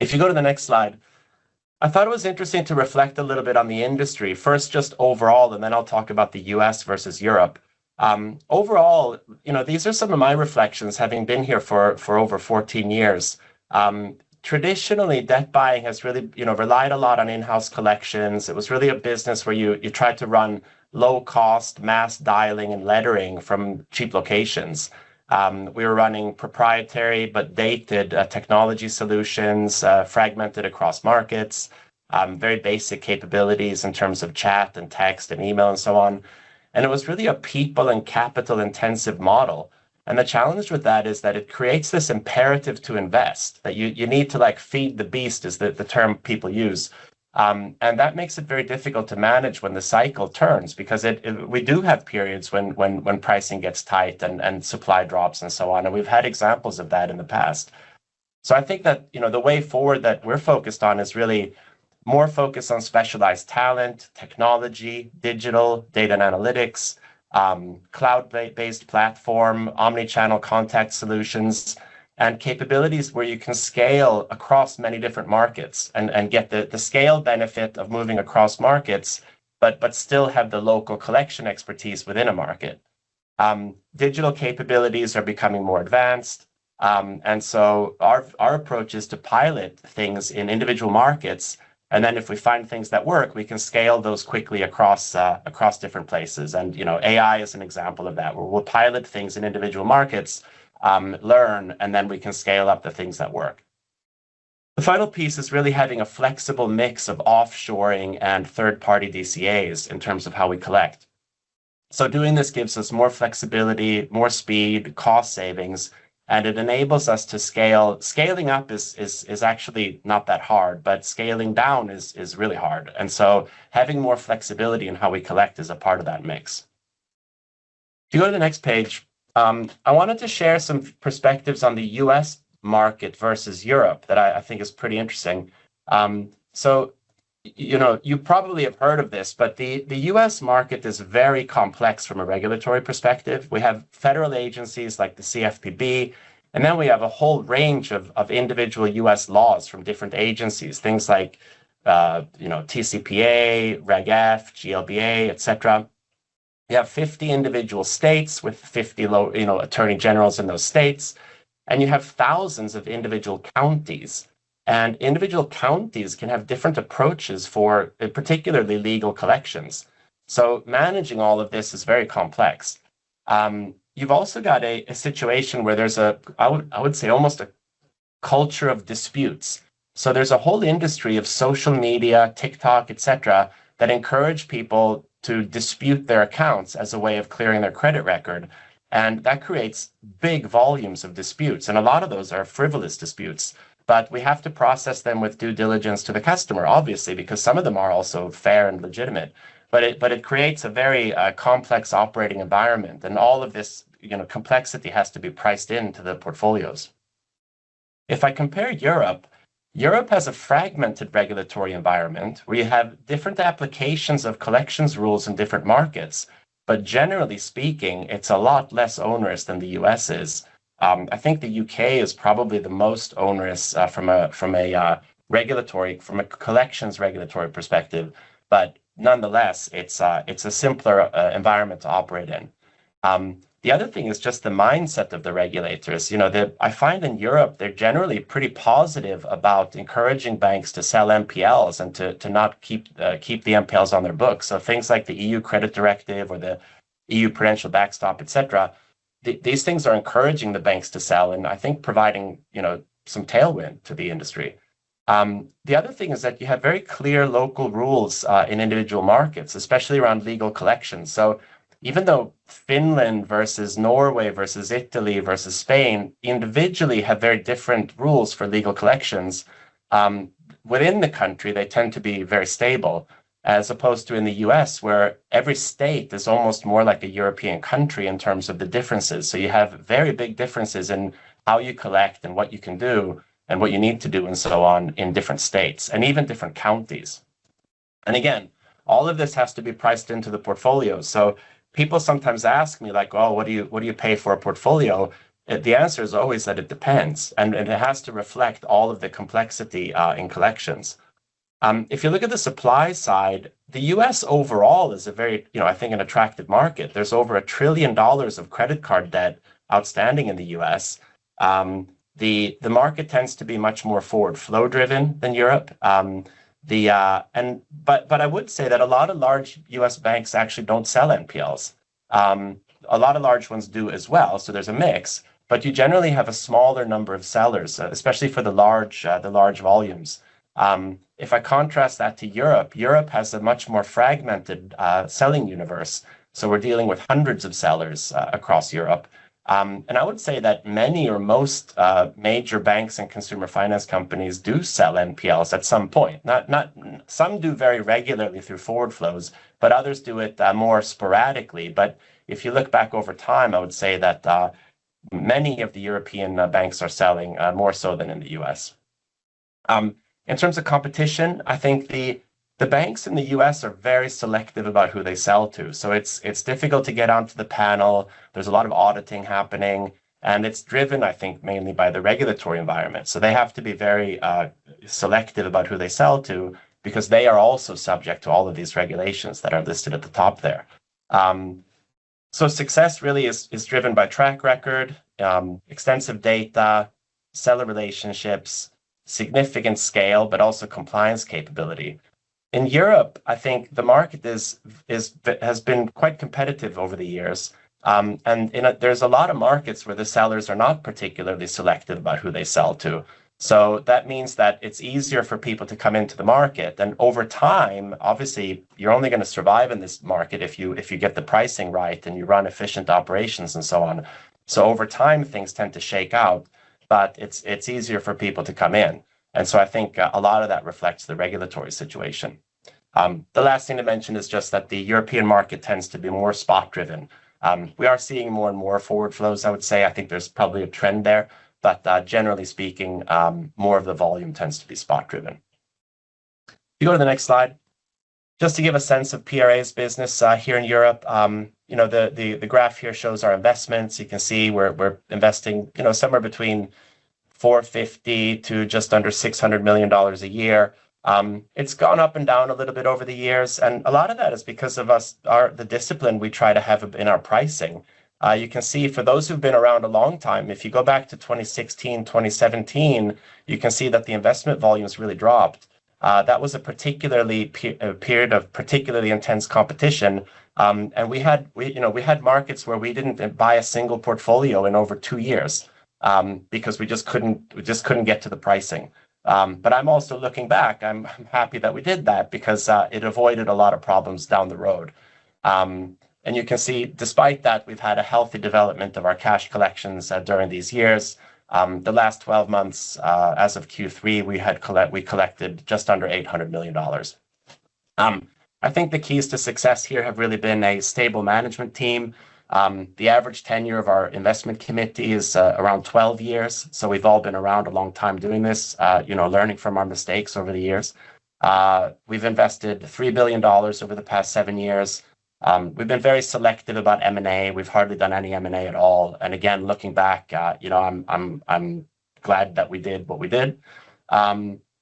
If you go to the next slide. I thought it was interesting to reflect a little bit on the industry. First, just overall, then I'll talk about the U.S. versus Europe. Overall, these are some of my reflections, having been here for over 14 years. Traditionally, debt buying has really relied a lot on in-house collections. It was really a business where you tried to run low-cost mass dialing and lettering from cheap locations. We were running proprietary, but dated technology solutions, fragmented across markets, very basic capabilities in terms of chat and text and email and so on. It was really a people and capital-intensive model. The challenge with that is that it creates this imperative to invest, that you need to feed the beast, is the term people use. That makes it very difficult to manage when the cycle turns, because we do have periods when pricing gets tight and supply drops and so on. We've had examples of that in the past. I think that the way forward that we're focused on is really more focused on specialized talent, technology, digital, data and analytics, cloud-based platform, omni-channel contact solutions, and capabilities where you can scale across many different markets and get the scale benefit of moving across markets, but still have the local collection expertise within a market. Digital capabilities are becoming more advanced. Our approach is to pilot things in individual markets. If we find things that work, we can scale those quickly across different places. AI is an example of that, where we'll pilot things in individual markets, learn. We can scale up the things that work. The final piece is really having a flexible mix of offshoring and third-party DCAs in terms of how we collect. Doing this gives us more flexibility, more speed, cost savings, and it enables us to scale. Scaling up is actually not that hard, but scaling down is really hard. Having more flexibility in how we collect is a part of that mix. If you go to the next page. I wanted to share some perspectives on the U.S. market versus Europe that I think is pretty interesting. You probably have heard of this, but the U.S. market is very complex from a regulatory perspective. We have federal agencies like the CFPB. We have a whole range of individual U.S. laws from different agencies, things like TCPA, Reg F, GLBA, et cetera. We have 50 individual states with 50 attorney generals in those states, and you have thousands of individual counties. Individual counties can have different approaches for, particularly, legal collections. Managing all of this is very complex. You've also got a situation where there's a, I would say, almost a culture of disputes. There's a whole industry of social media, TikTok, et cetera, that encourage people to dispute their accounts as a way of clearing their credit record. That creates big volumes of disputes, and a lot of those are frivolous disputes. We have to process them with due diligence to the customer, obviously, because some of them are also fair and legitimate. It creates a very complex operating environment. All of this complexity has to be priced into the portfolios. If I compare Europe has a fragmented regulatory environment where you have different applications of collections rules in different markets, but generally speaking, it's a lot less onerous than the U.S. is. I think the U.K. is probably the most onerous from a collections regulatory perspective, but nonetheless, it's a simpler environment to operate in. The other thing is just the mindset of the regulators. I find in Europe, they're generally pretty positive about encouraging banks to sell NPLs and to not keep the NPLs on their books. Things like the EU Credit Directive or the EU Prudential Backstop, et cetera, these things are encouraging the banks to sell and I think providing some tailwind to the industry. The other thing is that you have very clear local rules in individual markets, especially around legal collections. Even though Finland versus Norway versus Italy versus Spain individually have very different rules for legal collections, within the country, they tend to be very stable, as opposed to in the U.S., where every state is almost more like a European country in terms of the differences. You have very big differences in how you collect and what you can do and what you need to do, and so on, in different states and even different counties. Again, all of this has to be priced into the portfolio. People sometimes ask me, "Oh, what do you pay for a portfolio?" The answer is always that it depends, and it has to reflect all of the complexity in collections. If you look at the supply side, the U.S. overall is, I think, an attractive market. There's over $1 trillion of credit card debt outstanding in the U.S. The market tends to be much more forward flow-driven than Europe. I would say that a lot of large U.S. banks actually don't sell NPLs. A lot of large ones do as well, so there's a mix, but you generally have a smaller number of sellers, especially for the large volumes. If I contrast that to Europe has a much more fragmented selling universe, so we're dealing with hundreds of sellers across Europe. I would say that many or most major banks and consumer finance companies do sell NPLs at some point. Some do very regularly through forward flows, others do it more sporadically. If you look back over time, I would say that many of the European banks are selling more so than in the U.S. In terms of competition, I think the banks in the U.S. are very selective about who they sell to. It's difficult to get onto the panel. There's a lot of auditing happening, and it's driven, I think, mainly by the regulatory environment. They have to be very selective about who they sell to because they are also subject to all of these regulations that are listed at the top there. Success really is driven by track record, extensive data, seller relationships, significant scale, but also compliance capability. In Europe, I think the market has been quite competitive over the years. There's a lot of markets where the sellers are not particularly selective about who they sell to. That means that it's easier for people to come into the market. Over time, obviously, you're only going to survive in this market if you get the pricing right and you run efficient operations and so on. Over time, things tend to shake out, but it's easier for people to come in. I think a lot of that reflects the regulatory situation. The last thing to mention is just that the European market tends to be more spot-driven. We are seeing more and more forward flows, I would say. I think there's probably a trend there. Generally speaking, more of the volume tends to be spot-driven. You go to the next slide. Just to give a sense of PRA's business here in Europe, the graph here shows our investments. You can see we're investing somewhere between 450 to just under EUR 600 million a year. It's gone up and down a little bit over the years, and a lot of that is because of the discipline we try to have in our pricing. You can see for those who've been around a long time, if you go back to 2016, 2017, you can see that the investment volumes really dropped. That was a period of particularly intense competition, and we had markets where we didn't buy a single portfolio in over two years because we just couldn't get to the pricing. I'm also looking back, I'm happy that we did that because it avoided a lot of problems down the road. You can see despite that, we've had a healthy development of our cash collections during these years. The last 12 months, as of Q3, we collected just under $800 million. I think the keys to success here have really been a stable management team. The average tenure of our investment committee is around 12 years, so we've all been around a long time doing this, learning from our mistakes over the years. We've invested $3 billion over the past seven years. We've been very selective about M&A. We've hardly done any M&A at all. Again, looking back, I'm glad that we did what we did.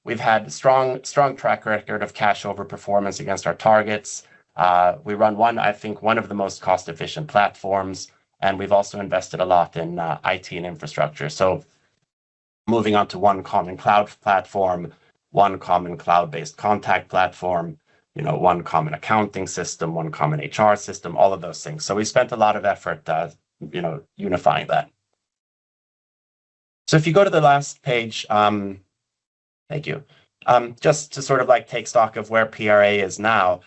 We've had strong track record of cash overperformance against our targets. We run, I think, one of the most cost-efficient platforms, and we've also invested a lot in IT and infrastructure. Moving onto one common cloud platform, one common cloud-based contact platform, one common accounting system, one common HR system, all of those things. We spent a lot of effort unifying that. If you go to the last page. Thank you. Just to sort of take stock of where PRA is now.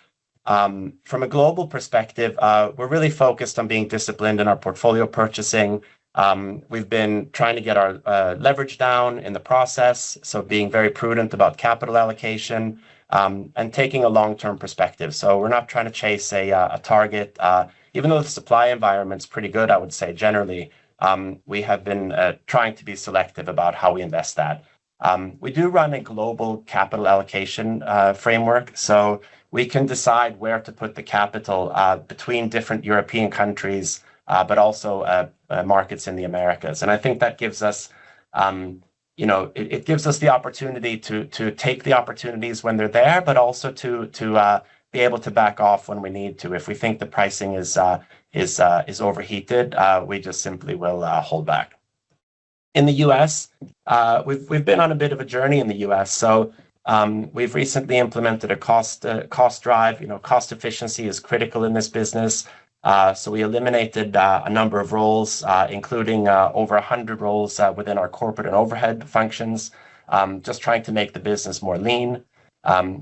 From a global perspective, we're really focused on being disciplined in our portfolio purchasing. We've been trying to get our leverage down in the process, so being very prudent about capital allocation, and taking a long-term perspective. We're not trying to chase a target. Even though the supply environment's pretty good, I would say, generally, we have been trying to be selective about how we invest that. We do run a global capital allocation framework, so we can decide where to put the capital between different European countries, but also markets in the Americas. I think that gives us the opportunity to take the opportunities when they're there, but also to be able to back off when we need to. If we think the pricing is overheated, we just simply will hold back. In the U.S., we've been on a bit of a journey in the U.S. We've recently implemented a cost drive. Cost efficiency is critical in this business, so we eliminated a number of roles, including over 100 roles within our corporate and overhead functions, just trying to make the business leaner.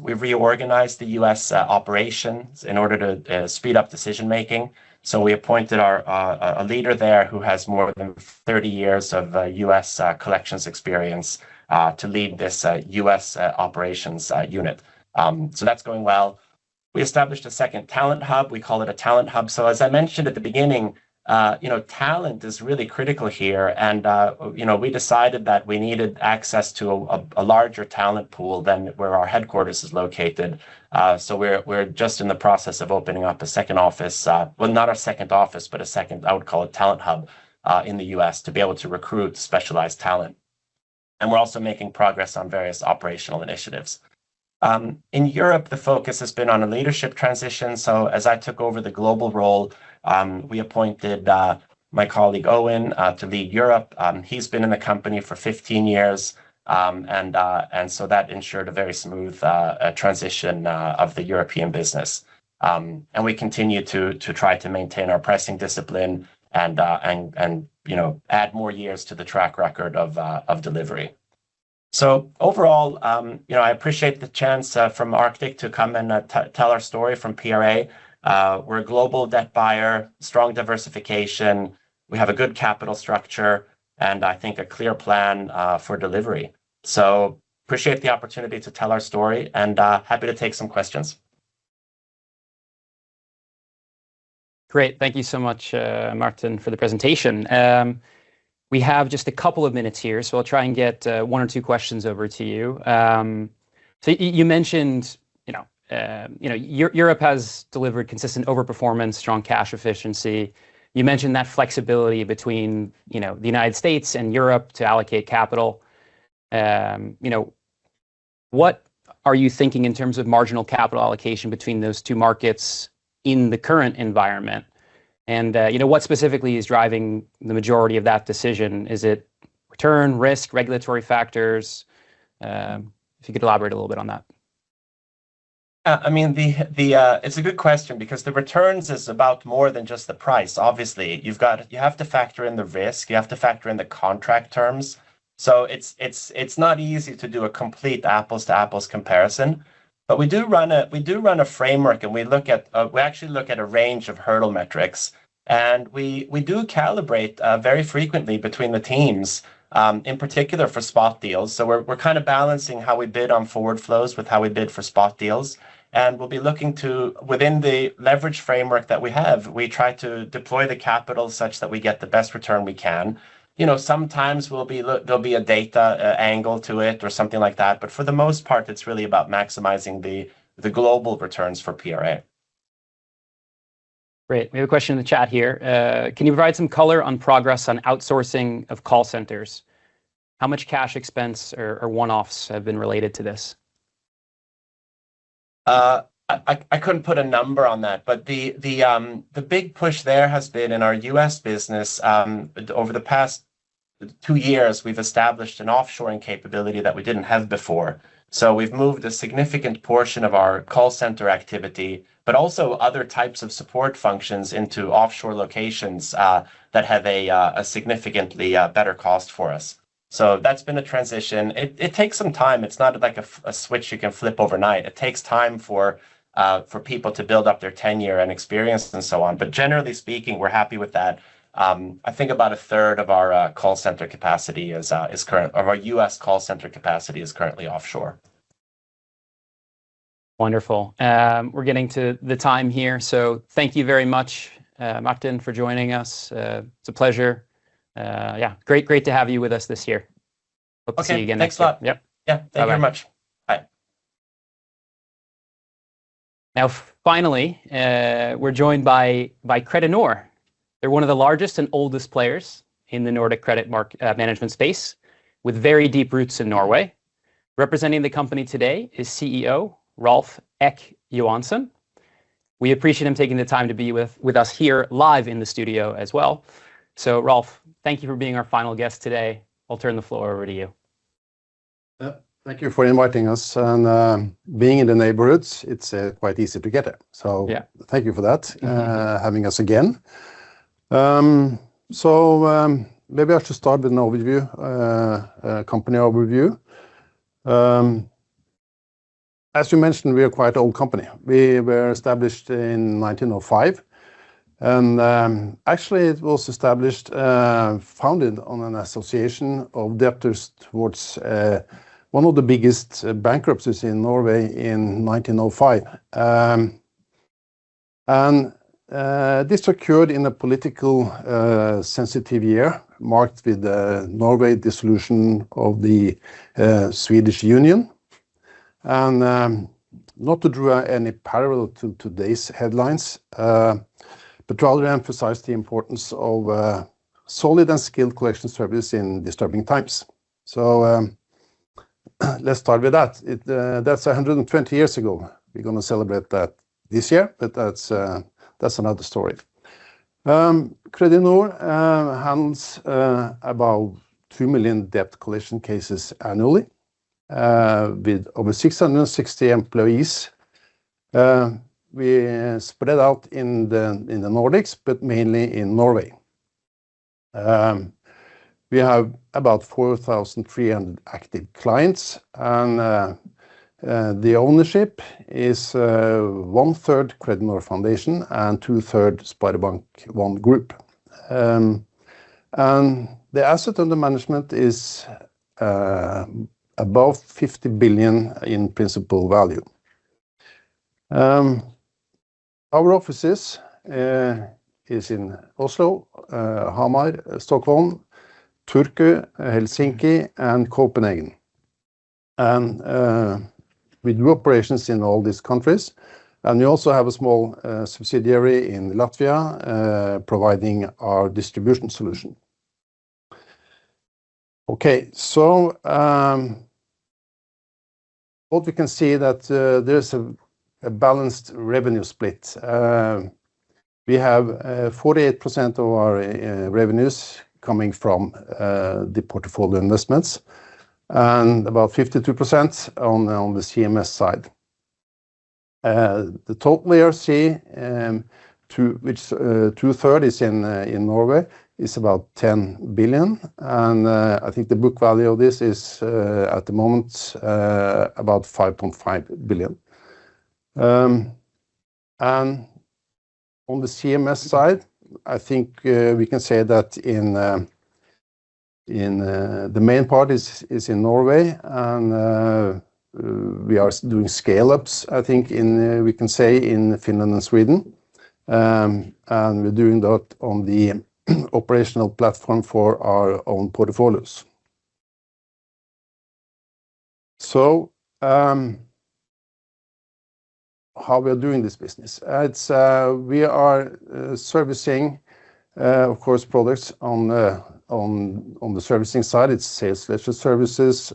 We've reorganized the U.S. operations in order to speed up decision-making. We appointed a leader there who has more than 30 years of U.S. collections experience to lead this U.S. operations unit. That's going well. We established a second talent hub. We call it a talent hub. As I mentioned at the beginning, talent is really critical here. We decided that we needed access to a larger talent pool than where our headquarters is located. We're just in the process of opening up a second office. Well, not our second office, but a second, I would call it, talent hub in the U.S. to be able to recruit specialized talent. We're also making progress on various operational initiatives. In Europe, the focus has been on a leadership transition. As I took over the global role, we appointed my colleague, Owen, to lead Europe. He's been in the company for 15 years, so that ensured a very smooth transition of the European business. We continue to try to maintain our pricing discipline and add more years to the track record of delivery. I appreciate the chance from Arctic Securities to come and tell our story from PRA Group. We're a global debt buyer, strong diversification. We have a good capital structure and I think a clear plan for delivery. Appreciate the opportunity to tell our story and happy to take some questions. Great. Thank you so much, Martin Sjolund, for the presentation. We have just a couple of minutes here, so I'll try and get one or two questions over to you. You mentioned Europe has delivered consistent overperformance, strong cash efficiency. You mentioned that flexibility between the U.S. and Europe to allocate capital. What are you thinking in terms of marginal capital allocation between those two markets in the current environment? What specifically is driving the majority of that decision? Is it return, risk, regulatory factors? If you could elaborate a little bit on that. It's a good question because the returns is about more than just the price. Obviously, you have to factor in the risk, you have to factor in the contract terms. It's not easy to do a complete apples-to-apples comparison. We do run a framework, and we actually look at a range of hurdle metrics, and we do calibrate very frequently between the teams, in particular for spot deals. We're kind of balancing how we bid on forward flows with how we bid for spot deals. We'll be looking to, within the leverage framework that we have, we try to deploy the capital such that we get the best return we can. Sometimes there'll be a data angle to it or something like that, but for the most part, it's really about maximizing the global returns for PRA Group. Great. We have a question in the chat here. Can you provide some color on progress on outsourcing of call centers? How much cash expense or one-offs have been related to this? I couldn't put a number on that. The big push there has been in our U.S. business. Over the past two years, we've established an offshoring capability that we didn't have before. We've moved a significant portion of our call center activity, but also other types of support functions into offshore locations that have a significantly better cost for us. That's been the transition. It takes some time. It's not like a switch you can flip overnight. It takes time for people to build up their tenure and experience and so on. Generally speaking, we're happy with that. I think about a third of our U.S. call center capacity is currently offshore. Wonderful. We're getting to the time here, so thank you very much, Martin, for joining us. It's a pleasure. Yeah, great to have you with us this year. Hope to see you again next year. Okay. Thanks a lot. Yep. Yeah. Thank you very much. Bye-bye. Bye. We're joined by Kredinor. They're one of the largest and oldest players in the Nordic credit management space, with very deep roots in Norway. Representing the company today is CEO, Rolf Ek Johansen. We appreciate him taking the time to be with us here live in the studio as well. Rolf, thank you for being our final guest today. I'll turn the floor over to you. Thank you for inviting us, being in the neighborhood, it's quite easy to get here. Yeah. Thank you for that, having us again. Maybe I should start with an overview, a company overview. As you mentioned, we are quite an old company. We were established in 1905, actually, it was founded on an association of debtors towards one of the biggest bankruptcies in Norway in 1905. This occurred in a politically sensitive year, marked with Norway dissolution of the Swedish Union. Not to draw any parallel to today's headlines, but rather emphasize the importance of solid and skilled collection service in disturbing times. Let's start with that. That's 120 years ago. We're going to celebrate that this year, but that's another story. Kredinor handles about 2 million debt collection cases annually, with over 660 employees. We're spread out in the Nordics, but mainly in Norway. We have about 4,300 active clients, the ownership is one-third Kredinor Foundation and two-third SpareBank 1 Gruppen. The asset under management is above 50 billion in principal value. Our offices is in Oslo, Hamar, Stockholm, Turku, Helsinki, and Copenhagen. We do operations in all these countries, we also have a small subsidiary in Latvia, providing our distribution solution. Okay. What we can see that there's a balanced revenue split. We have 48% of our revenues coming from the portfolio investments and about 52% on the CMS side. The total ERC, which two-third is in Norway, is about 10 billion. I think the book value of this is, at the moment, about 5.5 billion. On the CMS side, I think we can say that the main part is in Norway, and we are doing scale-ups, I think we can say, in Finland and Sweden. We're doing that on the operational platform for our own portfolios. How we are doing this business. We are servicing, of course, products on the servicing side. It's sales ledger services,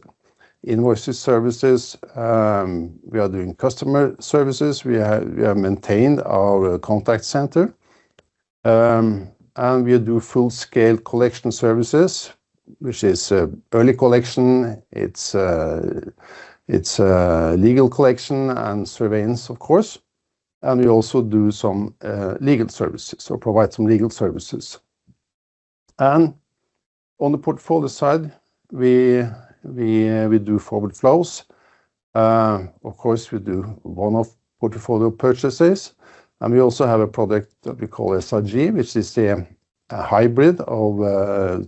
invoices services. We are doing customer services. We have maintained our contact center. We do full-scale collection services, which is early collection. It's legal collection and surveillance, of course. We also do some legal services or provide some legal services. On the portfolio side, we do forward flows. Of course, we do one-off portfolio purchases, and we also have a product that we call SRG, which is a hybrid of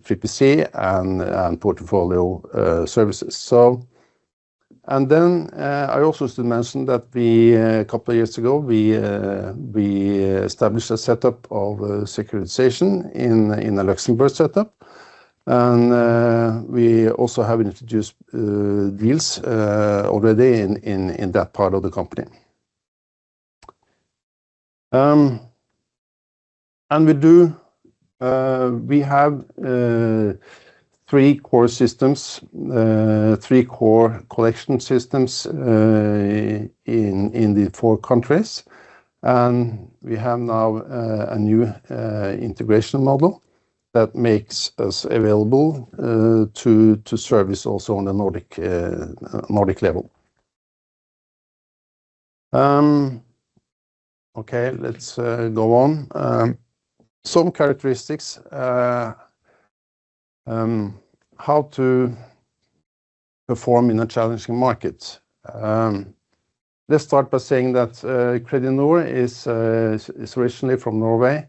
3PC and portfolio services. I also should mention that a couple of years ago, we established a setup of securitization in a Luxembourg setup. We also have introduced deals already in that part of the company. We have three core collection systems in the four countries. We have now a new integration model that makes us available to service also on the Nordic level. Okay, let's go on. Some characteristics. How to perform in a challenging market. Let's start by saying that Kredinor is originally from Norway,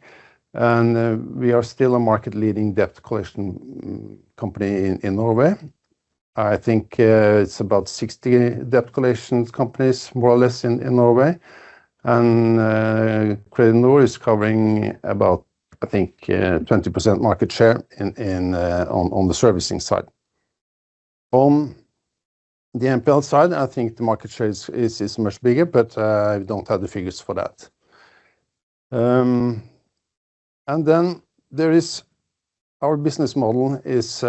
we are still a market-leading debt collection company in Norway. I think it's about 60 debt collection companies, more or less, in Norway. Kredinor is covering about, I think, 20% market share on the servicing side. On the NPL side, I think the market share is much bigger, but I don't have the figures for that. Our business model is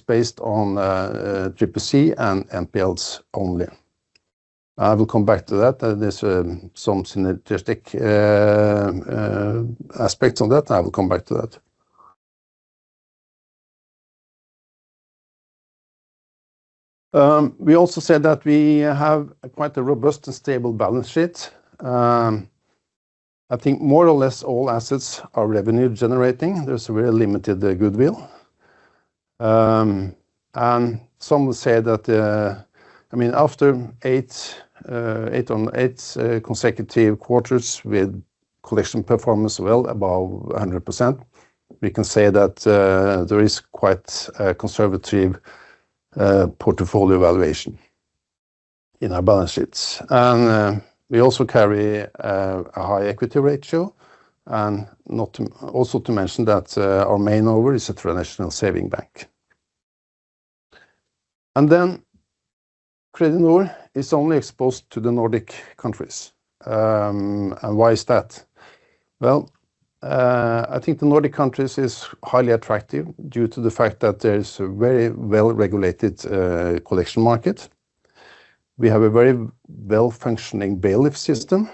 based on 3PC and NPLs only. I will come back to that. There's some synergistic aspects on that. I will come back to that. We also said that we have quite a robust and stable balance sheet. I think more or less all assets are revenue-generating. There's very limited goodwill. Some will say that after eight consecutive quarters with collection performance well above 100%, we can say that there is quite a conservative portfolio valuation in our balance sheets. We also carry a high equity ratio, and also to mention that our main owner is a traditional saving bank. Kredinor is only exposed to the Nordic countries. Why is that? Well, I think the Nordic countries is highly attractive due to the fact that there is a very well-regulated collection market. We have a very well-functioning bailiff system,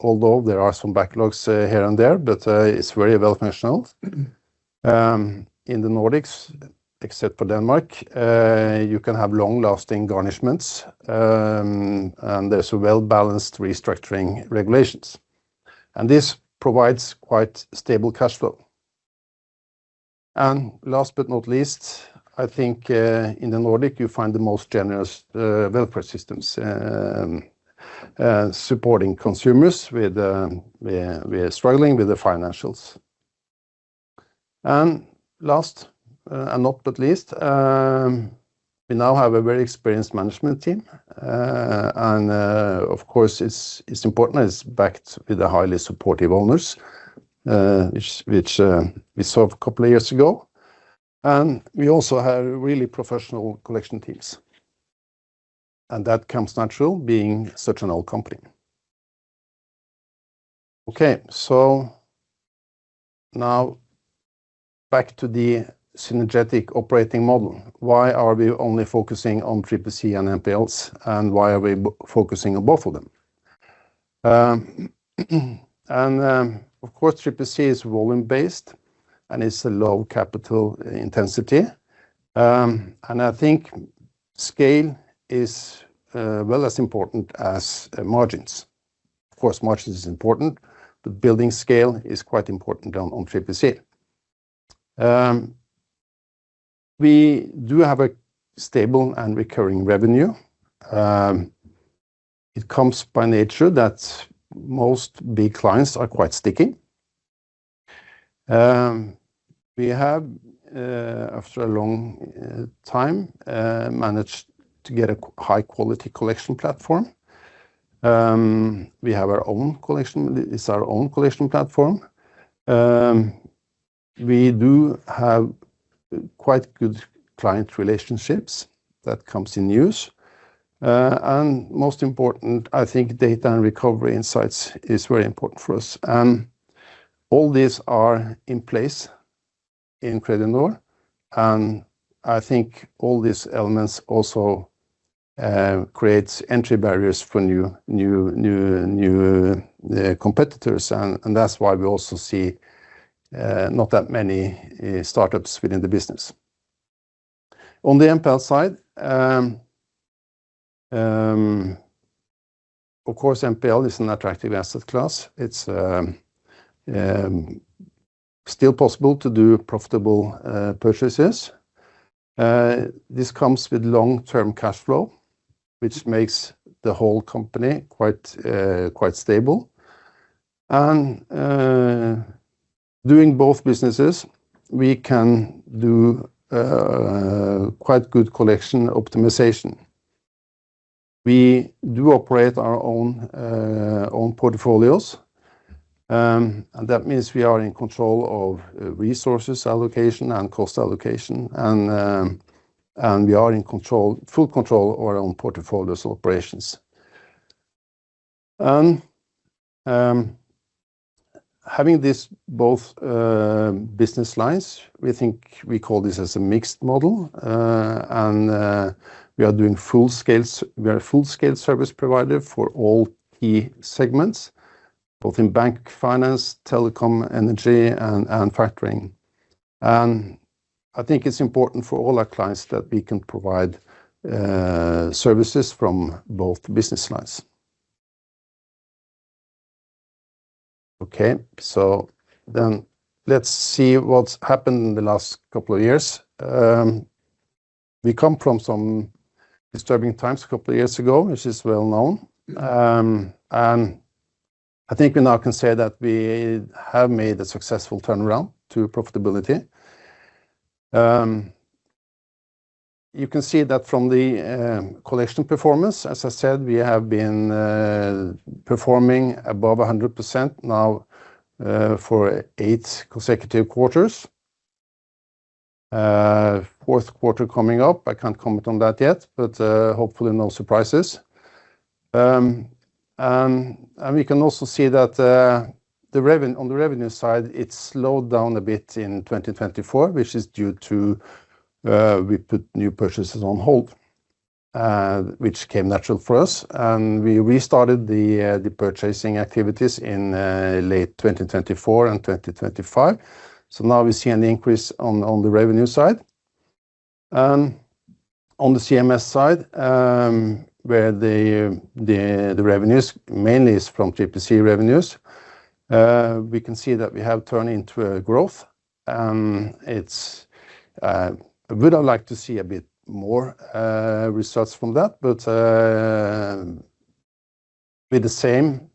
although there are some backlogs here and there, but it's very well-functioning. In the Nordics, except for Denmark, you can have long-lasting garnishments, there's well-balanced restructuring regulations, this provides quite stable cash flow. Last but not least, I think, in the Nordic, you find the most generous welfare systems, supporting consumers who are struggling with their financials. Last and not but least, we now have a very experienced management team. Of course, it's important it's backed with the highly supportive owners, which we solved a couple of years ago. We also have really professional collection teams, that comes natural being such an old company. Okay, back to the synergetic operating model. Why are we only focusing on 3PC and NPLs, why are we focusing on both of them? Of course, 3PC is volume-based, it's a low capital intensity. I think scale is well as important as margins. Margins is important, but building scale is quite important on 3PC. We do have a stable and recurring revenue. It comes by nature that most big clients are quite sticky. We have, after a long time, managed to get a high-quality collection platform. We have our own collection. It's our own collection platform. We do have quite good client relationships that comes in use. Most important, I think data and recovery insights is very important for us. All these are in place in Kredinor. I think all these elements also creates entry barriers for new competitors. That's why we also see not that many startups within the business. On the NPL side, of course, NPL is an attractive asset class. It's still possible to do profitable purchases. This comes with long-term cash flow, which makes the whole company quite stable. Doing both businesses, we can do quite good collection optimization. We do operate our own portfolios, and that means we are in control of resources allocation and cost allocation. We are in full control of our own portfolios operations. Having this both business lines, we think we call this as a mixed model. We are a full-scale service provider for all key segments, both in bank, finance, telecom, energy, and factoring. I think it's important for all our clients that we can provide services from both business lines. Let's see what's happened in the last couple of years. We come from some disturbing times a couple of years ago, which is well-known. I think we now can say that we have made a successful turnaround to profitability. You can see that from the collection performance. As I said, we have been performing above 100% now for eight consecutive quarters. Fourth quarter coming up. I can't comment on that yet, but hopefully no surprises. We can also see that on the revenue side, it slowed down a bit in 2024, which is due to we put new purchases on hold, which came natural for us. We restarted the purchasing activities in late 2024 and 2025. Now we see an increase on the revenue side. On the CMS side, where the revenues mainly is from 3PC revenues, we can see that we have turned into a growth. I would have liked to see a bit more results from that, but with the same,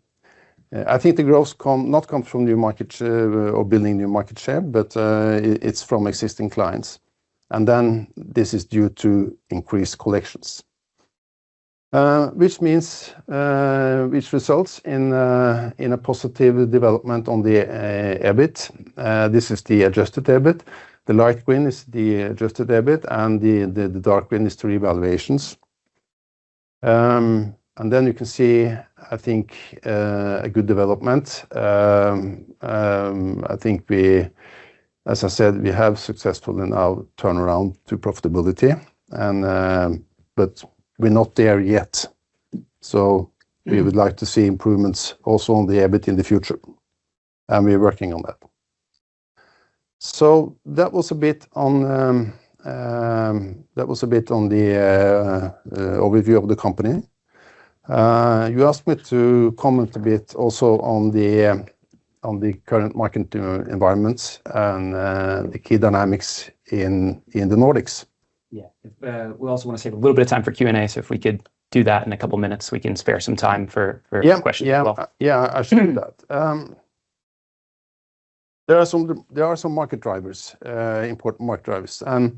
I think the growth not come from new market or building new market share, but it's from existing clients. This is due to increased collections, which results in a positive development on the EBIT. This is the adjusted EBIT. The light green is the adjusted EBIT, and the dark green is revaluations. You can see, I think, a good development. I think, as I said, we have successfully now turned around to profitability. We're not there yet. We would like to see improvements also on the EBIT in the future, and we're working on that. That was a bit on the overview of the company. You asked me to comment a bit also on the current market environments and the key dynamics in the Nordics. Yeah. We also want to save a little bit of time for Q&A. If we could do that in a couple of minutes, we can spare some time for questions as well. I can do that. There are some important market drivers. The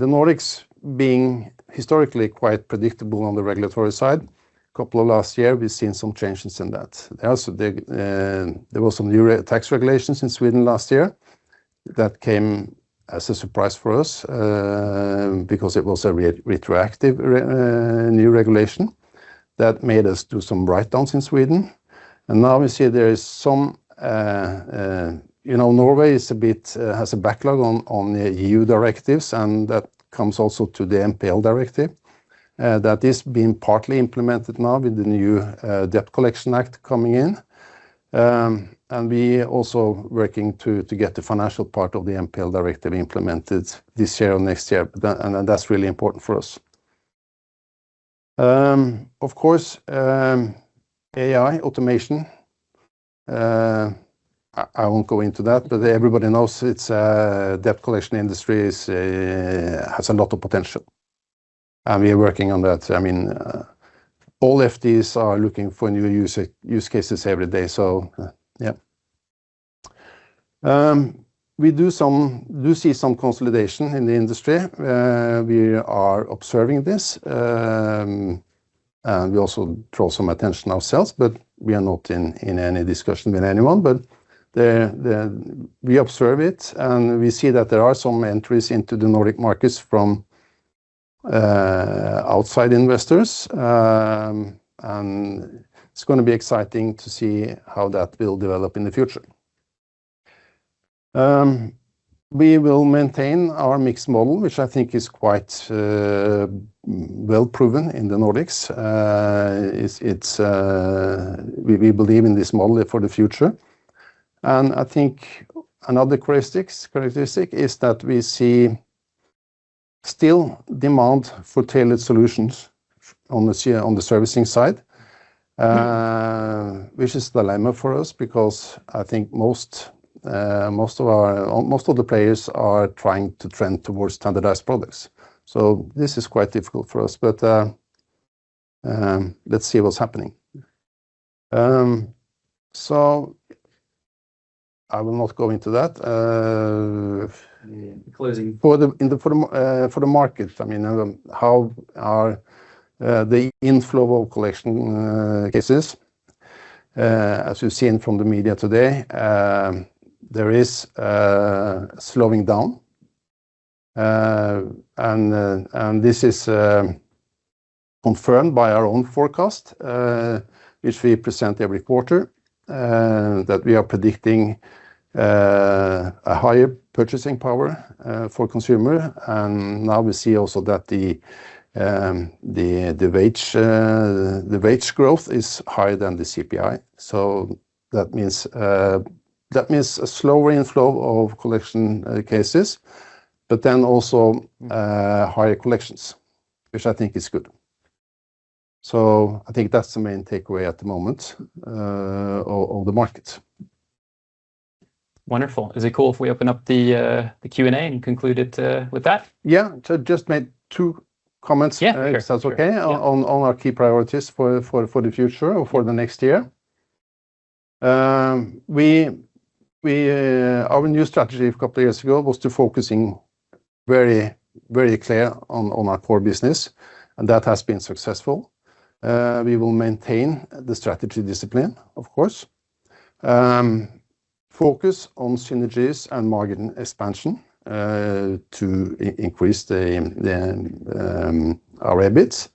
Nordics being historically quite predictable on the regulatory side, couple of last year, we've seen some changes in that. Also, there were some new tax regulations in Sweden last year that came as a surprise for us, because it was a retroactive new regulation that made us do some write-downs in Sweden. Now we see Norway has a backlog on EU directives, and that comes also to the NPL Directive that is being partly implemented now with the new Debt Collection Act coming in. We also working to get the financial part of the NPL Directive implemented this year or next year, and that's really important for us. Of course, AI automation, I won't go into that, but everybody knows debt collection industry has a lot of potential, and we are working on that. All FDs are looking for new use cases every day. Yeah. We do see some consolidation in the industry. We are observing this. We also draw some attention ourselves, but we are not in any discussion with anyone. We observe it, and we see that there are some entries into the Nordic markets from outside investors. It's going to be exciting to see how that will develop in the future. We will maintain our mixed model, which I think is quite well-proven in the Nordics. We believe in this model for the future. I think another characteristic is that we see still demand for tailored solutions on the servicing side, which is dilemma for us because I think most of the players are trying to trend towards standardized products. This is quite difficult for us, but let's see what's happening. I will not go into that. Yeah. Closing. For the markets, how are the inflow of collection cases, as we've seen from the media today, there is slowing down. This is confirmed by our own forecast, which we present every quarter, that we are predicting a higher purchasing power for consumer. Now we see also that the wage growth is higher than the CPI. That means a slower inflow of collection cases, also higher collections, which I think is good. I think that's the main takeaway at the moment of the markets. Wonderful. Is it cool if we open up the Q&A and conclude it with that? Yeah. To just make two comments. Yeah, sure if that's okay, on our key priorities for the future or for the next year. Our new strategy a couple of years ago was to focus very clear on our core business, and that has been successful. We will maintain the strategy discipline, of course. Focus on synergies and margin expansion, to increase our EBIT.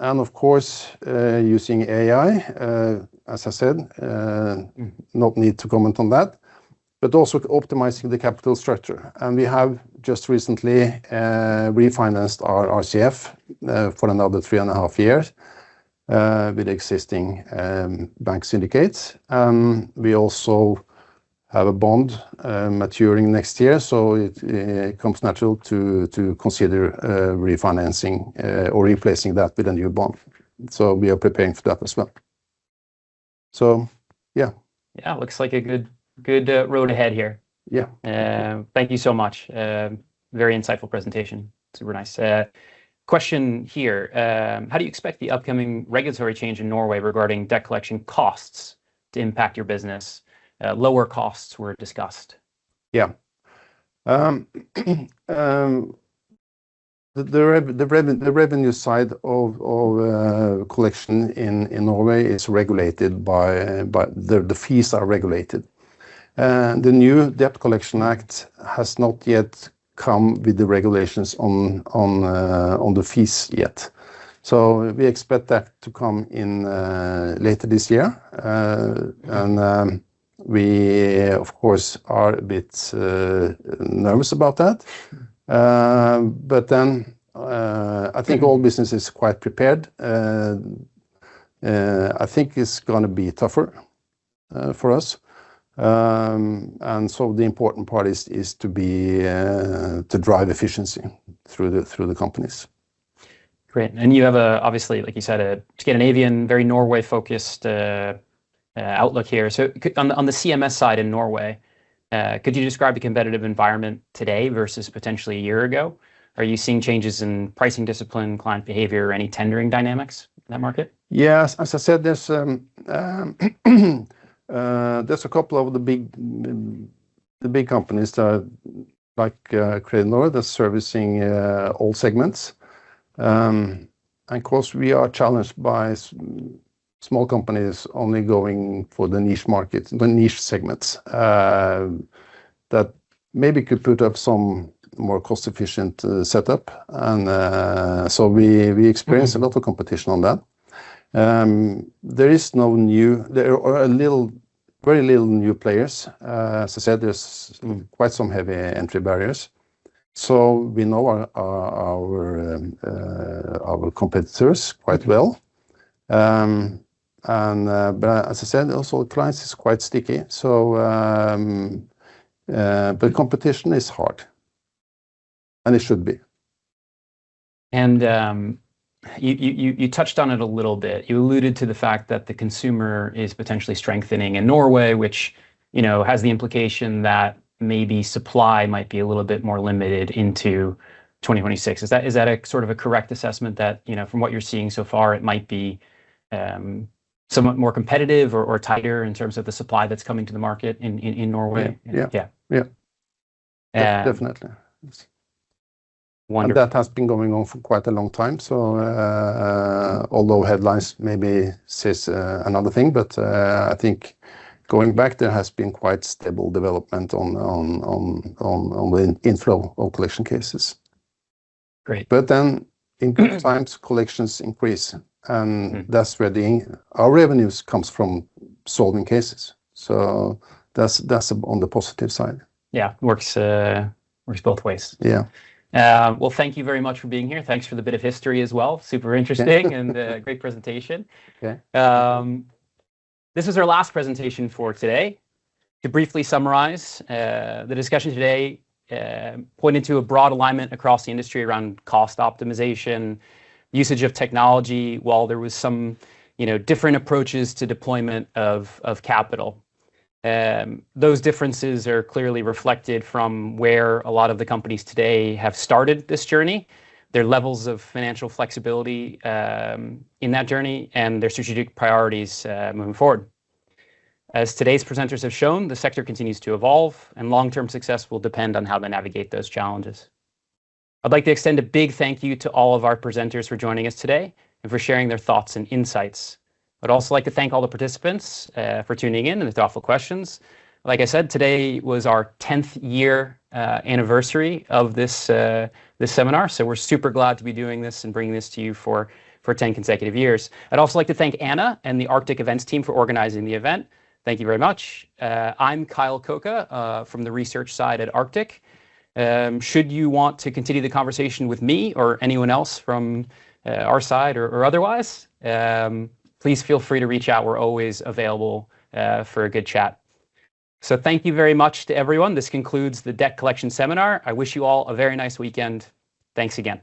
Of course, using AI, as I said, not need to comment on that, but also optimizing the capital structure. We have just recently refinanced our RCF for another three and a half years, with existing bank syndicates. We also have a bond maturing next year, so it comes natural to consider refinancing or replacing that with a new bond. We are preparing for that as well. Yeah. Yeah. Looks like a good road ahead here. Yeah. Thank you so much. Very insightful presentation. Super nice. Question here. How do you expect the upcoming regulatory change in Norway regarding debt collection costs to impact your business? Lower costs were discussed. The revenue side of collection in Norway is regulated. The fees are regulated. The new Debt Collection Act has not yet come with the regulations on the fees yet. We expect that to come in later this year. We, of course, are a bit nervous about that. I think all business is quite prepared. I think it is going to be tougher for us. The important part is to drive efficiency through the companies. Great. You have a, obviously, like you said, a Scandinavian, very Norway-focused outlook here. On the CMS side in Norway, could you describe the competitive environment today versus potentially a year ago? Are you seeing changes in pricing discipline, client behavior, or any tendering dynamics in that market? Yes, as I said, there is a couple of the big companies that, like Kredinor, that is servicing all segments. Of course, we are challenged by small companies only going for the niche segments, that maybe could put up some more cost-efficient setup. We experience a lot of competition on that. There are very little new players. As I said, there is quite some heavy entry barriers, so we know our competitors quite well. As I said, also the price is quite sticky. Competition is hard, and it should be. You touched on it a little bit. You alluded to the fact that the consumer is potentially strengthening in Norway, which has the implication that maybe supply might be a little bit more limited into 2026. Is that a sort of a correct assessment that, from what you are seeing so far, it might be somewhat more competitive or tighter in terms of the supply that is coming to the market in Norway? Yeah. Yeah. Yeah, definitely. Wonderful. That has been going on for quite a long time. Although headlines maybe says another thing, I think going back, there has been quite stable development on the inflow of collection cases. Great. In good times, collections increase. Thus why our revenues comes from solving cases. That's on the positive side. Yeah. Works both ways. Yeah. Well, thank you very much for being here. Thanks for the bit of history as well. Super interesting. Yeah. Great presentation. Okay. This is our last presentation for today. To briefly summarize, the discussion today pointed to a broad alignment across the industry around cost optimization, usage of technology, while there was some different approaches to deployment of capital. Those differences are clearly reflected from where a lot of the companies today have started this journey, their levels of financial flexibility in that journey, and their strategic priorities moving forward. As today's presenters have shown, the sector continues to evolve, and long-term success will depend on how they navigate those challenges. I'd like to extend a big thank you to all of our presenters for joining us today and for sharing their thoughts and insights. I'd also like to thank all the participants for tuning in and the thoughtful questions. Like I said, today was our 10th year anniversary of this seminar. We're super glad to be doing this and bringing this to you for 10 consecutive years. I'd also like to thank Anna and the Arctic Events team for organizing the event. Thank you very much. I'm Kyle Coca from the research side at Arctic. Should you want to continue the conversation with me or anyone else from our side or otherwise, please feel free to reach out. We're always available for a good chat. Thank you very much to everyone. This concludes the Debt Collection seminar. I wish you all a very nice weekend. Thanks again